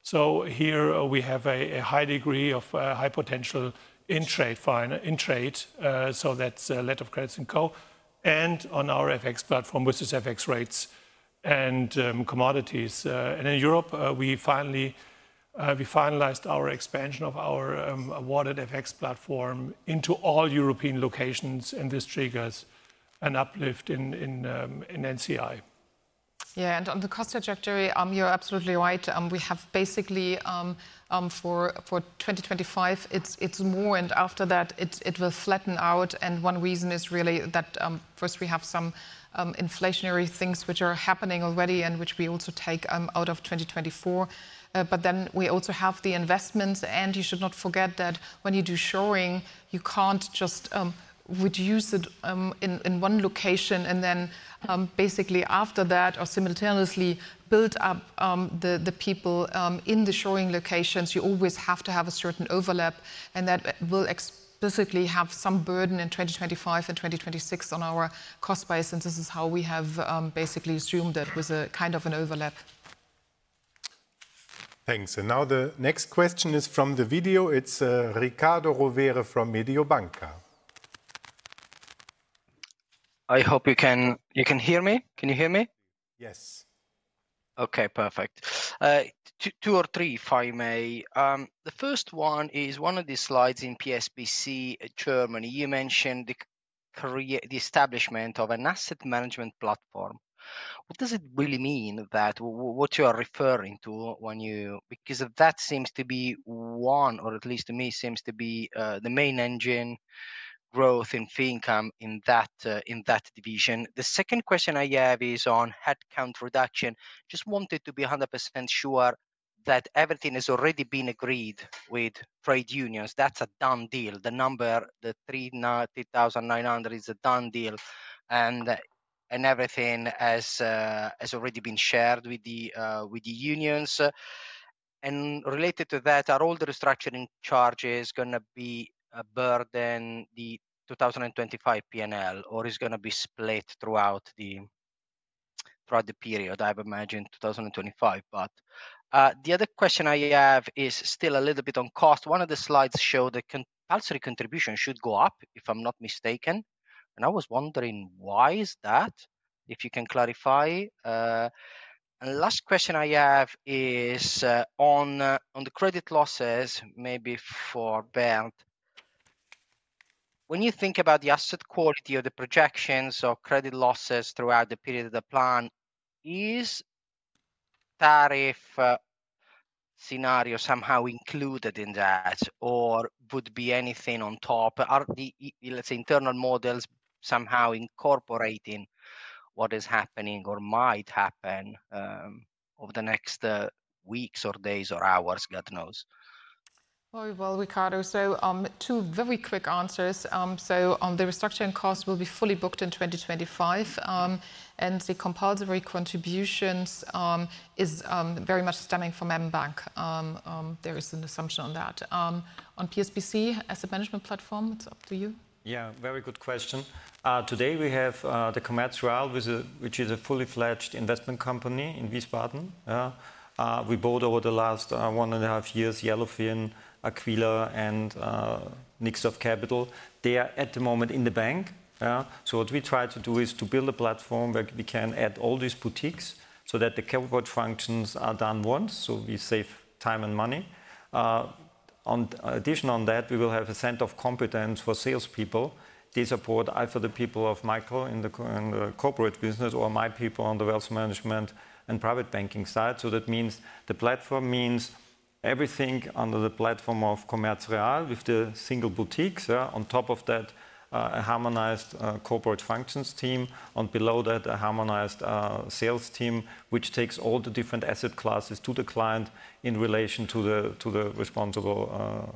So here, we have a high degree of high potential in trade, so that's letters of credit and co. And on our FX platform, which is FX rates and commodities. And in Europe, we finally finalized our expansion of our awarded FX platform into all European locations. And this triggers an uplift in NCI.
Yeah, and on the cost trajectory, you're absolutely right. We have basically for 2025, it's more. And after that, it will flatten out. And one reason is really that first, we have some inflationary things which are happening already and which we also take out of 2024. But then we also have the investments. And you should not forget that when you do shoring, you can't just reduce it in one location and then basically after that or simultaneously build up the people in the shoring locations. You always have to have a certain overlap. And that will explicitly have some burden in 2025 and 2026 on our cost base. And this is how we have basically assumed that with a kind of an overlap.
Thanks. And now the next question is from the video. It's Riccardo Rovere from Mediobanca.
I hope you can hear me. Can you hear me?
Yes.
Okay, perfect. Two or three, if I may. The first one is one of the slides in PSBC Germany. You mentioned the establishment of an asset management platform. What does it really mean, that what you are referring to when you because that seems to be one, or at least to me, seems to be the main engine growth in fee income in that division. The second question I have is on headcount reduction. Just wanted to be 100% sure that everything has already been agreed with trade unions. That's a done deal. The number, the 39,900, is a done deal, and everything has already been shared with the unions, and related to that, are all the restructuring charges going to be a burden the 2025 P&L, or is it going to be split throughout the period? I have imagined 2025. The other question I have is still a little bit on cost. One of the slides showed the compulsory contribution should go up, if I'm not mistaken. I was wondering why is that, if you can clarify. The last question I have is on the credit losses, maybe for Bernd. When you think about the asset quality or the projections of credit losses throughout the period of the plan, is tariff scenario somehow included in that, or would be anything on top? Are the, let's say, internal models somehow incorporating what is happening or might happen over the next weeks or days or hours, God knows?
Riccardo, so two very quick answers. The restructuring cost will be fully booked in 2025. The compulsory contributions is very much stemming from mBank. There is an assumption on that. On PSBC, asset management platform, it's up to you.
Yeah, very good question. Today, we have the Commerz Real, which is a fully fledged investment company in Wiesbaden. We bought over the last one and a half years Yellowfin, Aquila, and Nixdorf Kapital. They are at the moment in the bank. So what we try to do is to build a platform where we can add all these boutiques so that the coworking functions are done once, so we save time and money. In addition on that, we will have a center of competence for salespeople. They support either the people of Michael in the corporate business or my people on the wealth management and private banking side. So that means the platform means everything under the platform of Commerz Real with the single boutiques. On top of that, a harmonized corporate functions team. On below that, a harmonized sales team, which takes all the different asset classes to the client in relation to the responsible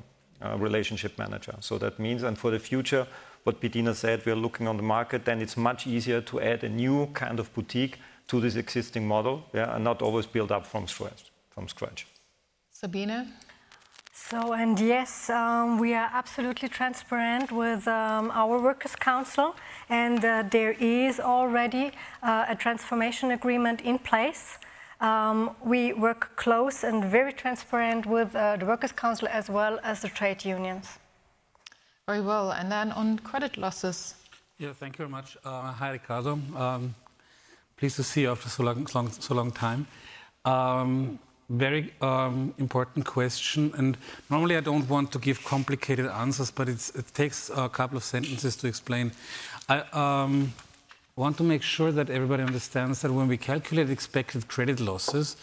relationship manager. That means, and for the future, what Bettina said, we are looking on the market. Then it's much easier to add a new kind of boutique to this existing model and not always build up from scratch.
Sabine?
Yes, we are absolutely transparent with our workers' council. There is already a transformation agreement in place. We work closely and very transparent with the workers' council as well as the trade unions.
Very well. Then on credit losses.
Yeah, thank you very much. Hi, Riccardo. Pleased to see you after so long time. Very important question. Normally, I don't want to give complicated answers, but it takes a couple of sentences to explain. I want to make sure that everybody understands that when we calculate expected credit losses,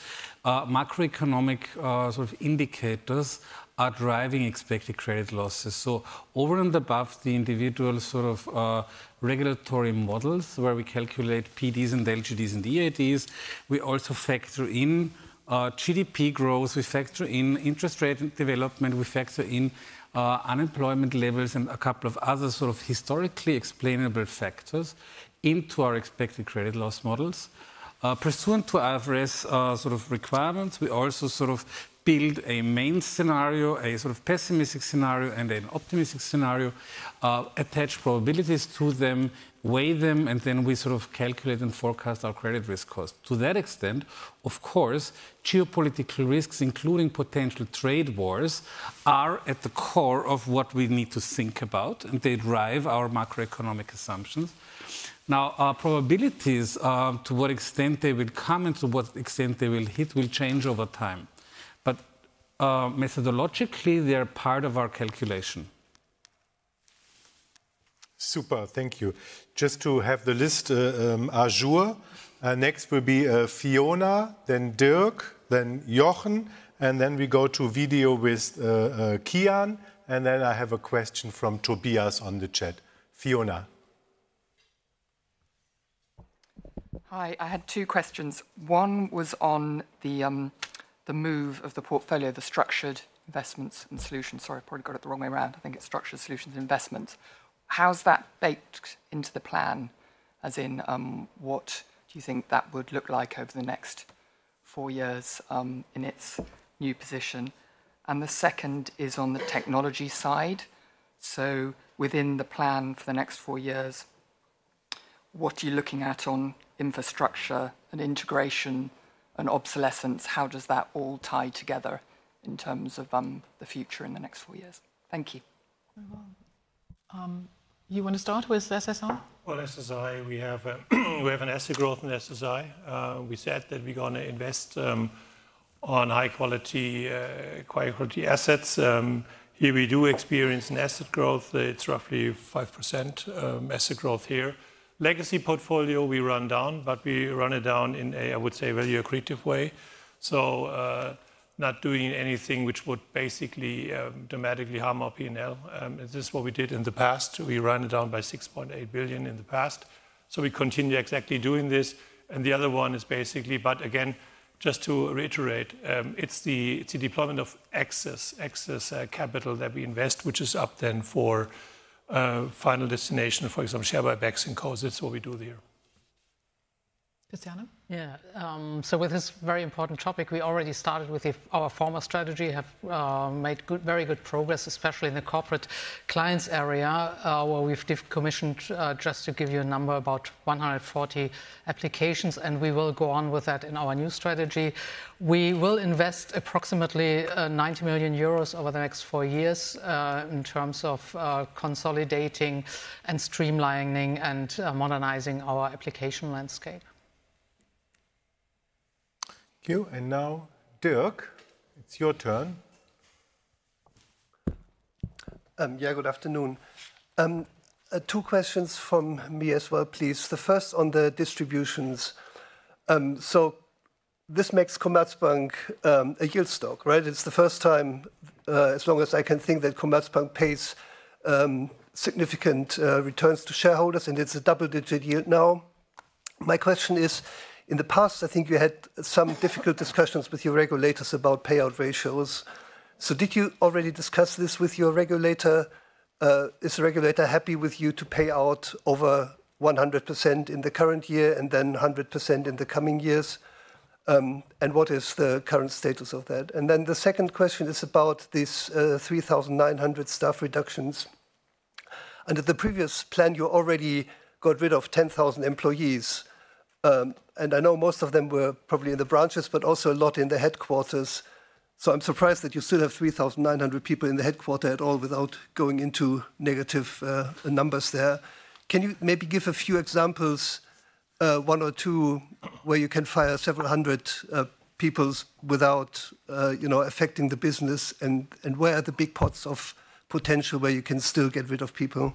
macroeconomic sort of indicators are driving expected credit losses. Over and above the individual sort of regulatory models where we calculate PDs and LGDs and EADs, we also factor in GDP growth. We factor in interest rate development. We factor in unemployment levels and a couple of other sort of historically explainable factors into our expected credit loss models. Pursuant to IFRS sort of requirements, we also sort of build a main scenario, a sort of pessimistic scenario and an optimistic scenario, attach probabilities to them, weigh them, and then we sort of calculate and forecast our credit risk cost. To that extent, of course, geopolitical risks, including potential trade wars, are at the core of what we need to think about, and they drive our macroeconomic assumptions. Now, our probabilities to what extent they will come and to what extent they will hit will change over time. But methodologically, they are part of our calculation.
Super. Thank you. Just to have the list, à jour. Next will be Fiona, then Dirk, then Jochen, and then we go to video with Kian. And then I have a question from Tobias on the chat. Fiona. Hi. I had two questions. One was on the move of the portfolio, the structured investments and solutions. Sorry, I probably got it the wrong way around. I think it's structured solutions and investments. How's that baked into the plan, as in what do you think that would look like over the next four years in its new position? And the second is on the technology side. So within the plan for the next four years, what are you looking at on infrastructure and integration and obsolescence? How does that all tie together in terms of the future in the next four years? Thank you.
Very well. You want to start with SSI?
SSI, we have an asset growth in SSI. We said that we're going to invest on high-quality assets. Here we do experience an asset growth. It's roughly 5% asset growth here. Legacy portfolio, we run down, but we run it down in a, I would say, value accretive way. Not doing anything which would basically dramatically harm our P&L. This is what we did in the past. We ran it down by 6.8 billion in the past. We continue exactly doing this. The other one is basically, but again, just to reiterate, it's the deployment of excess capital that we invest, which is up then for final destination, for example, share buybacks and co-invests is what we do there.
Christiane?
Yeah. With this very important topic, we already started with our former strategy, have made very good progress, especially in the corporate clients area where we've commissioned, just to give you a number, about 140 applications. And we will go on with that in our new strategy. We will invest approximately 90 million euros over the next four years in terms of consolidating and streamlining and modernizing our application landscape.
Thank you. And now, Dirk, it's your turn.
Yeah, good afternoon. Two questions from me as well, please. The first on the distributions. So this makes Commerzbank a yield stock, right? It's the first time, as long as I can think, that Commerzbank pays significant returns to shareholders, and it's a double-digit yield now. My question is, in the past, I think you had some difficult discussions with your regulators about payout ratios? Did you already discuss this with your regulator? Is the regulator happy with you to pay out over 100% in the current year and then 100% in the coming years? What is the current status of that? Then the second question is about these 3,900 staff reductions. Under the previous plan, you already got rid of 10,000 employees. I know most of them were probably in the branches, but also a lot in the headquarters. I'm surprised that you still have 3,900 people in the headquarters at all without going into negative numbers there. Can you maybe give a few examples, one or two, where you can fire several hundred people without affecting the business? Where are the big pots of potential where you can still get rid of people?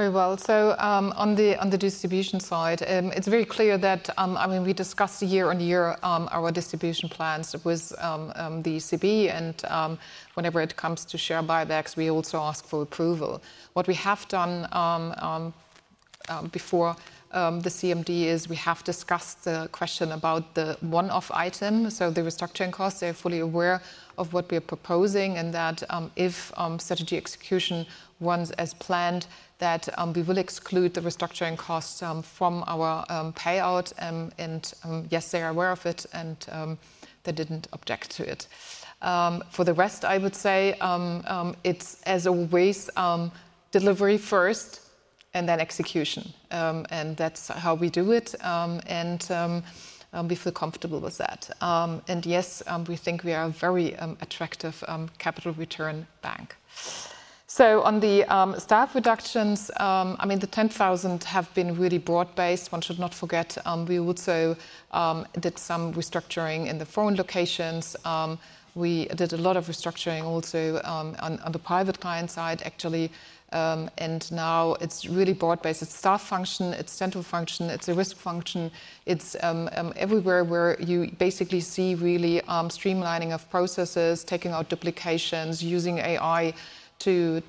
Very well. So on the distribution side, it's very clear that, I mean, we discussed year on year our distribution plans with the ECB. And whenever it comes to share buybacks, we also ask for approval. What we have done before the CMD is we have discussed the question about the one-off item. So the restructuring costs, they're fully aware of what we are proposing and that if strategy execution runs as planned, that we will exclude the restructuring costs from our payout. And yes, they are aware of it, and they didn't object to it. For the rest, I would say it's as always delivery first and then execution. And that's how we do it. And we feel comfortable with that. And yes, we think we are a very attractive capital return bank. So on the staff reductions, I mean, the 10,000 have been really broad-based. One should not forget. We also did some restructuring in the foreign locations. We did a lot of restructuring also on the private client side, actually. And now it's really broad-based. It's staff function, it's central function, it's a risk function. It's everywhere where you basically see really streamlining of processes, taking out duplications, using AI to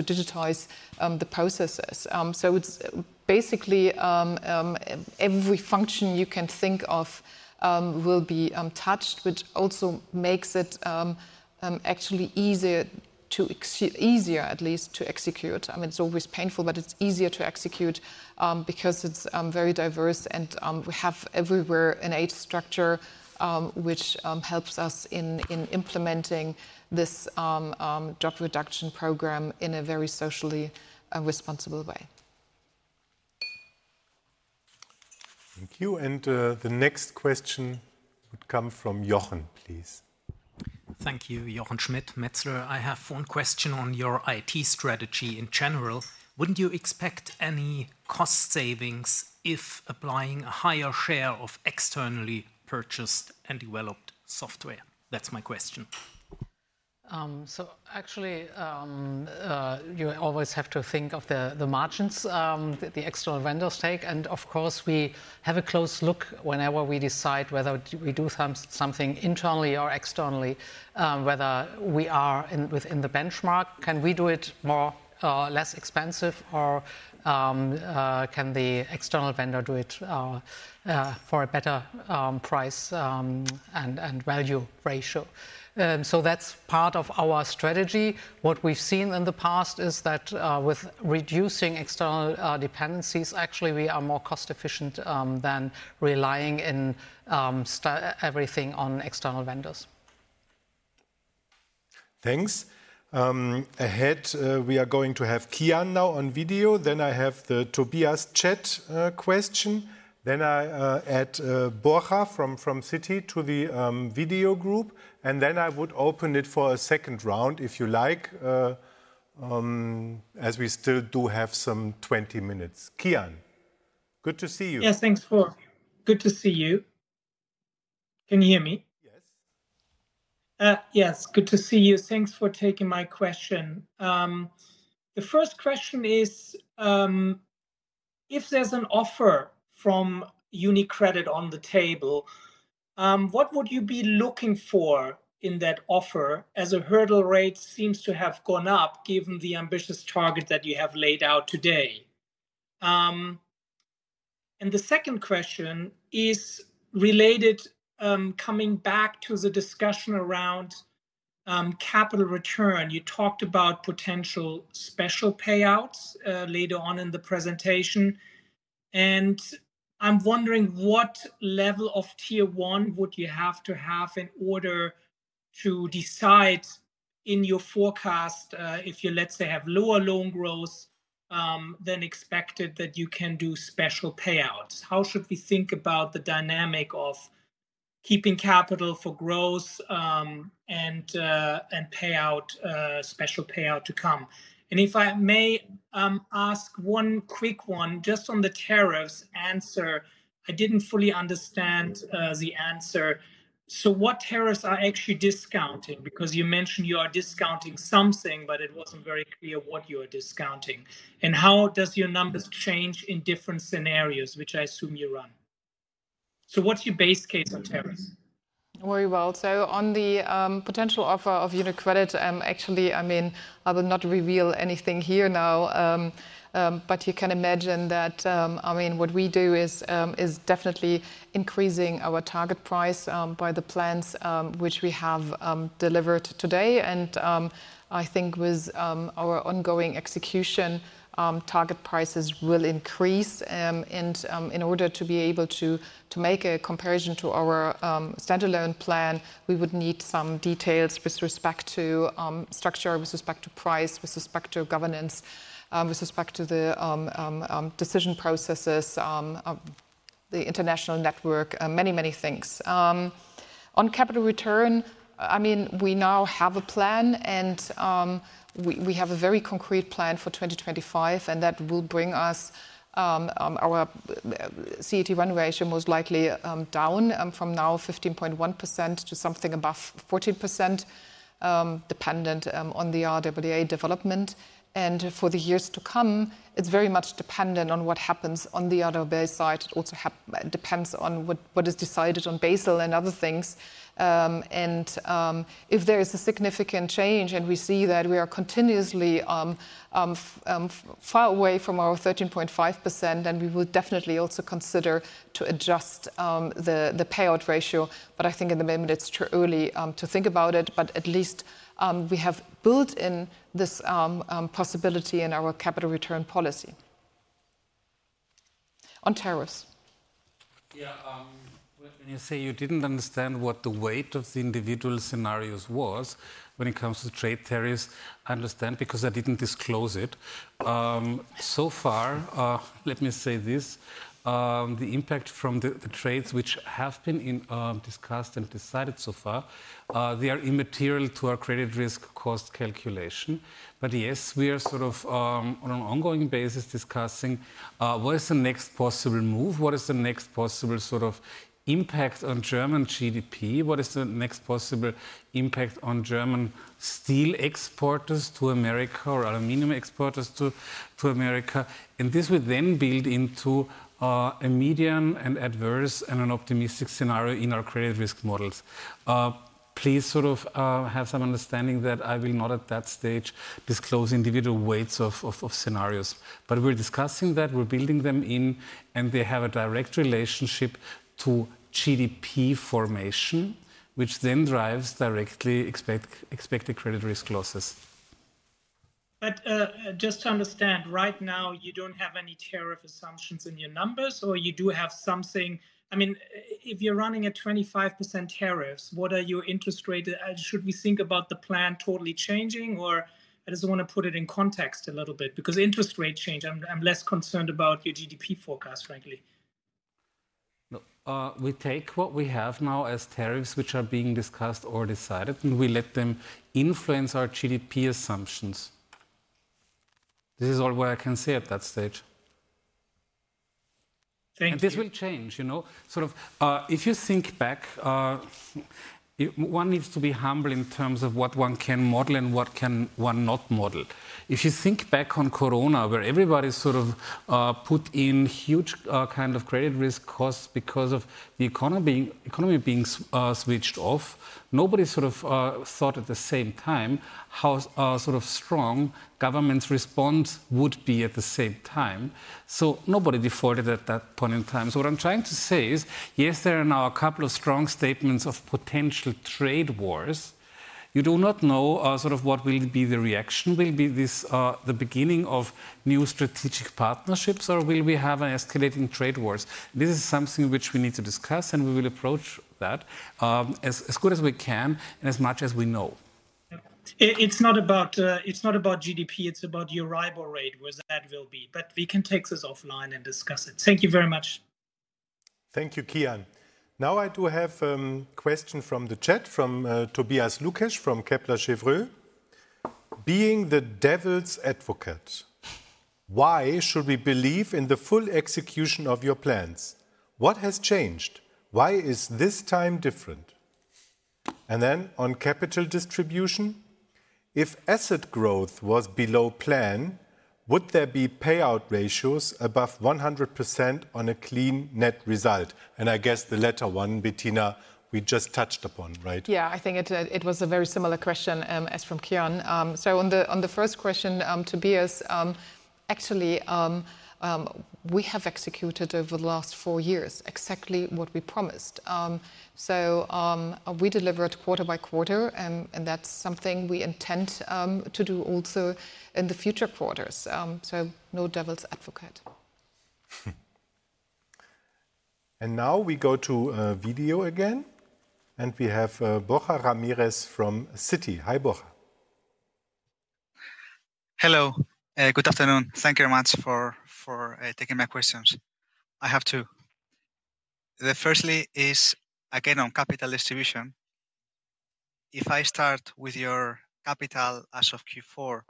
digitize the processes. So it's basically every function you can think of will be touched, which also makes it actually easier, at least, to execute. I mean, it's always painful, but it's easier to execute because it's very diverse. And we have everywhere an age structure, which helps us in implementing this job reduction program in a very socially responsible way.
Thank you. And the next question would come from Jochen, please.
Thank you, Jochen Schmitt, Metzler. I have one question on your IT strategy in general. Wouldn't you expect any cost savings if applying a higher share of externally purchased and developed software? That's my question.
So actually, you always have to think of the margins, the external vendors' take. And of course, we have a close look whenever we decide whether we do something internally or externally, whether we are within the benchmark. Can we do it more or less expensive, or can the external vendor do it for a better price and value ratio? So that's part of our strategy. What we've seen in the past is that with reducing external dependencies, actually, we are more cost-efficient than relying on everything on external vendors.
Thanks. Next, we are going to have Kian now on video. Then I have the Tobias chat question. Then I add Borja from Citi to the video group. And then I would open it for a second round, if you like, as we still do have some 20 minutes. Kian, good to see you.
Yes, thanks. Good to see you. Can you hear me?
Yes.
Yes, good to see you. Thanks for taking my question. The first question is, if there's an offer from UniCredit on the table, what would you be looking for in that offer as the hurdle rate seems to have gone up given the ambitious target that you have laid out today? And the second question is related, coming back to the discussion around capital return. You talked about potential special payouts later on in the presentation. And I'm wondering what level of tier one would you have to have in order to decide in your forecast if you, let's say, have lower loan growth than expected that you can do special payouts? How should we think about the dynamic of keeping capital for growth and payout, special payout to come? And if I may ask one quick one, just on the tariffs answer, I didn't fully understand the answer. So what tariffs are actually discounting? Because you mentioned you are discounting something, but it wasn't very clear what you are discounting. And how does your numbers change in different scenarios, which I assume you run? So what's your base case on tariffs?
Very well. So on the potential offer of UniCredit, actually, I mean, I will not reveal anything here now, but you can imagine that, I mean, what we do is definitely increasing our target price by the plans which we have delivered today. And I think with our ongoing execution, target prices will increase. And in order to be able to make a comparison to our standalone plan, we would need some details with respect to structure, with respect to price, with respect to governance, with respect to the decision processes, the international network, many, many things. On capital return, I mean, we now have a plan, and we have a very concrete plan for 2025, and that will bring us our CET1 ratio most likely down from now 15.1% to something above 14%, dependent on the RWA development. And for the years to come, it's very much dependent on what happens on the RWA side. It also depends on what is decided on Basel and other things. And if there is a significant change and we see that we are continuously far away from our 13.5%, then we will definitely also consider adjusting the payout ratio. But I think at the moment, it's too early to think about it. But at least we have built in this possibility in our capital return policy. On tariffs.
Yeah. When you say you didn't understand what the weight of the individual scenarios was when it comes to trade tariffs, I understand because I didn't disclose it. So far, let me say this. The impact from the tariffs, which have been discussed and decided so far, they are immaterial to our credit risk cost calculation. But yes, we are sort of on an ongoing basis discussing what is the next possible move, what is the next possible sort of impact on German GDP, what is the next possible impact on German steel exporters to America or aluminum exporters to America. And this would then build into a medium and adverse and an optimistic scenario in our credit risk models. Please sort of have some understanding that I will not at that stage disclose individual weights of scenarios. But we're discussing that, we're building them in, and they have a direct relationship to GDP formation, which then drives directly expected credit risk losses.
But just to understand, right now, you don't have any tariff assumptions in your numbers, or you do have something? I mean, if you're running at 25% tariffs, what are your interest rates? Should we think about the plan totally changing, or I just want to put it in context a little bit? Because interest rate change, I'm less concerned about your GDP forecast, frankly.
We take what we have now as tariffs, which are being discussed or decided, and we let them influence our GDP assumptions. This is all what I can say at that stage, and this will change. Sort of if you think back, one needs to be humble in terms of what one can model and what can one not model. If you think back on Corona, where everybody sort of put in huge kind of credit risk costs because of the economy being switched off, nobody sort of thought at the same time how sort of strong governments' response would be at the same time. So nobody defaulted at that point in time. So what I'm trying to say is, yes, there are now a couple of strong statements of potential trade wars. You do not know sort of what will be the reaction. Will this be the beginning of new strategic partnerships, or will we have an escalating trade wars? This is something which we need to discuss, and we will approach that as good as we can and as much as we know.
It's not about GDP. It's about your rival rate, where. That will be. But we can take this offline and discuss it. Thank you very much.
Thank you, Kian. Now I do have a question from the chat from Tobias Lukesch from Kepler Cheuvreux. Being the devil's advocate, why should we believe in the full execution of your plans? What has changed? Why is this time different? And then on capital distribution, if asset growth was below plan, would there be payout ratios above 100% on a clean net result? And I guess the latter one, Bettina, we just touched upon, right?
Yeah, I think it was a very similar question as from Kian. So on the first question, Tobias, actually, we have executed over the last four years exactly what we promised. So we deliver it quarter by quarter, and that's something we intend to do also in the future quarters. So no devil's advocate.
And now we go to video again, and we have Borja Ramirez from Citi. Hi, Borja.
Hello. Good afternoon. Thank you very much for taking my questions. I have two. The firstly is, again, on capital distribution. If I start with your capital as of Q4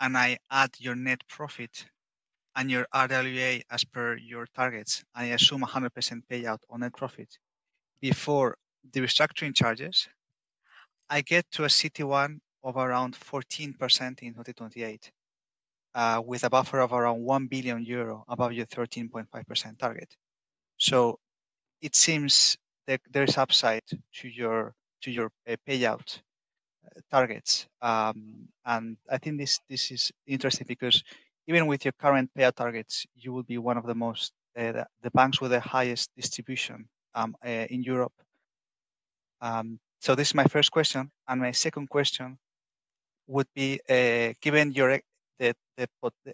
and I add your net profit and your RWA as per your targets, I assume 100% payout on net profit before the restructuring charges, I get to a CET1 of around 14% in 2028 with a buffer of around 1 billion euro above your 13.5% target. So it seems there is upside to your payout targets. And I think this is interesting because even with your current payout targets, you will be one of the banks with the highest distribution in Europe. So this is my first question. And my second question would be, given the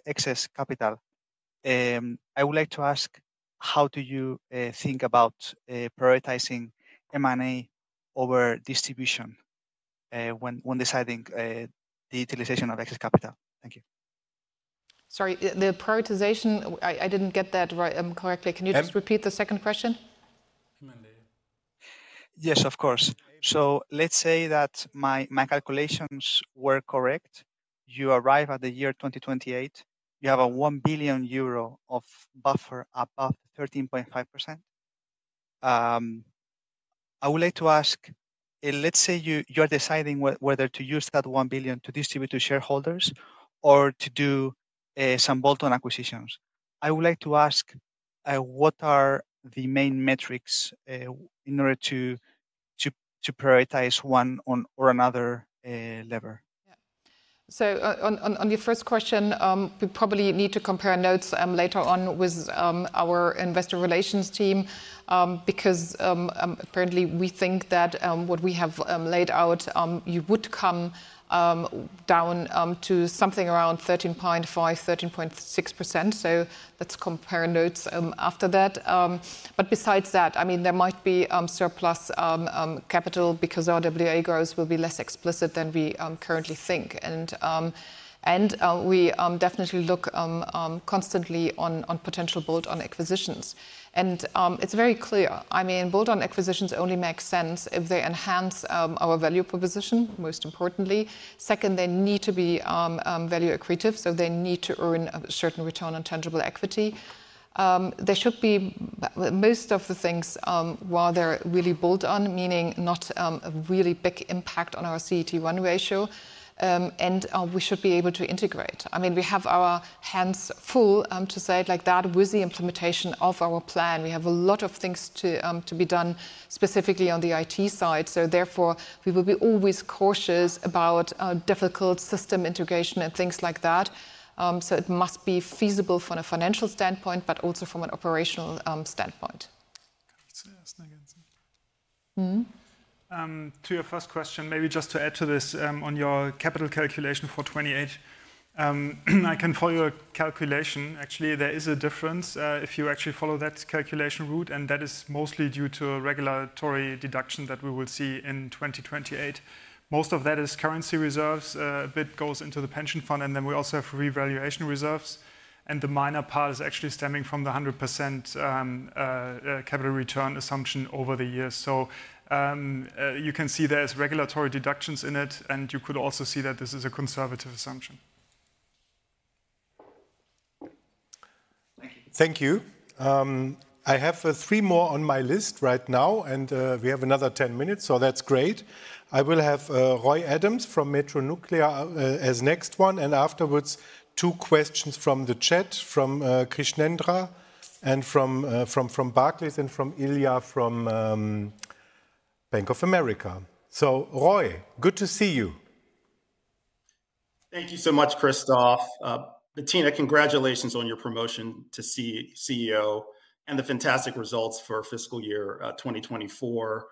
excess capital, I would like to ask, how do you think about prioritizing M&A over distribution when deciding the utilization of excess capital? Thank you.
Sorry, the prioritization, I didn't get that correctly. Can you just repeat the second question?
Yes, of course. So let's say that my calculations were correct. You arrive at the year 2028, you have a 1 billion euro of buffer above 13.5%. I would like to ask, let's say you are deciding whether to use that 1 billion to distribute to shareholders or to do some bolt-on acquisitions. I would like to ask, what are the main metrics in order to prioritize one or another lever?
So on your first question, we probably need to compare notes later on with our investor relations team because apparently we think that what we have laid out, you would come down to something around 13.5%, 13.6%. So let's compare notes after that. But besides that, I mean, there might be surplus capital because RWA growth will be less explicit than we currently think. And we definitely look constantly on potential bolt-on acquisitions. And it's very clear. I mean, bolt-on acquisitions only make sense if they enhance our value proposition, most importantly. Second, they need to be value accretive, so they need to earn a certain return on tangible equity. They should be most of the things while they're really bolt-on, meaning not a really big impact on our CET1 ratio. And we should be able to integrate. I mean, we have our hands full, to say it like that, with the implementation of our plan. We have a lot of things to be done specifically on the IT side. So therefore, we will be always cautious about difficult system integration and things like that. So it must be feasible from a financial standpoint, but also from an operational standpoint.
To your first question, maybe just to add to this on your capital calculation for 2028, I can follow a calculation. Actually, there is a difference if you actually follow that calculation route, and that is mostly due to a regulatory deduction that we will see in 2028. Most of that is currency reserves, a bit goes into the pension fund, and then we also have revaluation reserves, and the minor part is actually stemming from the 100% capital return assumption over the years. So you can see there's regulatory deductions in it, and you could also see that this is a conservative assumption.
Thank you.
Thank you. I have three more on my list right now, and we have another 10 minutes, so that's great. I will have Roy Adams from Metropole Gestion as next one, and afterwards, two questions from the chat from Krishnendra and from Barclays and from Ilya from Bank of America. So Roy, good to see you.
Thank you so much, Christoph. Bettina, congratulations on your promotion to CEO and the fantastic results for fiscal year 2024.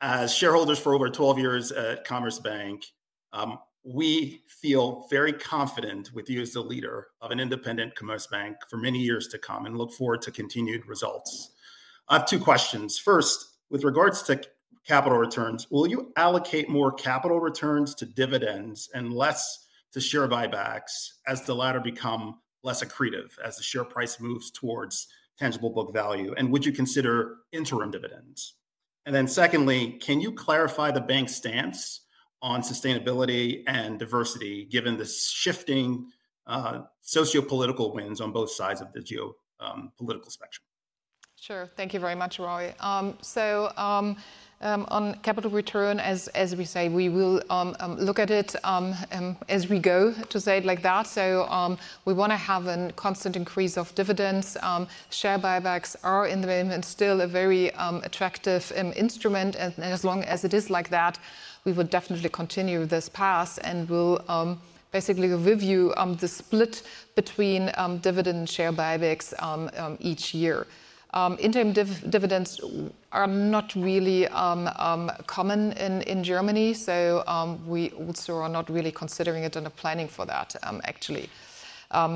As shareholders for over 12 years at Commerzbank, we feel very confident with you as the leader of an independent Commerzbank for many years to come and look forward to continued results. I have two questions. First, with regards to capital returns, will you allocate more capital returns to dividends and less to share buybacks as the latter become less accretive as the share price moves towards tangible book value? And would you consider interim dividends? And then secondly, can you clarify the bank's stance on sustainability and diversity given the shifting sociopolitical winds on both sides of the geopolitical spectrum?
Sure. Thank you very much, Roy. So on capital return, as we say, we will look at it as we go, to say it like that. So we want to have a constant increase of dividends. Share buybacks are in the moment still a very attractive instrument. And as long as it is like that, we will definitely continue this path and will basically review the split between dividend and share buybacks each year. Interim dividends are not really common in Germany, so we also are not really considering it and are planning for that, actually,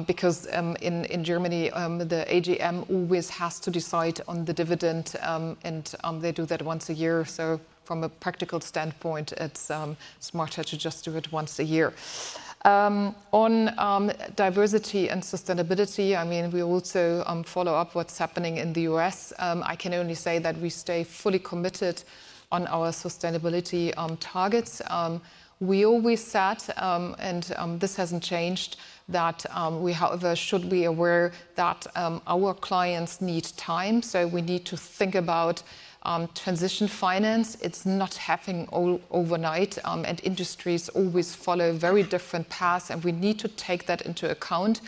because in Germany, the AGM always has to decide on the dividend, and they do that once a year. So from a practical standpoint, it's smarter to just do it once a year. On diversity and sustainability, I mean, we also follow up what's happening in the U.S. I can only say that we stay fully committed on our sustainability targets. We always said, and this hasn't changed, that we, however, should be aware that our clients need time. So we need to think about transition finance. It's not happening overnight, and industries always follow very different paths, and we need to take that into account,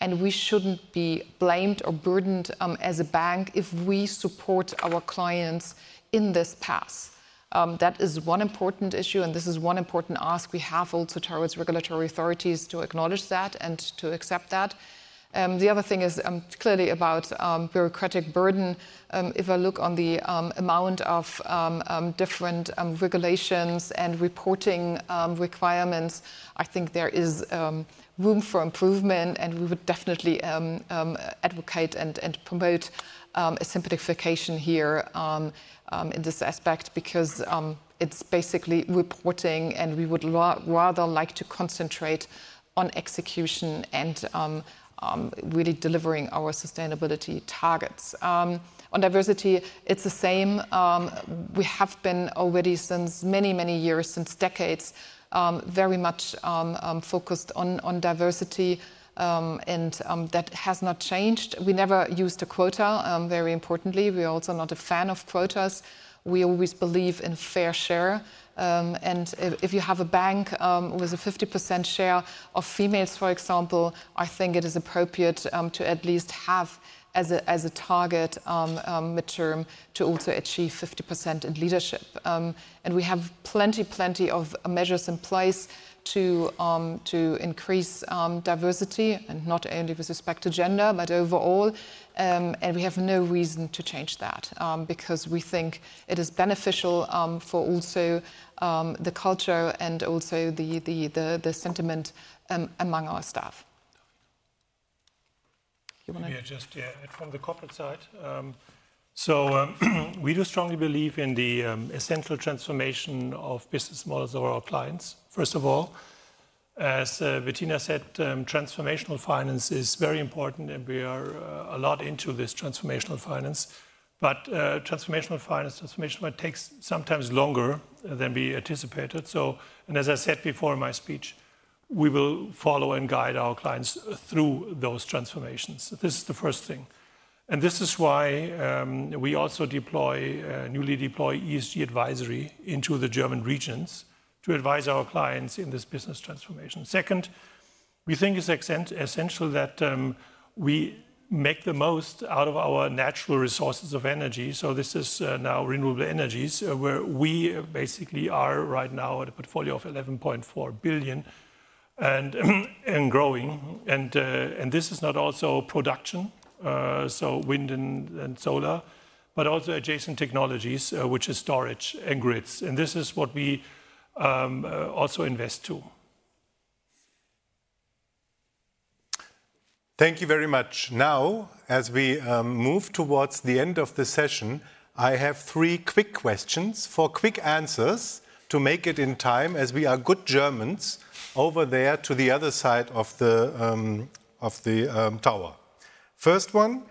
and we shouldn't be blamed or burdened as a bank if we support our clients in this path. That is one important issue, and this is one important ask we have also towards regulatory authorities to acknowledge that and to accept that. The other thing is clearly about bureaucratic burden. If I look on the amount of different regulations and reporting requirements, I think there is room for improvement, and we would definitely advocate and promote a simplification here in this aspect because it's basically reporting, and we would rather like to concentrate on execution and really delivering our sustainability targets. On diversity, it's the same. We have been already since many, many years, since decades, very much focused on diversity, and that has not changed. We never used a quota, very importantly. We're also not a fan of quotas. We always believe in fair share. If you have a bank with a 50% share of females, for example, I think it is appropriate to at least have as a target midterm to also achieve 50% in leadership. We have plenty, plenty of measures in place to increase diversity and not only with respect to gender, but overall. We have no reason to change that because we think it is beneficial for also the culture and also the sentiment among our staff. You want to?
Yeah, just from the corporate side. We do strongly believe in the essential transformation of business models of our clients. First of all, as Bettina said, transformational finance is very important, and we are a lot into this transformational finance. Transformational finance, transformational finance takes sometimes longer than we anticipated. So, and as I said before in my speech, we will follow and guide our clients through those transformations. This is the first thing. And this is why we also newly deploy ESG advisory into the German regions to advise our clients in this business transformation. Second, we think it's essential that we make the most out of our natural resources of energy. So this is now renewable energies, where we basically are right now at a portfolio of 11.4 billion and growing. And this is not also production, so wind and solar, but also adjacent technologies, which is storage and grids. And this is what we also invest to.
Thank you very much. Now, as we move towards the end of the session, I have three quick questions for quick answers to make it in time as we are good Germans over there to the other side of the tower. First one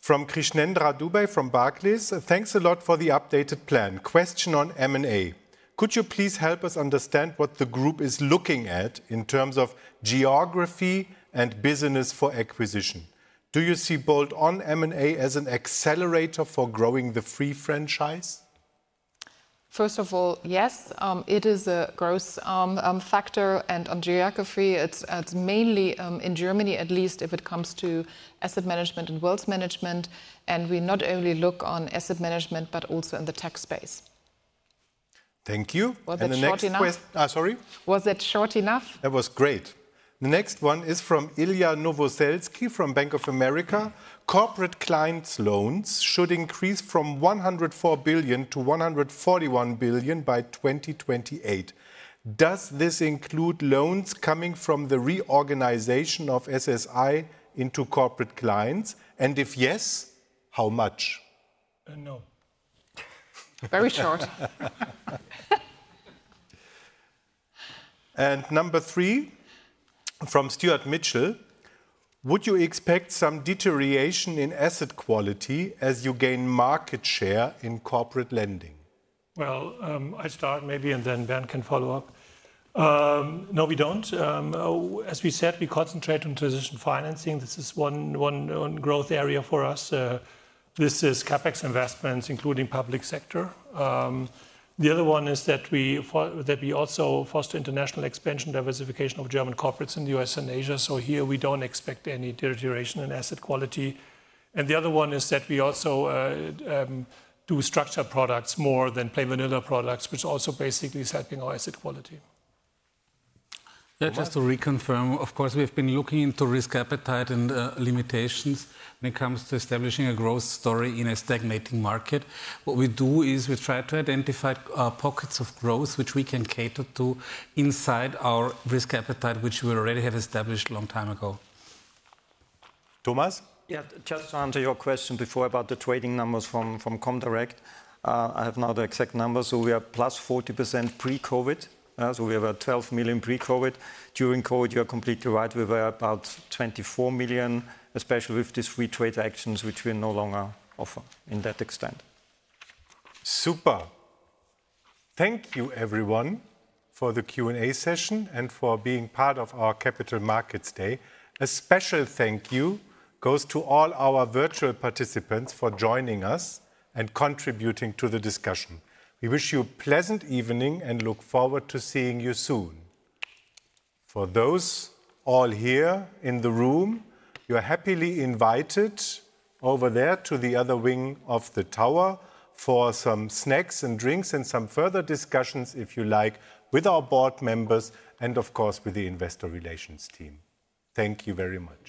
from Krishnendra Dubey from Barclays. Thanks a lot for the updated plan. Question on M&A. Could you please help us understand what the group is looking at in terms of geography and business for acquisition? Do you see bolt-on M&A as an accelerator for growing the fee franchise?
First of all, yes. It is a growth factor. And on geography, it's mainly in Germany, at least if it comes to asset management and wealth management. And we not only look on asset management, but also in the tech space.
Thank you.
Was it short enough?
Sorry?
Was it short enough?
That was great. The next one is from Ilya Novoselsky from Bank of America. Corporate clients' loans should increase from 104 billion-141 billion by 2028. Does this include loans coming from the reorganization of SSI into corporate clients? And if yes, how much?
No.
Very short.
And number 3 from Stuart Mitchell. Would you expect some deterioration in asset quality as you gain market share in corporate lending?
I'll start maybe, and then Bernd can follow up. No, we don't. As we said, we concentrate on transition financing. This is one growth area for us. This is CapEx investments, including public sector. The other one is that we also foster international expansion, diversification of German corporates in the U.S. and Asia. So here, we don't expect any deterioration in asset quality. The other one is that we also do structured products more than plain vanilla products, which also basically is helping our asset quality.
Just to reconfirm, of course, we have been looking into risk appetite and limitations when it comes to establishing a growth story in a stagnating market. What we do is we try to identify pockets of growth, which we can cater to inside our risk appetite, which we already have established a long time ago. Thomas?
Yeah, just to answer your question before about the trading numbers from Comdirect. I have now the exact numbers. So we are plus 40% pre-COVID. So we have 12 million pre-COVID. During COVID, you are completely right. We were about 24 million, especially with these retail actions, which we no longer offer to that extent.
Super. Thank you, everyone, for the Q&A session and for being part of our Capital Markets Day. A special thank you goes to all our virtual participants for joining us and contributing to the discussion. We wish you a pleasant evening and look forward to seeing you soon. For those all here in the room, you are happily invited over there to the other wing of the tower for some snacks and drinks and some further discussions, if you like, with our board members and, of course, with the investor relations team. Thank you very much.